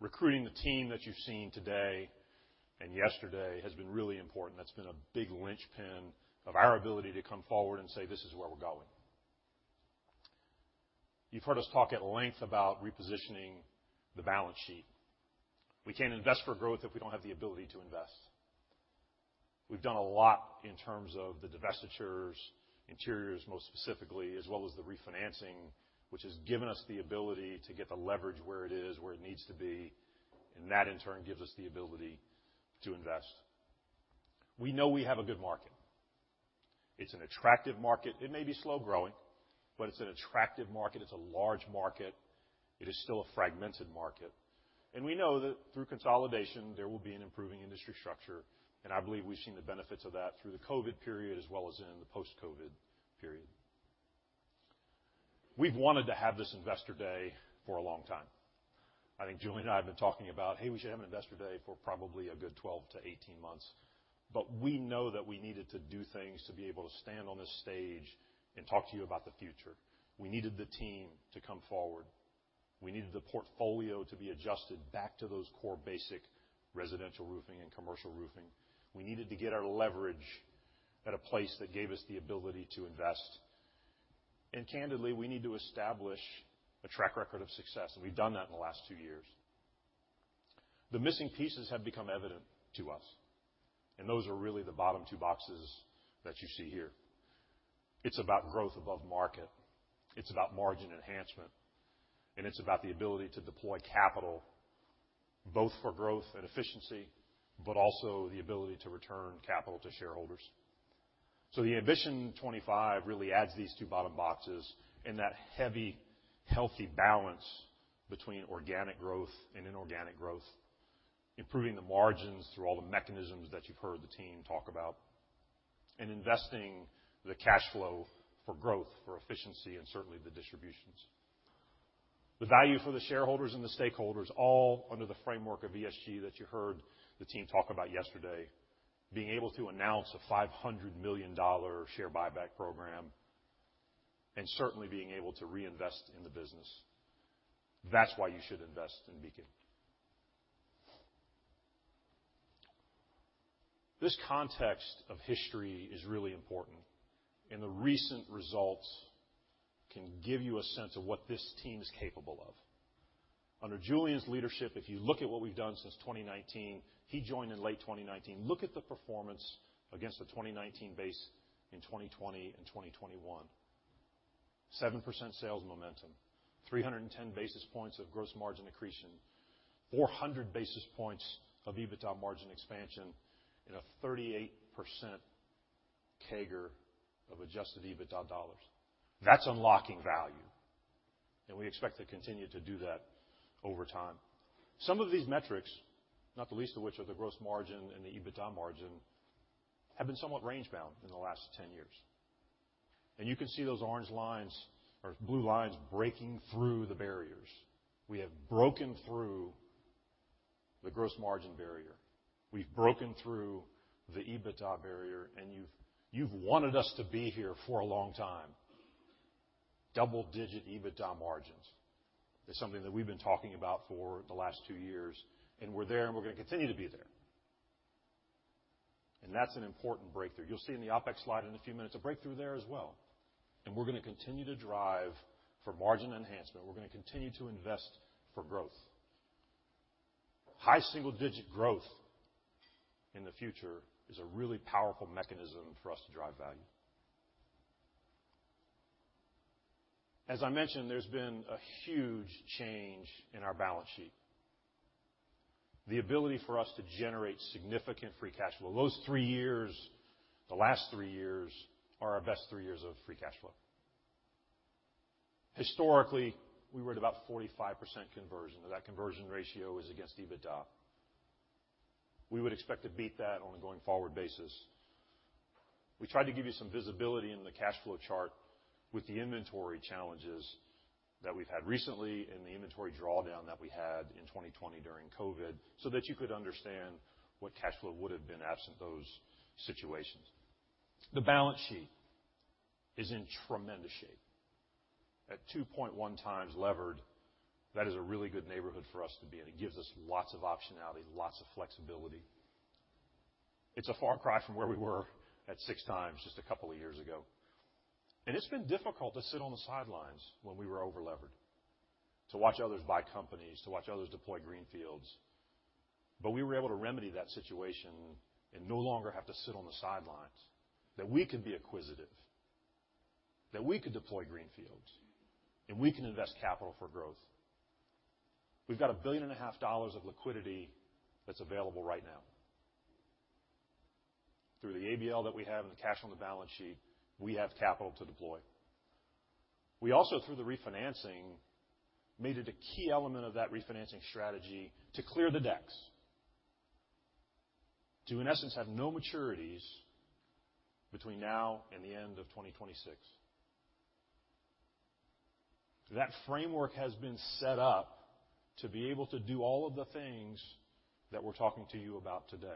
Recruiting the team that you've seen today and yesterday has been really important. That's been a big linchpin of our ability to come forward and say, "This is where we're going." You've heard us talk at length about repositioning the balance sheet. We can't invest for growth if we don't have the ability to invest. We've done a lot in terms of the divestitures, interiors, most specifically, as well as the refinancing, which has given us the ability to get the leverage where it is, where it needs to be, and that in turn gives us the ability to invest. We know we have a good market. It's an attractive market. It may be slow-growing, but it's an attractive market. It's a large market. It is still a fragmented market. We know that through consolidation, there will be an improving industry structure. I believe we've seen the benefits of that through the COVID period as well as in the post-COVID period. We've wanted to have this investor day for a long time. I think Julian and I have been talking about, hey, we should have an investor day for probably a good 12-18 months, but we know that we needed to do things to be able to stand on this stage and talk to you about the future. We needed the team to come forward. We needed the portfolio to be adjusted back to those core basic residential roofing and commercial roofing. We needed to get our leverage at a place that gave us the ability to invest. Candidly, we need to establish a track record of success. We've done that in the last two years. The missing pieces have become evident to us, and those are really the bottom two boxes that you see here. It's about growth above market, it's about margin enhancement, and it's about the ability to deploy capital both for growth and efficiency, but also the ability to return capital to shareholders. The Ambition 2025 really adds these two bottom boxes in that heavy, healthy balance between organic growth and inorganic growth, improving the margins through all the mechanisms that you've heard the team talk about, and investing the cash flow for growth, for efficiency, and certainly the distributions. The value for the shareholders and the stakeholders, all under the framework of ESG that you heard the team talk about yesterday. Being able to announce a $500 million share buyback program and certainly being able to reinvest in the business, that's why you should invest in Beacon. This context of history is really important, and the recent results can give you a sense of what this team is capable of. Under Julian's leadership, if you look at what we've done since 2019, he joined in late 2019. Look at the performance against a 2019 base in 2020 and 2021. 7% sales momentum, 310 basis points of gross margin accretion, 400 basis points of EBITDA margin expansion and a 38% CAGR of Adjusted EBITDA dollars. That's unlocking value, and we expect to continue to do that over time. Some of these metrics, not the least of which are the gross margin and the EBITDA margin, have been somewhat range bound in the last 10 years. You can see those orange lines or blue lines breaking through the barriers. We have broken through the gross margin barrier. We've broken through the EBITDA barrier. You've wanted us to be here for a long time. Double-digit EBITDA margins is something that we've been talking about for the last two years, and we're there, and we're gonna continue to be there. That's an important breakthrough. You'll see in the OpEx slide in a few minutes, a breakthrough there as well. We're gonna continue to drive for margin enhancement. We're gonna continue to invest for growth. High single-digit growth in the future is a really powerful mechanism for us to drive value. As I mentioned, there's been a huge change in our balance sheet. The ability for us to generate significant Free Cash Flow. Those three years, the last three years, are our best three years of Free Cash Flow. Historically, we were at about 45% conversion. That conversion ratio is against EBITDA. We would expect to beat that on a going forward basis. We tried to give you some visibility in the cash flow chart with the inventory challenges that we've had recently in the inventory drawdown that we had in 2020 during COVID, so that you could understand what cash flow would have been absent those situations. The balance sheet is in tremendous shape. At 2.1x levered, that is a really good neighborhood for us to be in. It gives us lots of optionality, lots of flexibility. It's a far cry from where we were at 6 times just a couple of years ago. It's been difficult to sit on the sidelines when we were over-levered to watch others buy companies, to watch others deploy greenfields. We were able to remedy that situation and no longer have to sit on the sidelines. That we could be acquisitive, that we could deploy greenfields, and we can invest capital for growth. We've got $1.5 billion of liquidity that's available right now. Through the ABL that we have and the cash on the balance sheet, we have capital to deploy. We also, through the refinancing, made it a key element of that refinancing strategy to clear the decks, to in essence, have no maturities between now and the end of 2026. That framework has been set up to be able to do all of the things that we're talking to you about today.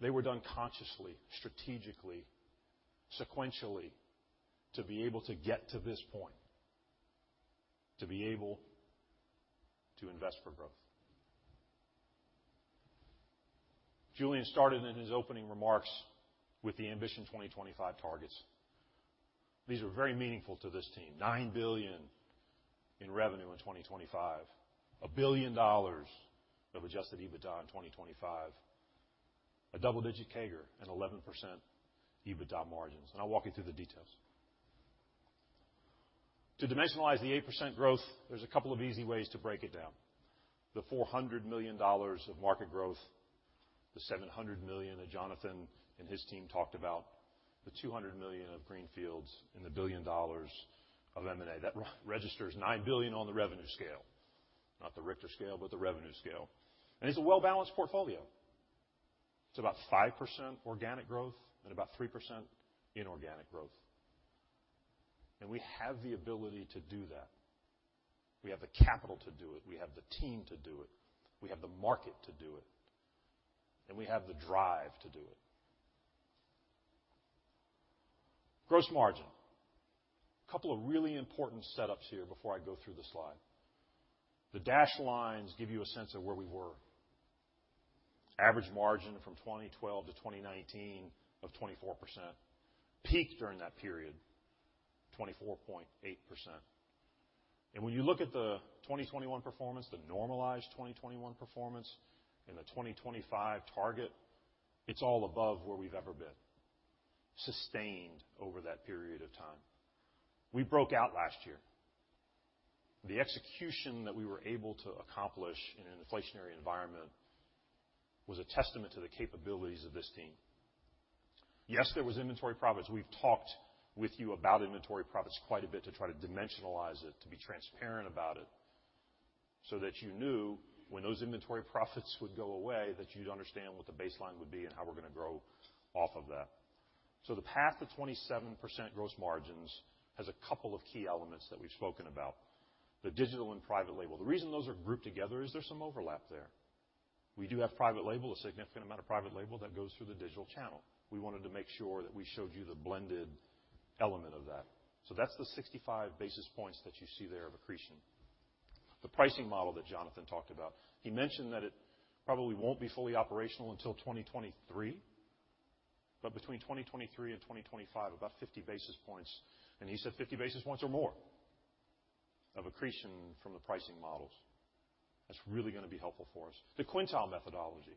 They were done consciously, strategically, sequentially, to be able to get to this point, to be able to invest for growth. Julian started in his opening remarks with the Ambition 2025 targets. These are very meaningful to this team. $9 billion in revenue in 2025. $1 billion of Adjusted EBITDA in 2025. A double-digit CAGR and 11% EBITDA margins. I'll walk you through the details. To dimensionalize the 8% growth, there's a couple of easy ways to break it down. The $400 million of market growth, the $700 million that Jonathan and his team talked about, the $200 million of greenfields, and the $1 billion of M&A. That registers $9 billion on the revenue scale, not the Richter scale, but the revenue scale. It's a well-balanced portfolio. It's about 5% organic growth and about 3% inorganic growth. We have the ability to do that. We have the capital to do it. We have the team to do it. We have the market to do it, and we have the drive to do it. Gross margin. A couple of really important setups here before I go through the slide. The dashed lines give you a sense of where we were. Average margin from 2012-2019 of 24%. Peak during that period, 24.8%. When you look at the 2021 performance, the normalized 2021 performance and the 2025 target, it's all above where we've ever been, sustained over that period of time. We broke out last year. The execution that we were able to accomplish in an inflationary environment was a testament to the capabilities of this team. Yes, there was inventory profits. We've talked with you about inventory profits quite a bit to try to dimensionalize it, to be transparent about it, so that you knew when those inventory profits would go away, that you'd understand what the baseline would be and how we're gonna grow off of that. The path to 27% gross margins has a couple of key elements that we've spoken about. The digital and private label. The reason those are grouped together is there's some overlap there. We do have private label, a significant amount of private label that goes through the digital channel. We wanted to make sure that we showed you the blended element of that. That's the 65 basis points that you see there of accretion. The pricing model that Jonathan talked about, he mentioned that it probably won't be fully operational until 2023, but between 2023 and 2025, about 50 basis points. He said 50 basis points or more of accretion from the pricing models. That's really gonna be helpful for us. The quintile methodology.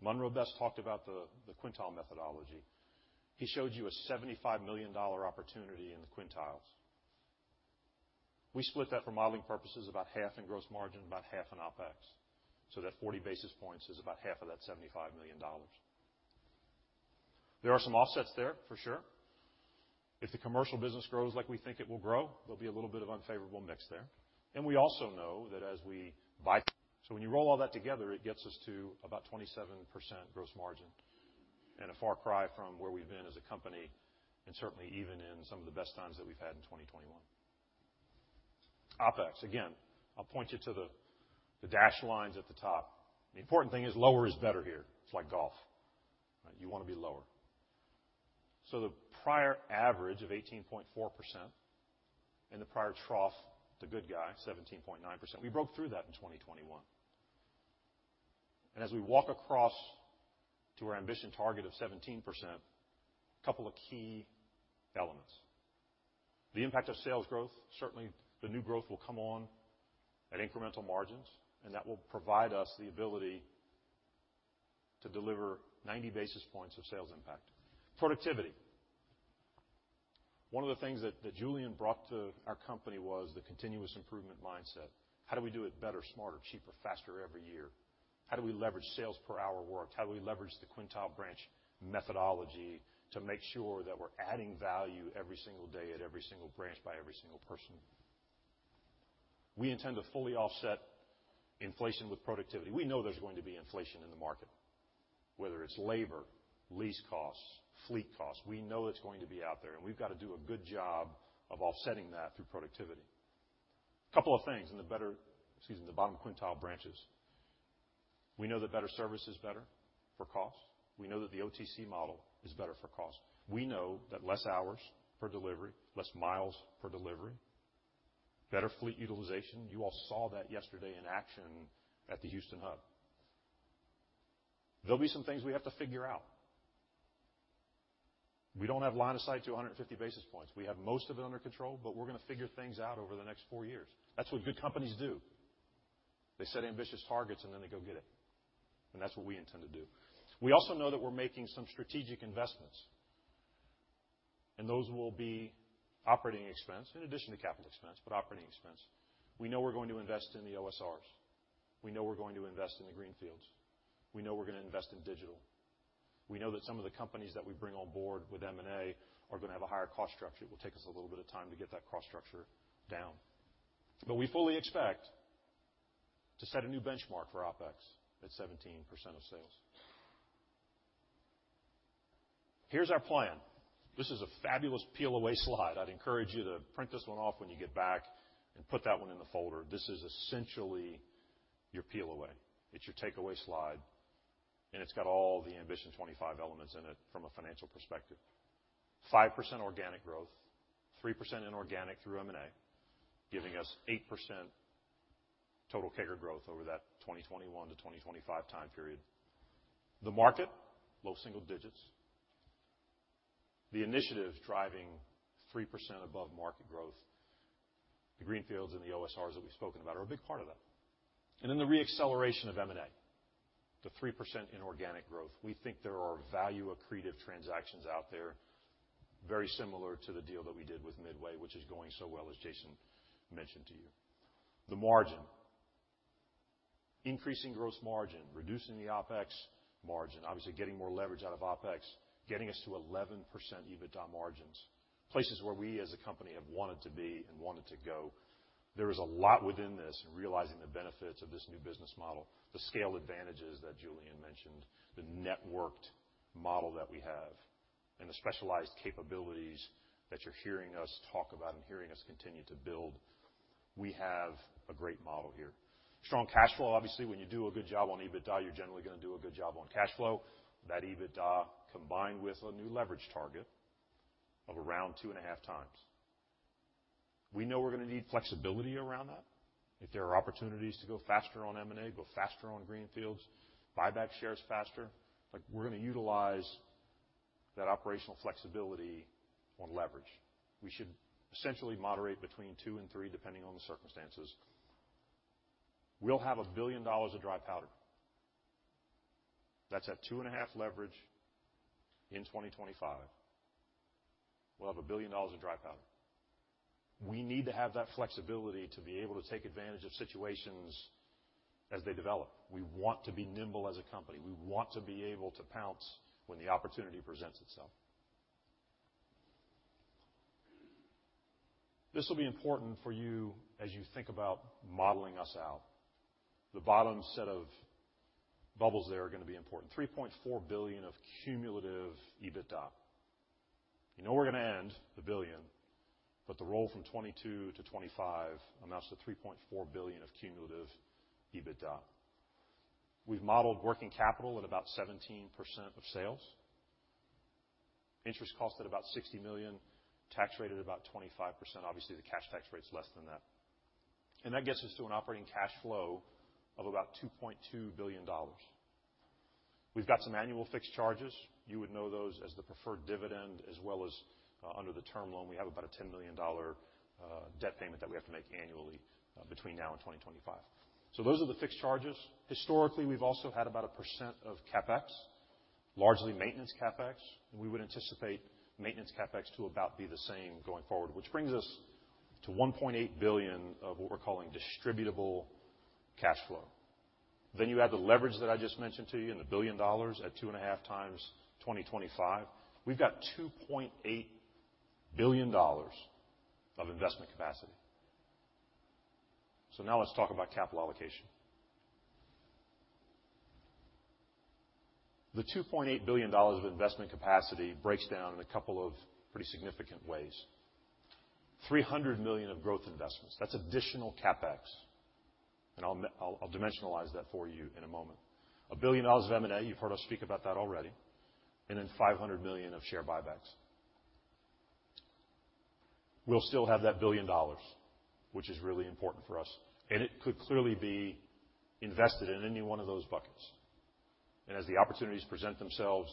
Munroe Best talked about the quintile methodology. He showed you a $75 million opportunity in the quintiles. We split that for modeling purposes about half in gross margin, about half in OpEx. That 40 basis points is about half of that $75 million. There are some offsets there, for sure. If the commercial business grows like we think it will grow, there'll be a little bit of unfavorable mix there. We also know that as we buy... When you roll all that together, it gets us to about 27% gross margin and a far cry from where we've been as a company and certainly even in some of the best times that we've had in 2021. OpEx, again, I'll point you to the dashed lines at the top. The important thing is lower is better here. It's like golf, right? You wanna be lower. The prior average of 18.4% and the prior trough, the good guy, 17.9%, we broke through that in 2021. As we walk across to our Ambition target of 17%, couple of key elements. The impact of sales growth. Certainly, the new growth will come on at incremental margins, and that will provide us the ability to deliver 90 basis points of sales impact. Productivity. One of the things that Julian brought to our company was the continuous improvement mindset. How do we do it better, smarter, cheaper, faster every year? How do we leverage sales per hour worked? How do we leverage the quintile branch methodology to make sure that we're adding value every single day at every single branch by every single person? We intend to fully offset inflation with productivity. We know there's going to be inflation in the market, whether it's labor, lease costs, fleet costs. We know it's going to be out there, and we've got to do a good job of offsetting that through productivity. Excuse me, the bottom quintile branches. We know that better service is better for cost. We know that the OTC model is better for cost. We know that less hours per delivery, less miles per delivery, better fleet utilization. You all saw that yesterday in action at the Houston Hub. There'll be some things we have to figure out. We don't have line of sight to 150 basis points. We have most of it under control, but we're gonna figure things out over the next four years. That's what good companies do. They set ambitious targets, and then they go get it. That's what we intend to do. We also know that we're making some strategic investments, and those will be operating expense in addition to capital expense, but operating expense. We know we're going to invest in the OSRs. We know we're going to invest in the greenfields. We know we're gonna invest in digital. We know that some of the companies that we bring on board with M&A are gonna have a higher cost structure. It will take us a little bit of time to get that cost structure down. We fully expect to set a new benchmark for OpEx at 17% of sales. Here's our plan. This is a fabulous peel-away slide. I'd encourage you to print this one off when you get back and put that one in the folder. This is essentially your peel-away. It's your takeaway slide, and it's got all the Ambition 2025 elements in it from a financial perspective. 5% organic growth, 3% inorganic through M&A, giving us 8% total CAGR growth over that 2021-2025 time period. The market, low single digits. The initiatives driving 3% above market growth. The greenfields and the OSRs that we've spoken about are a big part of that. Then the re-acceleration of M&A, the 3% inorganic growth. We think there are value accretive transactions out there, very similar to the deal that we did with Midway, which is going so well, as Jason mentioned to you. The margin increasing gross margin, reducing the OpEx margin, obviously getting more leverage out of OpEx, getting us to 11% EBITDA margins, places where we as a company have wanted to be and wanted to go. There is a lot within this in realizing the benefits of this new business model, the scale advantages that Julian mentioned, the networked model that we have, and the specialized capabilities that you're hearing us talk about and hearing us continue to build. We have a great model here. Strong cash flow. Obviously, when you do a good job on EBITDA, you're generally going to do a good job on cash flow. That EBITDA combined with a new leverage target of around 2.5x, we know we're going to need flexibility around that. If there are opportunities to go faster on M&A, go faster on greenfields, buy back shares faster, we're going to utilize that operational flexibility on leverage. We should essentially moderate between two and three depending on the circumstances. We'll have $1 billion of dry powder. That's at 2.5x leverage in 2025. We'll have $1 billion of dry powder. We need to have that flexibility to be able to take advantage of situations as they develop. We want to be nimble as a company. We want to be able to pounce when the opportunity presents itself. This will be important for you as you think about modeling us out. The bottom set of bubbles there are going to be important. $3.4 billion of cumulative EBITDA. You know we're going to end a billion, but the roll from 2022 to 2025 amounts to $3.4 billion of cumulative EBITDA. We've modeled working capital at about 17% of sales. Interest cost at about $60 million. Tax rate at about 25%. Obviously, the cash tax rate is less than that. That gets us to an operating cash flow of about $2.2 billion. We've got some annual fixed charges. You would know those as the preferred dividend as well as under the term loan. We have about a $10 million debt payment that we have to make annually between now and 2025. Those are the fixed charges. Historically, we've also had about 1% of CapEx, largely maintenance CapEx. We would anticipate maintenance CapEx to be about the same going forward, which brings us to $1.8 billion of what we're calling distributable cash flow. You add the leverage that I just mentioned to you and the $1 billion at 2.5x 2025. We've got $2.8 billion of investment capacity. Now let's talk about capital allocation. The $2.8 billion of investment capacity breaks down in a couple of pretty significant ways. $300 million of growth investments. That's additional CapEx. I'll dimensionalize that for you in a moment. $1 billion of M&A. You've heard us speak about that already. Five hundred million of share buybacks. We'll still have that $1 billion, which is really important for us. It could clearly be invested in any one of those buckets. As the opportunities present themselves,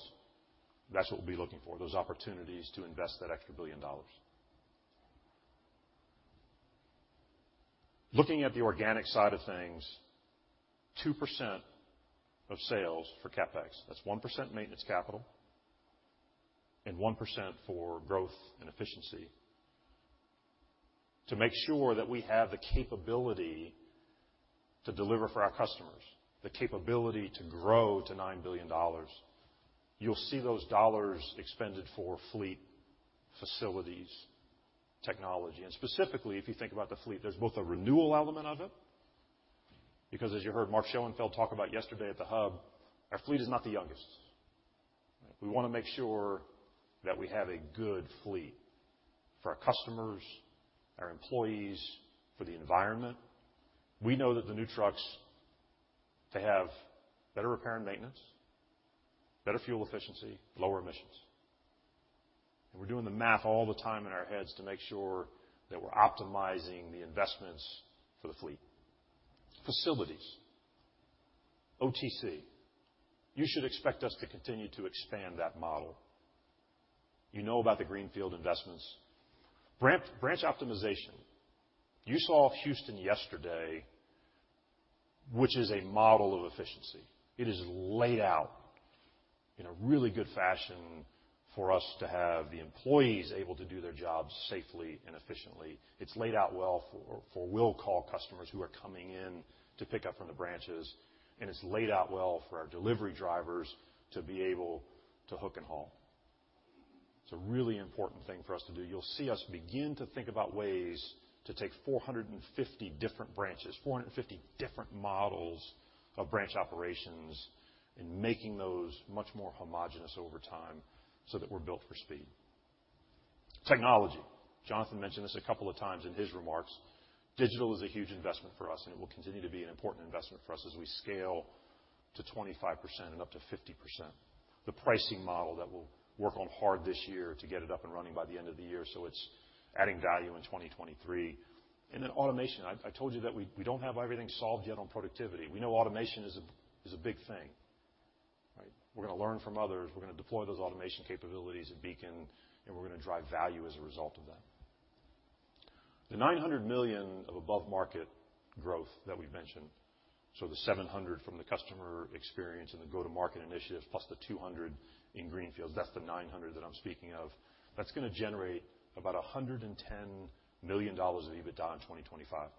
that's what we'll be looking for, those opportunities to invest that extra $1 billion. Looking at the organic side of things, 2% of sales for CapEx. That's 1% maintenance capital and 1% for growth and efficiency to make sure that we have the capability to deliver for our customers, the capability to grow to $9 billion. You'll see those dollars expended for fleet, facilities, technology. Specifically, if you think about the fleet, there's both a renewal element of it, because as you heard Mark Schoenfeldt talk about yesterday at the hub, our fleet is not the youngest. We want to make sure that we have a good fleet for our customers, our employees, for the environment. We know that the new trucks, they have better repair and maintenance, better fuel efficiency, lower emissions. We're doing the math all the time in our heads to make sure that we're optimizing the investments for the fleet. Facilities, OTC. You should expect us to continue to expand that model. You know about the greenfield investments. Branch optimization. You saw Houston yesterday, which is a model of efficiency. It is laid out in a really good fashion for us to have the employees able to do their jobs safely and efficiently. It's laid out well for will call customers who are coming in to pick up from the branches. It's laid out well for our delivery drivers to be able to hook and haul. It's a really important thing for us to do. You'll see us begin to think about ways to take 450 different branches, 450 different models of branch operations and making those much more homogeneous over time so that we're built for speed. Technology. Jonathan mentioned this a couple of times in his remarks. Digital is a huge investment for us, and it will continue to be an important investment for us as we scale to 25% and up to 50%. The pricing model that we'll work on hard this year to get it up and running by the end of the year, so it's adding value in 2023. Automation. I told you that we don't have everything solved yet on productivity. We know automation is a big thing, right? We're gonna learn from others, we're gonna deploy those automation capabilities at Beacon, and we're gonna drive value as a result of that. The $900 million of above-market growth that we've mentioned, so the $700 million from the customer experience and the go-to-market initiative, plus the $200 million in greenfields, that's the $900 million that I'm speaking of. That's gonna generate about $110 million of EBITDA in 2025.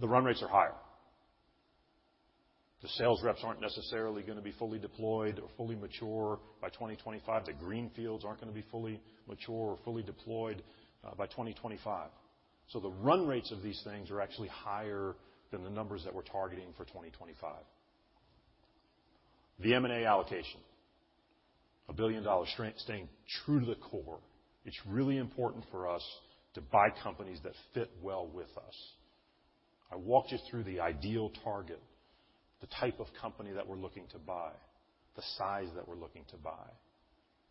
The run rates are higher. The sales reps aren't necessarily gonna be fully deployed or fully mature by 2025. The greenfields aren't gonna be fully mature or fully deployed by 2025. The run rates of these things are actually higher than the numbers that we're targeting for 2025. The M&A allocation. A billion-dollar strength staying true to the core. It's really important for us to buy companies that fit well with us. I walked you through the ideal target, the type of company that we're looking to buy, the size that we're looking to buy,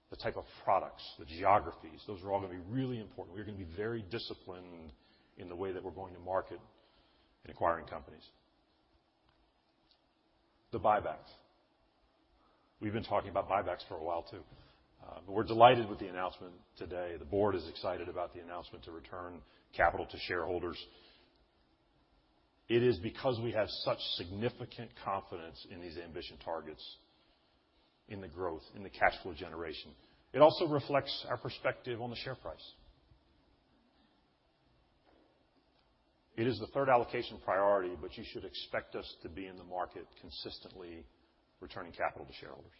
the type of products, the geographies. Those are all gonna be really important. We're gonna be very disciplined in the way that we're going to market in acquiring companies. The buybacks. We've been talking about buybacks for a while, too, but we're delighted with the announcement today. The board is excited about the announcement to return capital to shareholders. It is because we have such significant confidence in these ambition targets, in the growth, in the cash flow generation. It also reflects our perspective on the share price. It is the third allocation priority, but you should expect us to be in the market consistently returning capital to shareholders.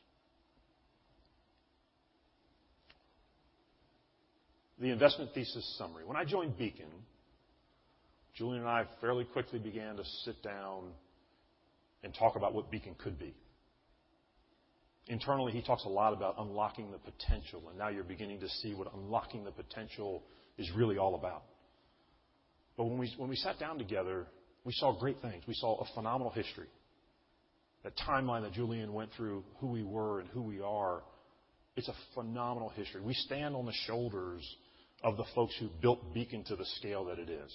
The investment thesis summary. When I joined Beacon, Julian and I fairly quickly began to sit down and talk about what Beacon could be. Internally, he talks a lot about unlocking the potential, and now you're beginning to see what unlocking the potential is really all about. When we sat down together, we saw great things. We saw a phenomenal history. The timeline that Julian went through, who we were and who we are, it's a phenomenal history. We stand on the shoulders of the folks who built Beacon to the scale that it is.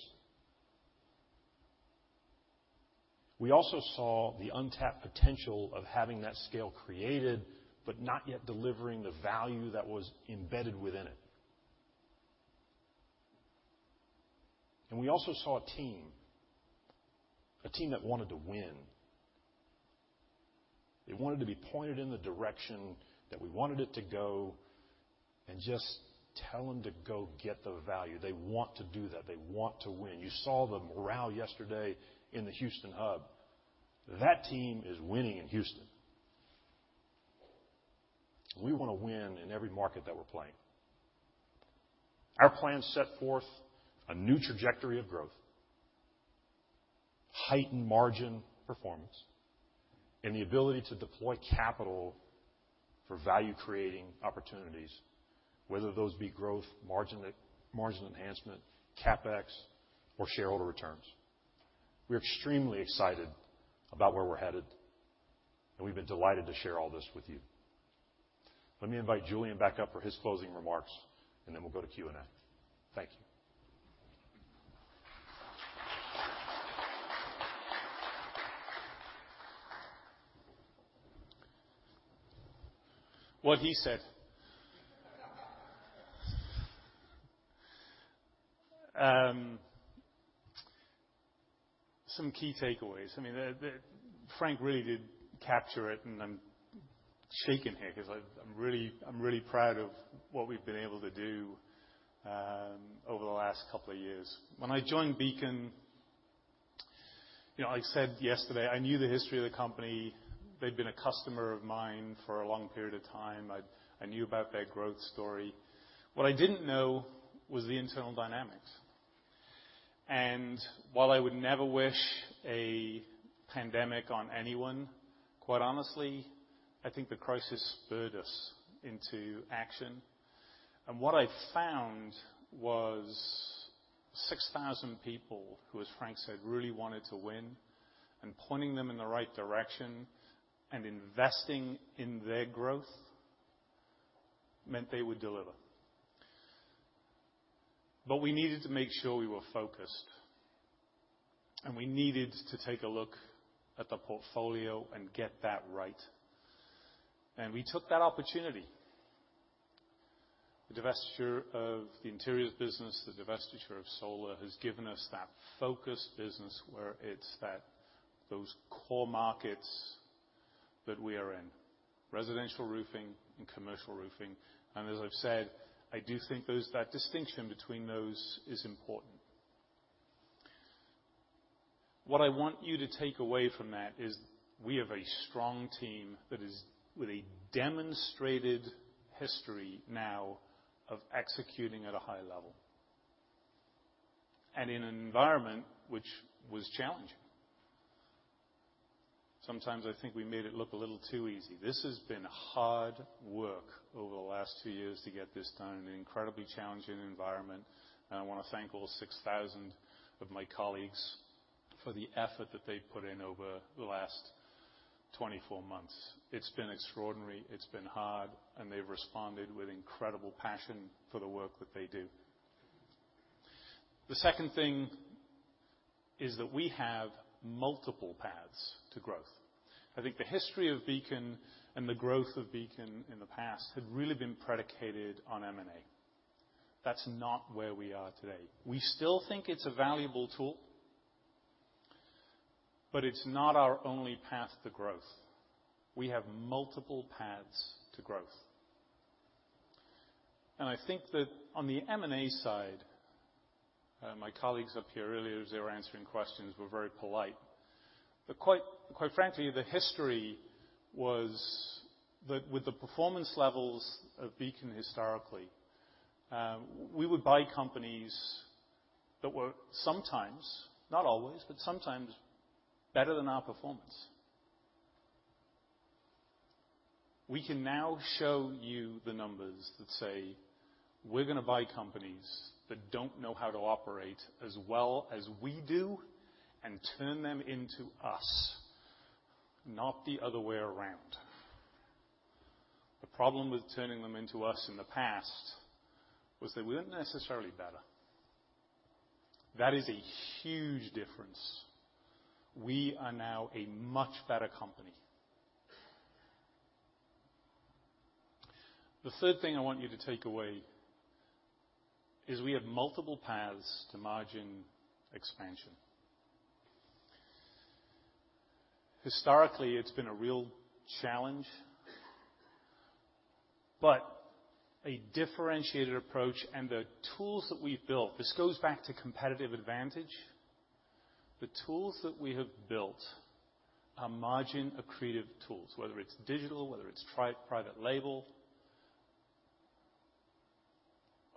We also saw the untapped potential of having that scale created, but not yet delivering the value that was embedded within it. We also saw a team that wanted to win. They wanted to be pointed in the direction that we wanted it to go and just tell them to go get the value. They want to do that. They want to win. You saw the morale yesterday in the Houston hub. That team is winning in Houston. We wanna win in every market that we're playing. Our plan set forth a new trajectory of growth, heightened margin performance, and the ability to deploy capital for value-creating opportunities, whether those be growth, margin enhancement, CapEx, or shareholder returns. We're extremely excited about where we're headed, and we've been delighted to share all this with you. Let me invite Julian back up for his closing remarks, and then we'll go to Q&A. Thank you. What he said. Some key takeaways. I mean, Frank really did capture it, and I'm shaking here 'cause I'm really proud of what we've been able to do over the last couple of years. When I joined Beacon, you know, I said yesterday, I knew the history of the company. They'd been a customer of mine for a long period of time. I knew about their growth story. What I didn't know was the internal dynamics. While I would never wish a pandemic on anyone, quite honestly, I think the crisis spurred us into action. What I found was 6,000 people who, as Frank said, really wanted to win and pointing them in the right direction and investing in their growth meant they would deliver. We needed to make sure we were focused, and we needed to take a look at the portfolio and get that right. We took that opportunity. The divestiture of the interiors business, the divestiture of solar, has given us that focused business where it's that, those core markets that we are in, residential roofing and commercial roofing. As I've said, I do think those, that distinction between those is important. What I want you to take away from that is we have a strong team that is with a demonstrated history now of executing at a high level and in an environment which was challenging. Sometimes I think we made it look a little too easy. This has been hard work over the last few years to get this done in an incredibly challenging environment, and I wanna thank all 6,000 of my colleagues for the effort that they put in over the last 24 months. It's been extraordinary. It's been hard, and they've responded with incredible passion for the work that they do. The second thing is that we have multiple paths to growth. I think the history of Beacon and the growth of Beacon in the past had really been predicated on M&A. That's not where we are today. We still think it's a valuable tool, but it's not our only path to growth. We have multiple paths to growth. I think that on the M&A side, my colleagues up here earlier as they were answering questions were very polite. Quite frankly, the history was that with the performance levels of Beacon historically, we would buy companies that were sometimes, not always, but sometimes better than our performance. We can now show you the numbers that say, "We're gonna buy companies that don't know how to operate as well as we do and turn them into us, not the other way around." The problem with turning them into us in the past was they weren't necessarily better. That is a huge difference. We are now a much better company. The third thing I want you to take away is we have multiple paths to margin expansion. Historically, it's been a real challenge, but a differentiated approach and the tools that we've built. This goes back to competitive advantage. The tools that we have built are margin-accretive tools, whether it's digital, whether it's TRI-BUILT.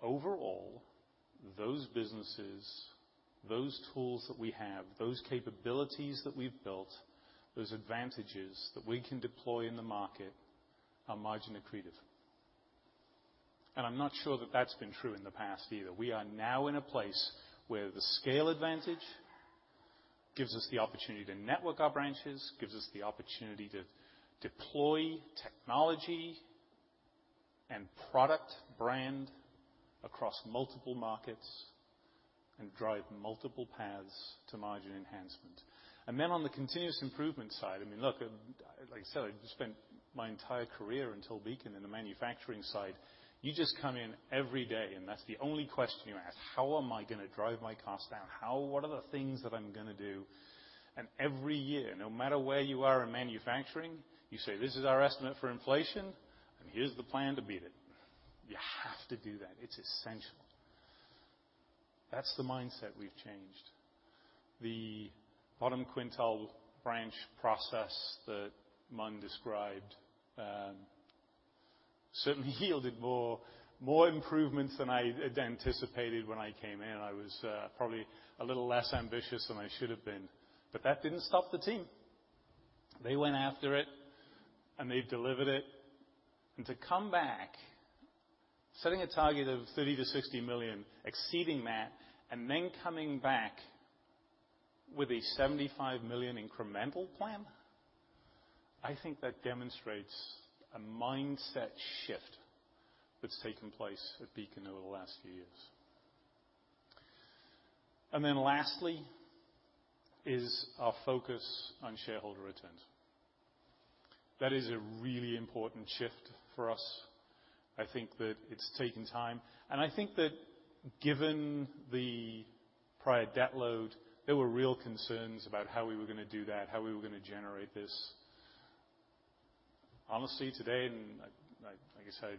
Overall, those businesses, those tools that we have, those capabilities that we've built, those advantages that we can deploy in the market are margin accretive. I'm not sure that that's been true in the past either. We are now in a place where the scale advantage gives us the opportunity to network our branches, gives us the opportunity to deploy technology and product brand across multiple markets and drive multiple paths to margin enhancement. On the continuous improvement side, I mean, look, like I said, I just spent my entire career until Beacon in the manufacturing side. You just come in every day, and that's the only question you ask, "How am I gonna drive my costs down? What are the things that I'm gonna do?" Every year, no matter where you are in manufacturing, you say, "This is our estimate for inflation, and here's the plan to beat it." You have to do that. It's essential. That's the mindset we've changed. The bottom quintile branch process that Mun described certainly yielded more improvements than I had anticipated when I came in. I was probably a little less ambitious than I should have been, but that didn't stop the team. They went after it, and they delivered it. To come back, setting a target of $30 million-$60 million, exceeding that, and then coming back with a $75 million incremental plan, I think that demonstrates a mindset shift that's taken place at Beacon over the last few years. Lastly is our focus on shareholder returns. That is a really important shift for us. I think that it's taken time, and I think that given the prior debt load, there were real concerns about how we were gonna do that, how we were gonna generate this. Honestly, today, and like I said,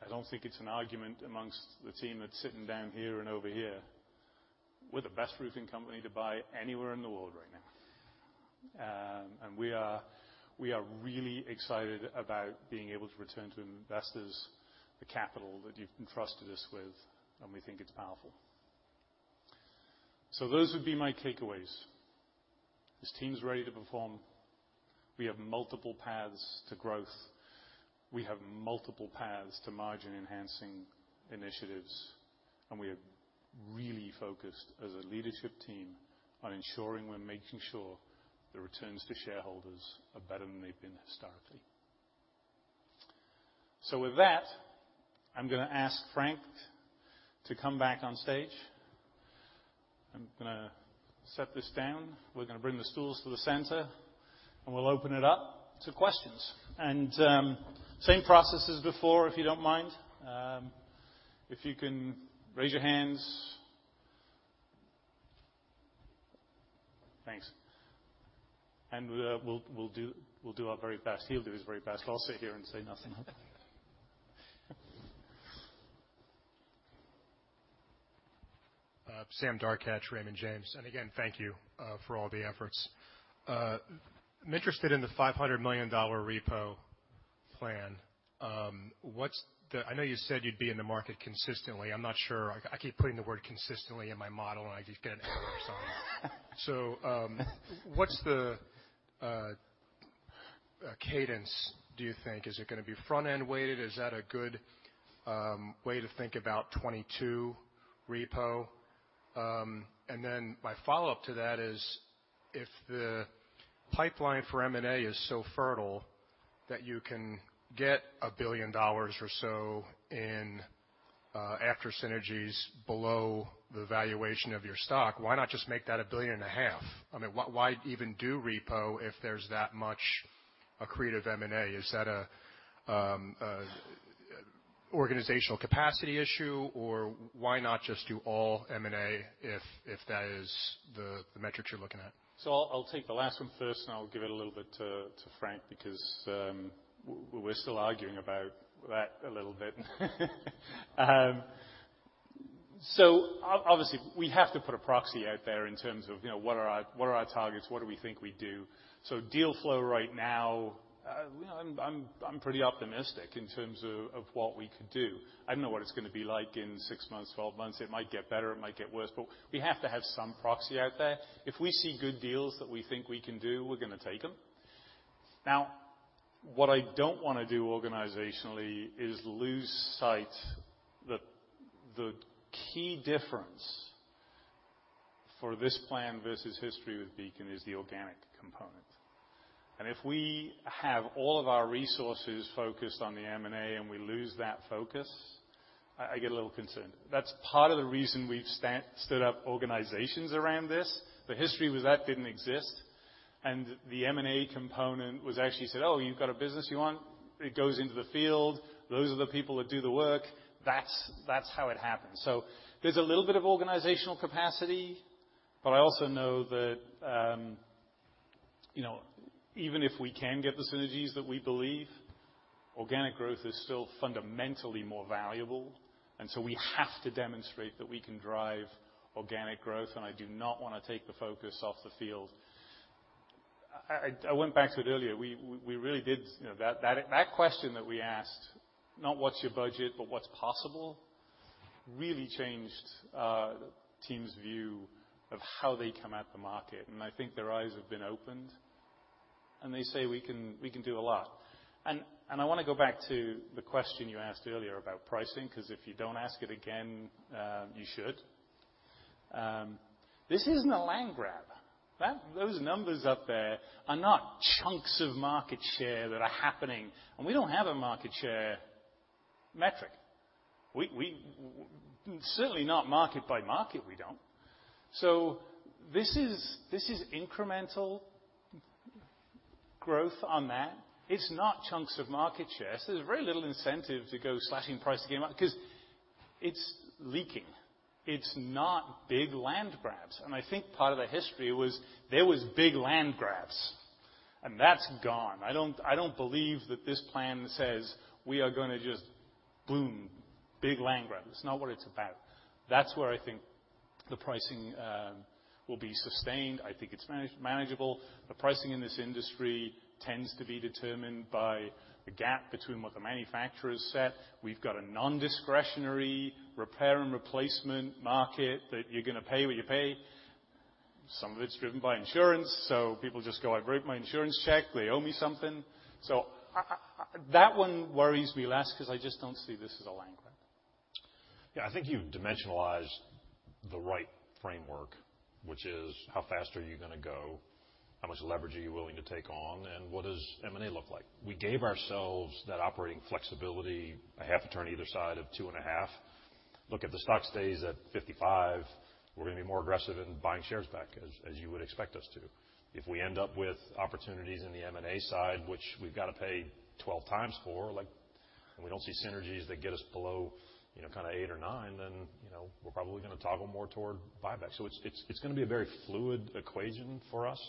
I don't think it's an argument amongst the team that's sitting down here and over here, we're the best roofing company to buy anywhere in the world right now. And we are really excited about being able to return to investors the capital that you've entrusted us with, and we think it's powerful. Those would be my takeaways. This team's ready to perform. We have multiple paths to growth. We have multiple paths to margin-enhancing initiatives, and we are really focused as a leadership team on ensuring we're making sure the returns to shareholders are better than they've been historically. With that, I'm gonna ask Frank to come back on stage. I'm gonna set this down. We're gonna bring the stools to the center, and we'll open it up to questions. Same process as before, if you don't mind. If you can raise your hands. Thanks. We'll do our very best. He'll do his very best. I'll sit here and say nothing. Sam Darkatsh, Raymond James. Again, thank you for all the efforts. I'm interested in the $500 million repo plan. What's the? I know you said you'd be in the market consistently. I'm not sure. I keep putting the word consistently in my model, and I just get an error sign. What's the? Cadence, do you think, is it gonna be front-end weighted? Is that a good way to think about 2022 repo? My follow-up to that is, if the pipeline for M&A is so fertile that you can get $1 billion or so in after synergies below the valuation of your stock, why not just make that $1.5 billion? I mean, why even do repo if there's that much accretive M&A? Is that a organizational capacity issue, or why not just do all M&A if that is the metric you're looking at? I'll take the last one first, and I'll give it a little bit to Frank because we're still arguing about that a little bit. Obviously we have to put a proxy out there in terms of, you know, what are our targets? What do we think we'd do? Deal flow right now, you know, I'm pretty optimistic in terms of what we could do. I don't know what it's gonna be like in six months, 12 months. It might get better, it might get worse, but we have to have some proxy out there. If we see good deals that we think we can do, we're gonna take them. Now, what I don't wanna do organizationally is lose sight that the key difference for this plan versus history with Beacon is the organic component. If we have all of our resources focused on the M&A and we lose that focus, I get a little concerned. That's part of the reason we've stood up organizations around this. The history was that didn't exist, and the M&A component was actually said, "Oh, you've got a business you want," it goes into the field. Those are the people that do the work. That's how it happened. There's a little bit of organizational capacity, but I also know that even if we can get the synergies that we believe, organic growth is still fundamentally more valuable, and so we have to demonstrate that we can drive organic growth, and I do not wanna take the focus off the field. I went back to it earlier. We really did, you know, that question that we asked, not what's your budget, but what's possible, really changed the team's view of how they come at the market. I think their eyes have been opened, and they say, we can do a lot. I wanna go back to the question you asked earlier about pricing, because if you don't ask it again, you should. This isn't a land grab. Those numbers up there are not chunks of market share that are happening, and we don't have a market share metric. Certainly not market by market, we don't. This is incremental growth on that. It's not chunks of market share. There's very little incentive to go slashing price to give up because it's leaking. It's not big land grabs. I think part of the history was there was big land grabs, and that's gone. I don't believe that this plan says we are gonna just boom, big land grabs. It's not what it's about. That's where I think the pricing will be sustained. I think it's manageable. The pricing in this industry tends to be determined by the gap between what the manufacturers set. We've got a nondiscretionary repair and replacement market that you're gonna pay what you pay. Some of it's driven by insurance, so people just go, "I wrote my insurance check. They owe me something." That one worries me less because I just don't see this as a land grab. Yeah, I think you've dimensionalized the right framework, which is how fast are you gonna go? How much leverage are you willing to take on, and what does M&A look like? We gave ourselves that operating flexibility, a half a turn either side of 2.5. Look, if the stock stays at 55, we're gonna be more aggressive in buying shares back, as you would expect us to. If we end up with opportunities in the M&A side, which we've got to pay 12x for, like, and we don't see synergies that get us below, you know, kind of eight or nine, then, you know, we're probably gonna toggle more toward buyback. It's gonna be a very fluid equation for us.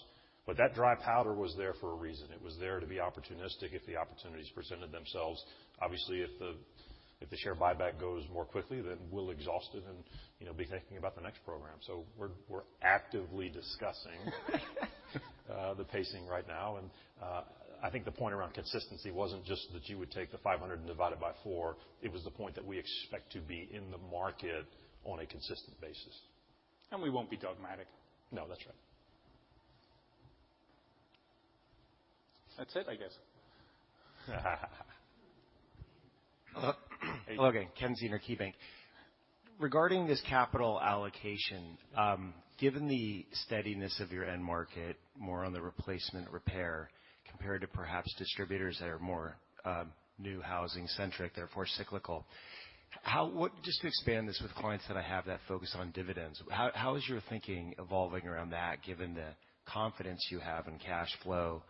That dry powder was there for a reason. It was there to be opportunistic if the opportunities presented themselves. Obviously, if the share buyback goes more quickly, then we'll exhaust it and, you know, be thinking about the next program. We're actively discussing the pacing right now. I think the point around consistency wasn't just that you would take the 500 and divide it by four. It was the point that we expect to be in the market on a consistent basis. We won't be dogmatic. No, that's right. That's it, I guess. Okay. Ken Zener, KeyBanc. Regarding this capital allocation, given the steadiness of your end market, more on the replacement repair compared to perhaps distributors that are more new housing centric, therefore cyclical, just to expand this with clients that I have that focus on dividends, how is your thinking evolving around that given the confidence you have in cash flow?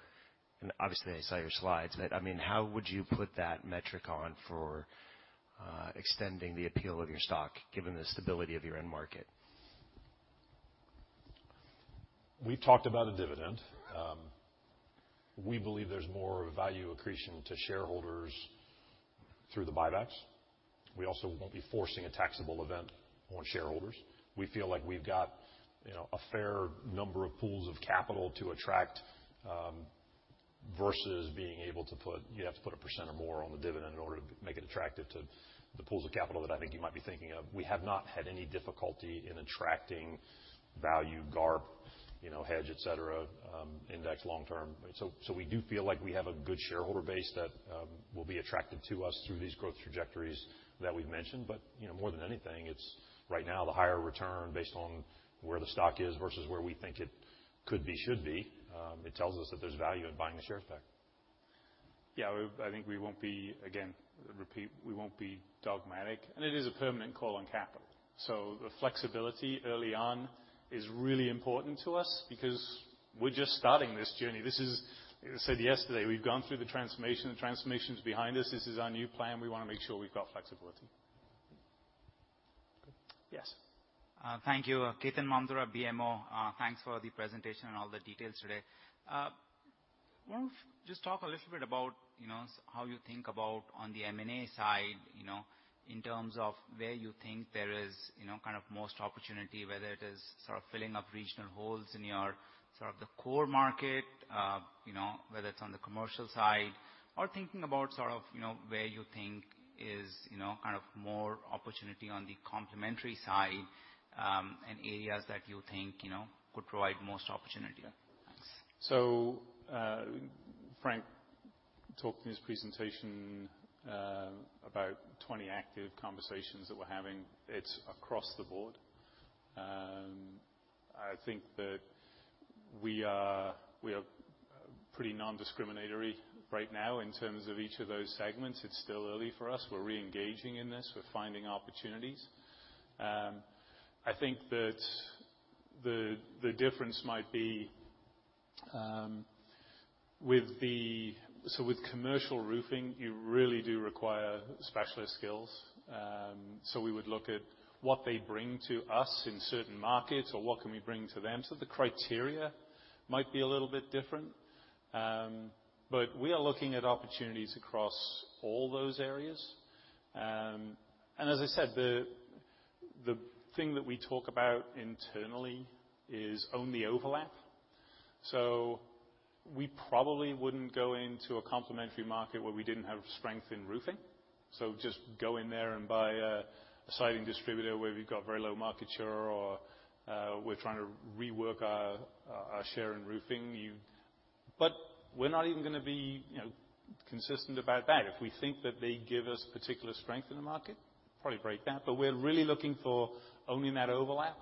Obviously I saw your slides. I mean, how would you put that metric on for extending the appeal of your stock given the stability of your end market? We talked about a dividend. We believe there's more value accretion to shareholders through the buybacks. We also won't be forcing a taxable event on shareholders. We feel like we've got, you know, a fair number of pools of capital to attract, versus you have to put a percent or more on the dividend in order to make it attractive to the pools of capital that I think you might be thinking of. We have not had any difficulty in attracting value, GARP, you know, hedge, etc, index long term. We do feel like we have a good shareholder base that will be attracted to us through these growth trajectories that we've mentioned. You know, more than anything, it's right now the higher return based on where the stock is versus where we think it could be, should be. It tells us that there's value in buying the shares back. I think we won't be dogmatic, and it is a permanent call on capital. The flexibility early on is really important to us because we're just starting this journey. I said yesterday, we've gone through the transformation. The transformation is behind us. This is our new plan. We wanna make sure we've got flexibility. Yes. Thank you. Ketan Mamtora, BMO. Thanks for the presentation and all the details today. Want to just talk a little bit about, you know, how you think about on the M&A side, you know, in terms of where you think there is, you know, kind of most opportunity, whether it is sort of filling up regional holes in your sort of the core market, you know, whether it's on the commercial side or thinking about sort of, you know, where you think is, you know, kind of more opportunity on the complementary side, and areas that you think, you know, could provide most opportunity. Thanks. Frank talked in his presentation about 20 active conversations that we're having. It's across the board. I think that we are pretty nondiscriminatory right now in terms of each of those segments. It's still early for us. We're reengaging in this. We're finding opportunities. I think that the difference might be with commercial roofing, you really do require specialist skills. We would look at what they bring to us in certain markets or what can we bring to them. The criteria might be a little bit different. But we are looking at opportunities across all those areas. As I said, the thing that we talk about internally is own the overlap. We probably wouldn't go into a complementary market where we didn't have strength in roofing. Just go in there and buy a siding distributor where we've got very low market share or we're trying to rework our share in roofing. We're not even gonna be, you know, consistent about that. If we think that they give us particular strength in the market, probably break that. We're really looking for owning that overlap.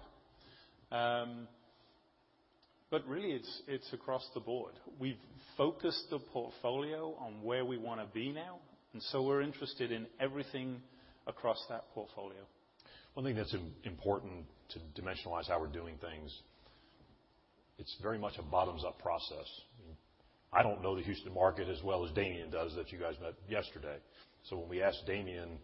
Really it's across the board. We've focused the portfolio on where we wanna be now, and so we're interested in everything across that portfolio. One thing that's important to dimensionalize how we're doing things, it's very much a bottoms-up process. I don't know the Houston market as well as Damian does, that you guys met yesterday. When we ask Damian,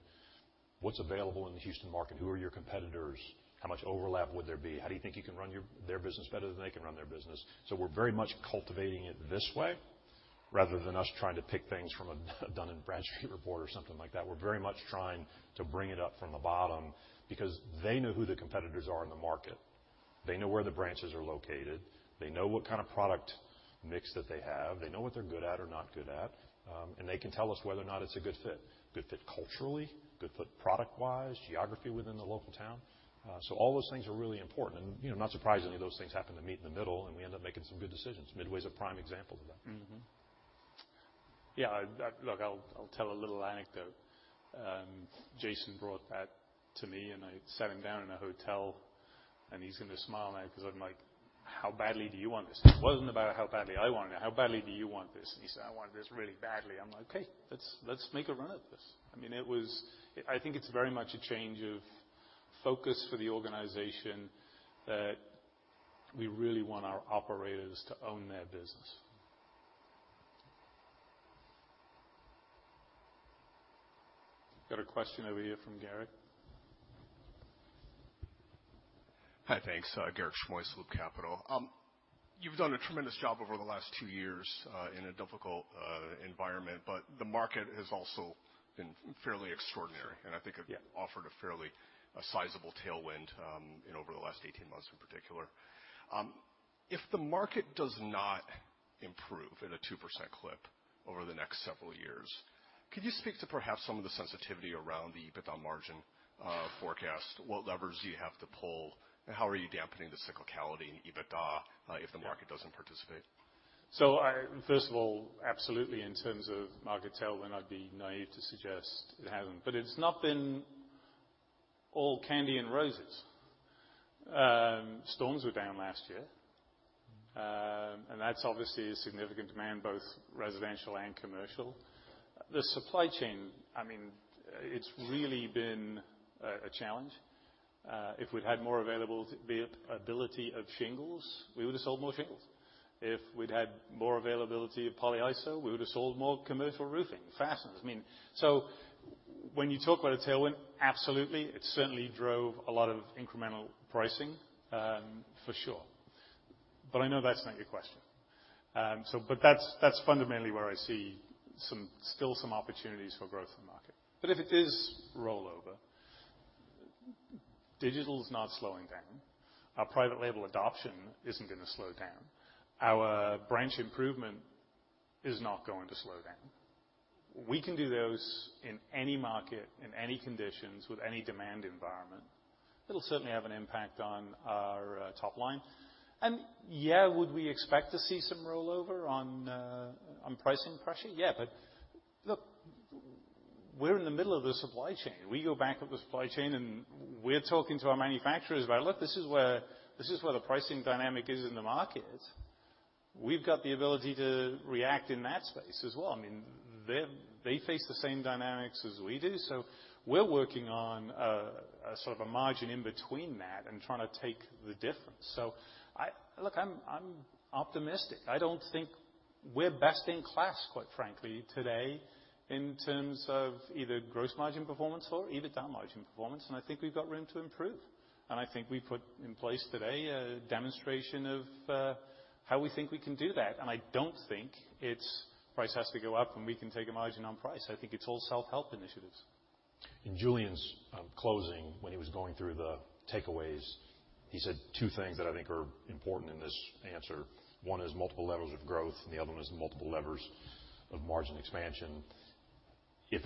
"What's available in the Houston market? Who are your competitors? How much overlap would there be? How do you think you can run their business better than they can run their business?" We're very much cultivating it this way rather than us trying to pick things from a Dun & Bradstreet report or something like that. We're very much trying to bring it up from the bottom because they know who the competitors are in the market. They know where the branches are located. They know what kind of product mix that they have. They know what they're good at or not good at. They can tell us whether or not it's a good fit, good fit culturally, good fit product-wise, geography within the local town. All those things are really important. You know, not surprisingly, those things happen to meet in the middle, and we end up making some good decisions. Midway's a prime example of that. Yeah, I look, I'll tell a little anecdote. Jason brought that to me, and I sat him down in a hotel, and he's gonna smile now 'cause I'm like, "How badly do you want this?" It wasn't about how badly I wanted it. How badly do you want this? And he said, "I want this really badly." I'm like, "Okay, let's make a run at this." I mean, it was. I think it's very much a change of focus for the organization that we really want our operators to own their business. Got a question over here from Garik. Hi. Thanks. Garik Shmois, Loop Capital. You've done a tremendous job over the last two years in a difficult environment, but the market has also been fairly extraordinary. Sure, yeah. I think it offered a fairly sizable tailwind in over the last 18 months in particular. If the market does not improve in a 2% clip over the next several years, could you speak to perhaps some of the sensitivity around the EBITDA margin forecast? What levers do you have to pull, and how are you dampening the cyclicality in EBITDA if the market doesn't participate? First of all, absolutely in terms of market tailwind, I'd be naive to suggest it hasn't. It's not been all candy and roses. Storms were down last year. That's obviously a significant demand, both residential and commercial. The supply chain, I mean, it's really been a challenge. If we'd had more availability of shingles, we would have sold more shingles. If we'd had more availability of polyiso, we would have sold more commercial roofing fasteners. When you talk about a tailwind, absolutely, it certainly drove a lot of incremental pricing, for sure. I know that's not your question. That's fundamentally where I see some still some opportunities for growth in the market. If it is rollover, digital's not slowing down. Our private label adoption isn't gonna slow down. Our branch improvement is not going to slow down. We can do those in any market, in any conditions, with any demand environment. It'll certainly have an impact on our top line. Yeah, would we expect to see some rollover on pricing pressure? Yeah. Look, we're in the middle of the supply chain. We go back up the supply chain and we're talking to our manufacturers about, "Look, this is where the pricing dynamic is in the market." We've got the ability to react in that space as well. I mean, they face the same dynamics as we do, so we're working on a sort of margin in between that and trying to take the difference. Look, I'm optimistic. I don't think we're best in class, quite frankly, today in terms of either gross margin performance or even down margin performance, and I think we've got room to improve. I think we put in place today a demonstration of how we think we can do that. I don't think it's price has to go up and we can take a margin on price. I think it's all self-help initiatives. In Julian's closing when he was going through the takeaways, he said two things that I think are important in this answer. One is multiple levels of growth, and the other one is multiple levers of margin expansion. If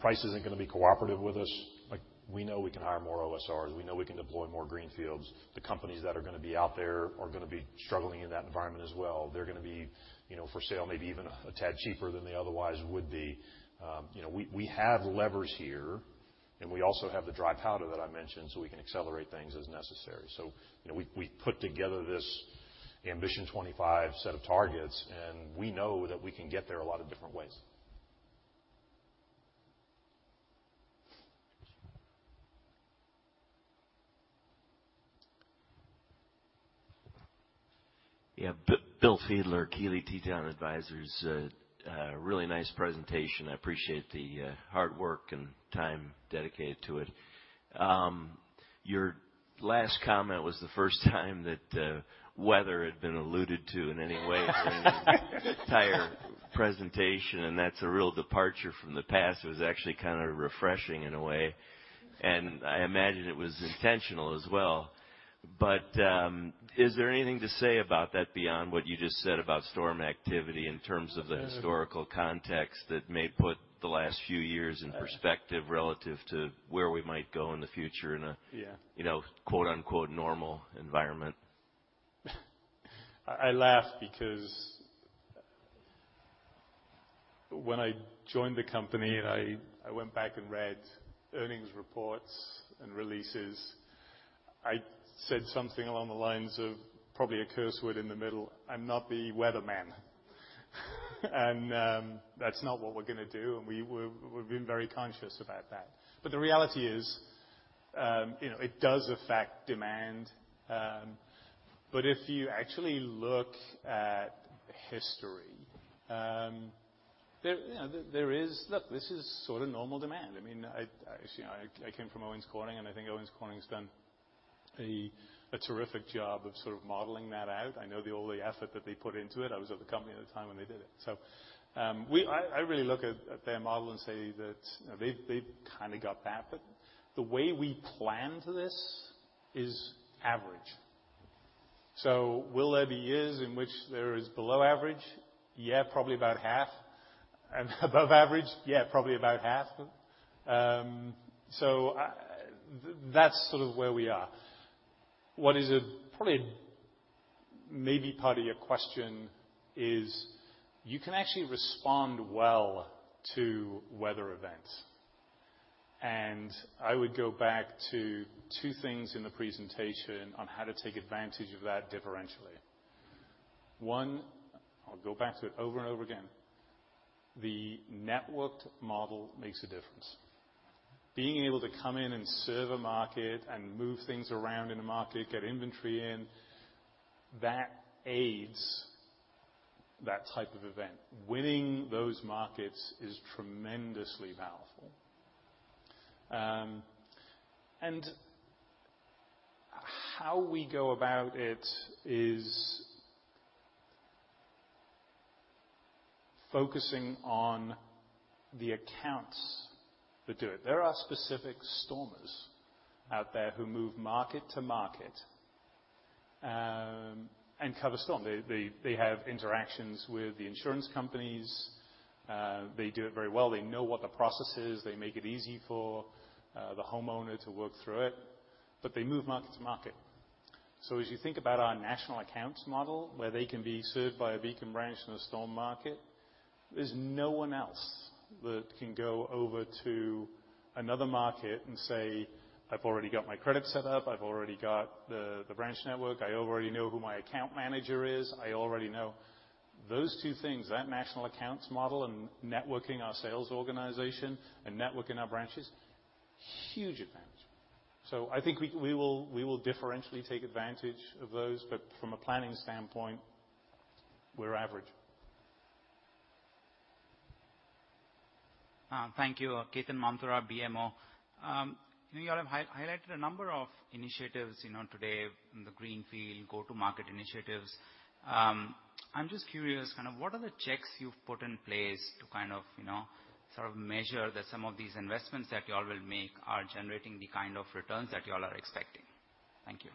price isn't gonna be cooperative with us, like we know we can hire more OSRs, we know we can deploy more greenfields. The companies that are gonna be out there are gonna be struggling in that environment as well. They're gonna be, you know, for sale maybe even a tad cheaper than they otherwise would be. You know, we have levers here, and we also have the dry powder that I mentioned, so we can accelerate things as necessary. You know, we put together this Ambition 2025 set of targets, and we know that we can get there a lot of different ways. Yeah. Bill Fiedler, Keeley Teton Advisors. Really nice presentation. I appreciate the hard work and time dedicated to it. Your last comment was the first time that weather had been alluded to in any way during this entire presentation, and that's a real departure from the past. It was actually kind of refreshing in a way, and I imagine it was intentional as well. Is there anything to say about that beyond what you just said about storm activity in terms of the historical context that may put the last few years in perspective relative to where we might go in the future in a- Yeah. You know, quote-unquote, "normal environment"? I laugh because when I joined the company and I went back and read earnings reports and releases, I said something along the lines of probably a curse word in the middle. I'm not the weatherman. That's not what we're gonna do, and we've been very conscious about that. The reality is, you know, it does affect demand. If you actually look at history, you know, look, this is sort of normal demand. I mean, as you know, I came from Owens Corning, and I think Owens Corning's done a terrific job of sort of modeling that out. I know all the effort that they put into it. I was at the company at the time when they did it. We... I really look at their model and say that they've kinda got that, but the way we plan for this is average. Will there be years in which there is below average? Yeah, probably about half. Above average? Yeah, probably about half. That's sort of where we are. What is probably a part of your question is you can actually respond well to weather events. I would go back to two things in the presentation on how to take advantage of that differentially. One, I'll go back to it over and over again, the networked model makes a difference. Being able to come in and serve a market and move things around in a market, get inventory in, that aids that type of event. Winning those markets is tremendously powerful. How we go about it is focusing on the accounts that do it. There are specific stormers out there who move market to market and cover storm. They have interactions with the insurance companies. They do it very well. They know what the process is. They make it easy for the homeowner to work through it, but they move market to market. As you think about our national accounts model, where they can be served by a Beacon branch in a storm market, there's no one else that can go over to another market and say, "I've already got my credit set up. I've already got the branch network. I already know who my account manager is. I already know." Those two things, that national accounts model and networking our sales organization and networking our branches, huge advantage. I think we will differentially take advantage of those, but from a planning standpoint, we're average. Thank you. Ketan Mamtora, BMO. You have highlighted a number of initiatives, you know, today in the greenfield go-to market initiatives. I'm just curious, kind of what are the checks you've put in place to kind of, you know, sort of measure that some of these investments that y'all will make are generating the kind of returns that y'all are expecting? Thank you.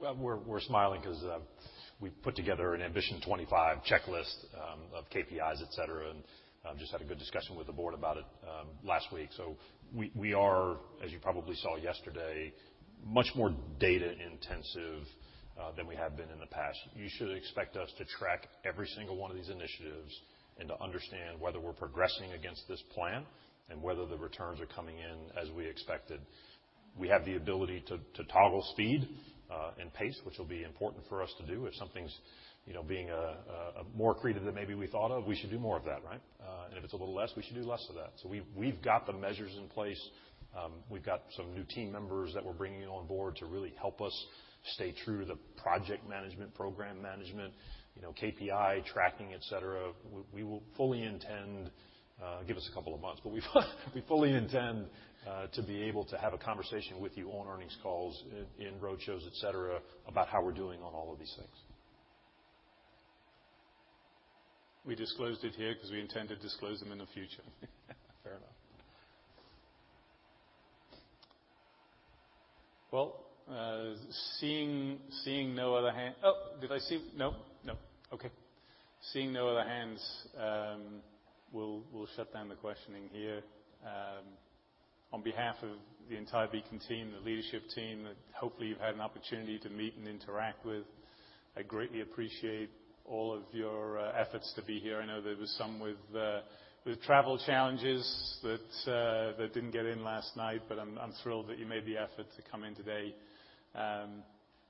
Well, we're smiling 'cause we've put together an Ambition 2025 checklist of KPIs, etc, and just had a good discussion with the board about it last week. We are, as you probably saw yesterday, much more data intensive than we have been in the past. You should expect us to track every single one of these initiatives and to understand whether we're progressing against this plan and whether the returns are coming in as we expected. We have the ability to toggle speed and pace, which will be important for us to do. If something's, you know, being more accretive than maybe we thought of, we should do more of that, right? And if it's a little less, we should do less of that. We've got the measures in place. We've got some new team members that we're bringing on board to really help us stay true to the project management, program management, you know, KPI tracking, etc. We will fully intend, give us a couple of months, but we fully intend to be able to have a conversation with you on earnings calls, in roadshows, etc, about how we're doing on all of these things. We disclosed it here 'cause we intend to disclose them in the future. Fair enough. Well, seeing no other hands, we'll shut down the questioning here. On behalf of the entire Beacon team, the leadership team that hopefully you've had an opportunity to meet and interact with, I greatly appreciate all of your efforts to be here. I know there was some with travel challenges that didn't get in last night, but I'm thrilled that you made the effort to come in today.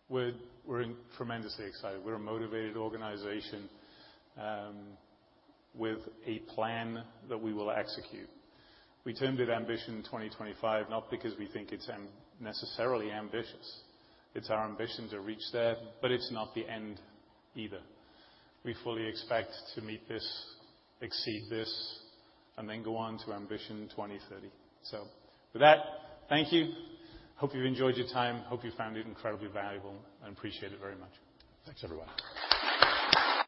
We're tremendously excited. We're a motivated organization with a plan that we will execute. We termed it Ambition 2025, not because we think it's necessarily ambitious. It's our ambition to reach there, but it's not the end either. We fully expect to meet this, exceed this, and then go on to Ambition 2030. With that, thank you. I hope you've enjoyed your time. I hope you found it incredibly valuable, and appreciate it very much. Thanks, everyone.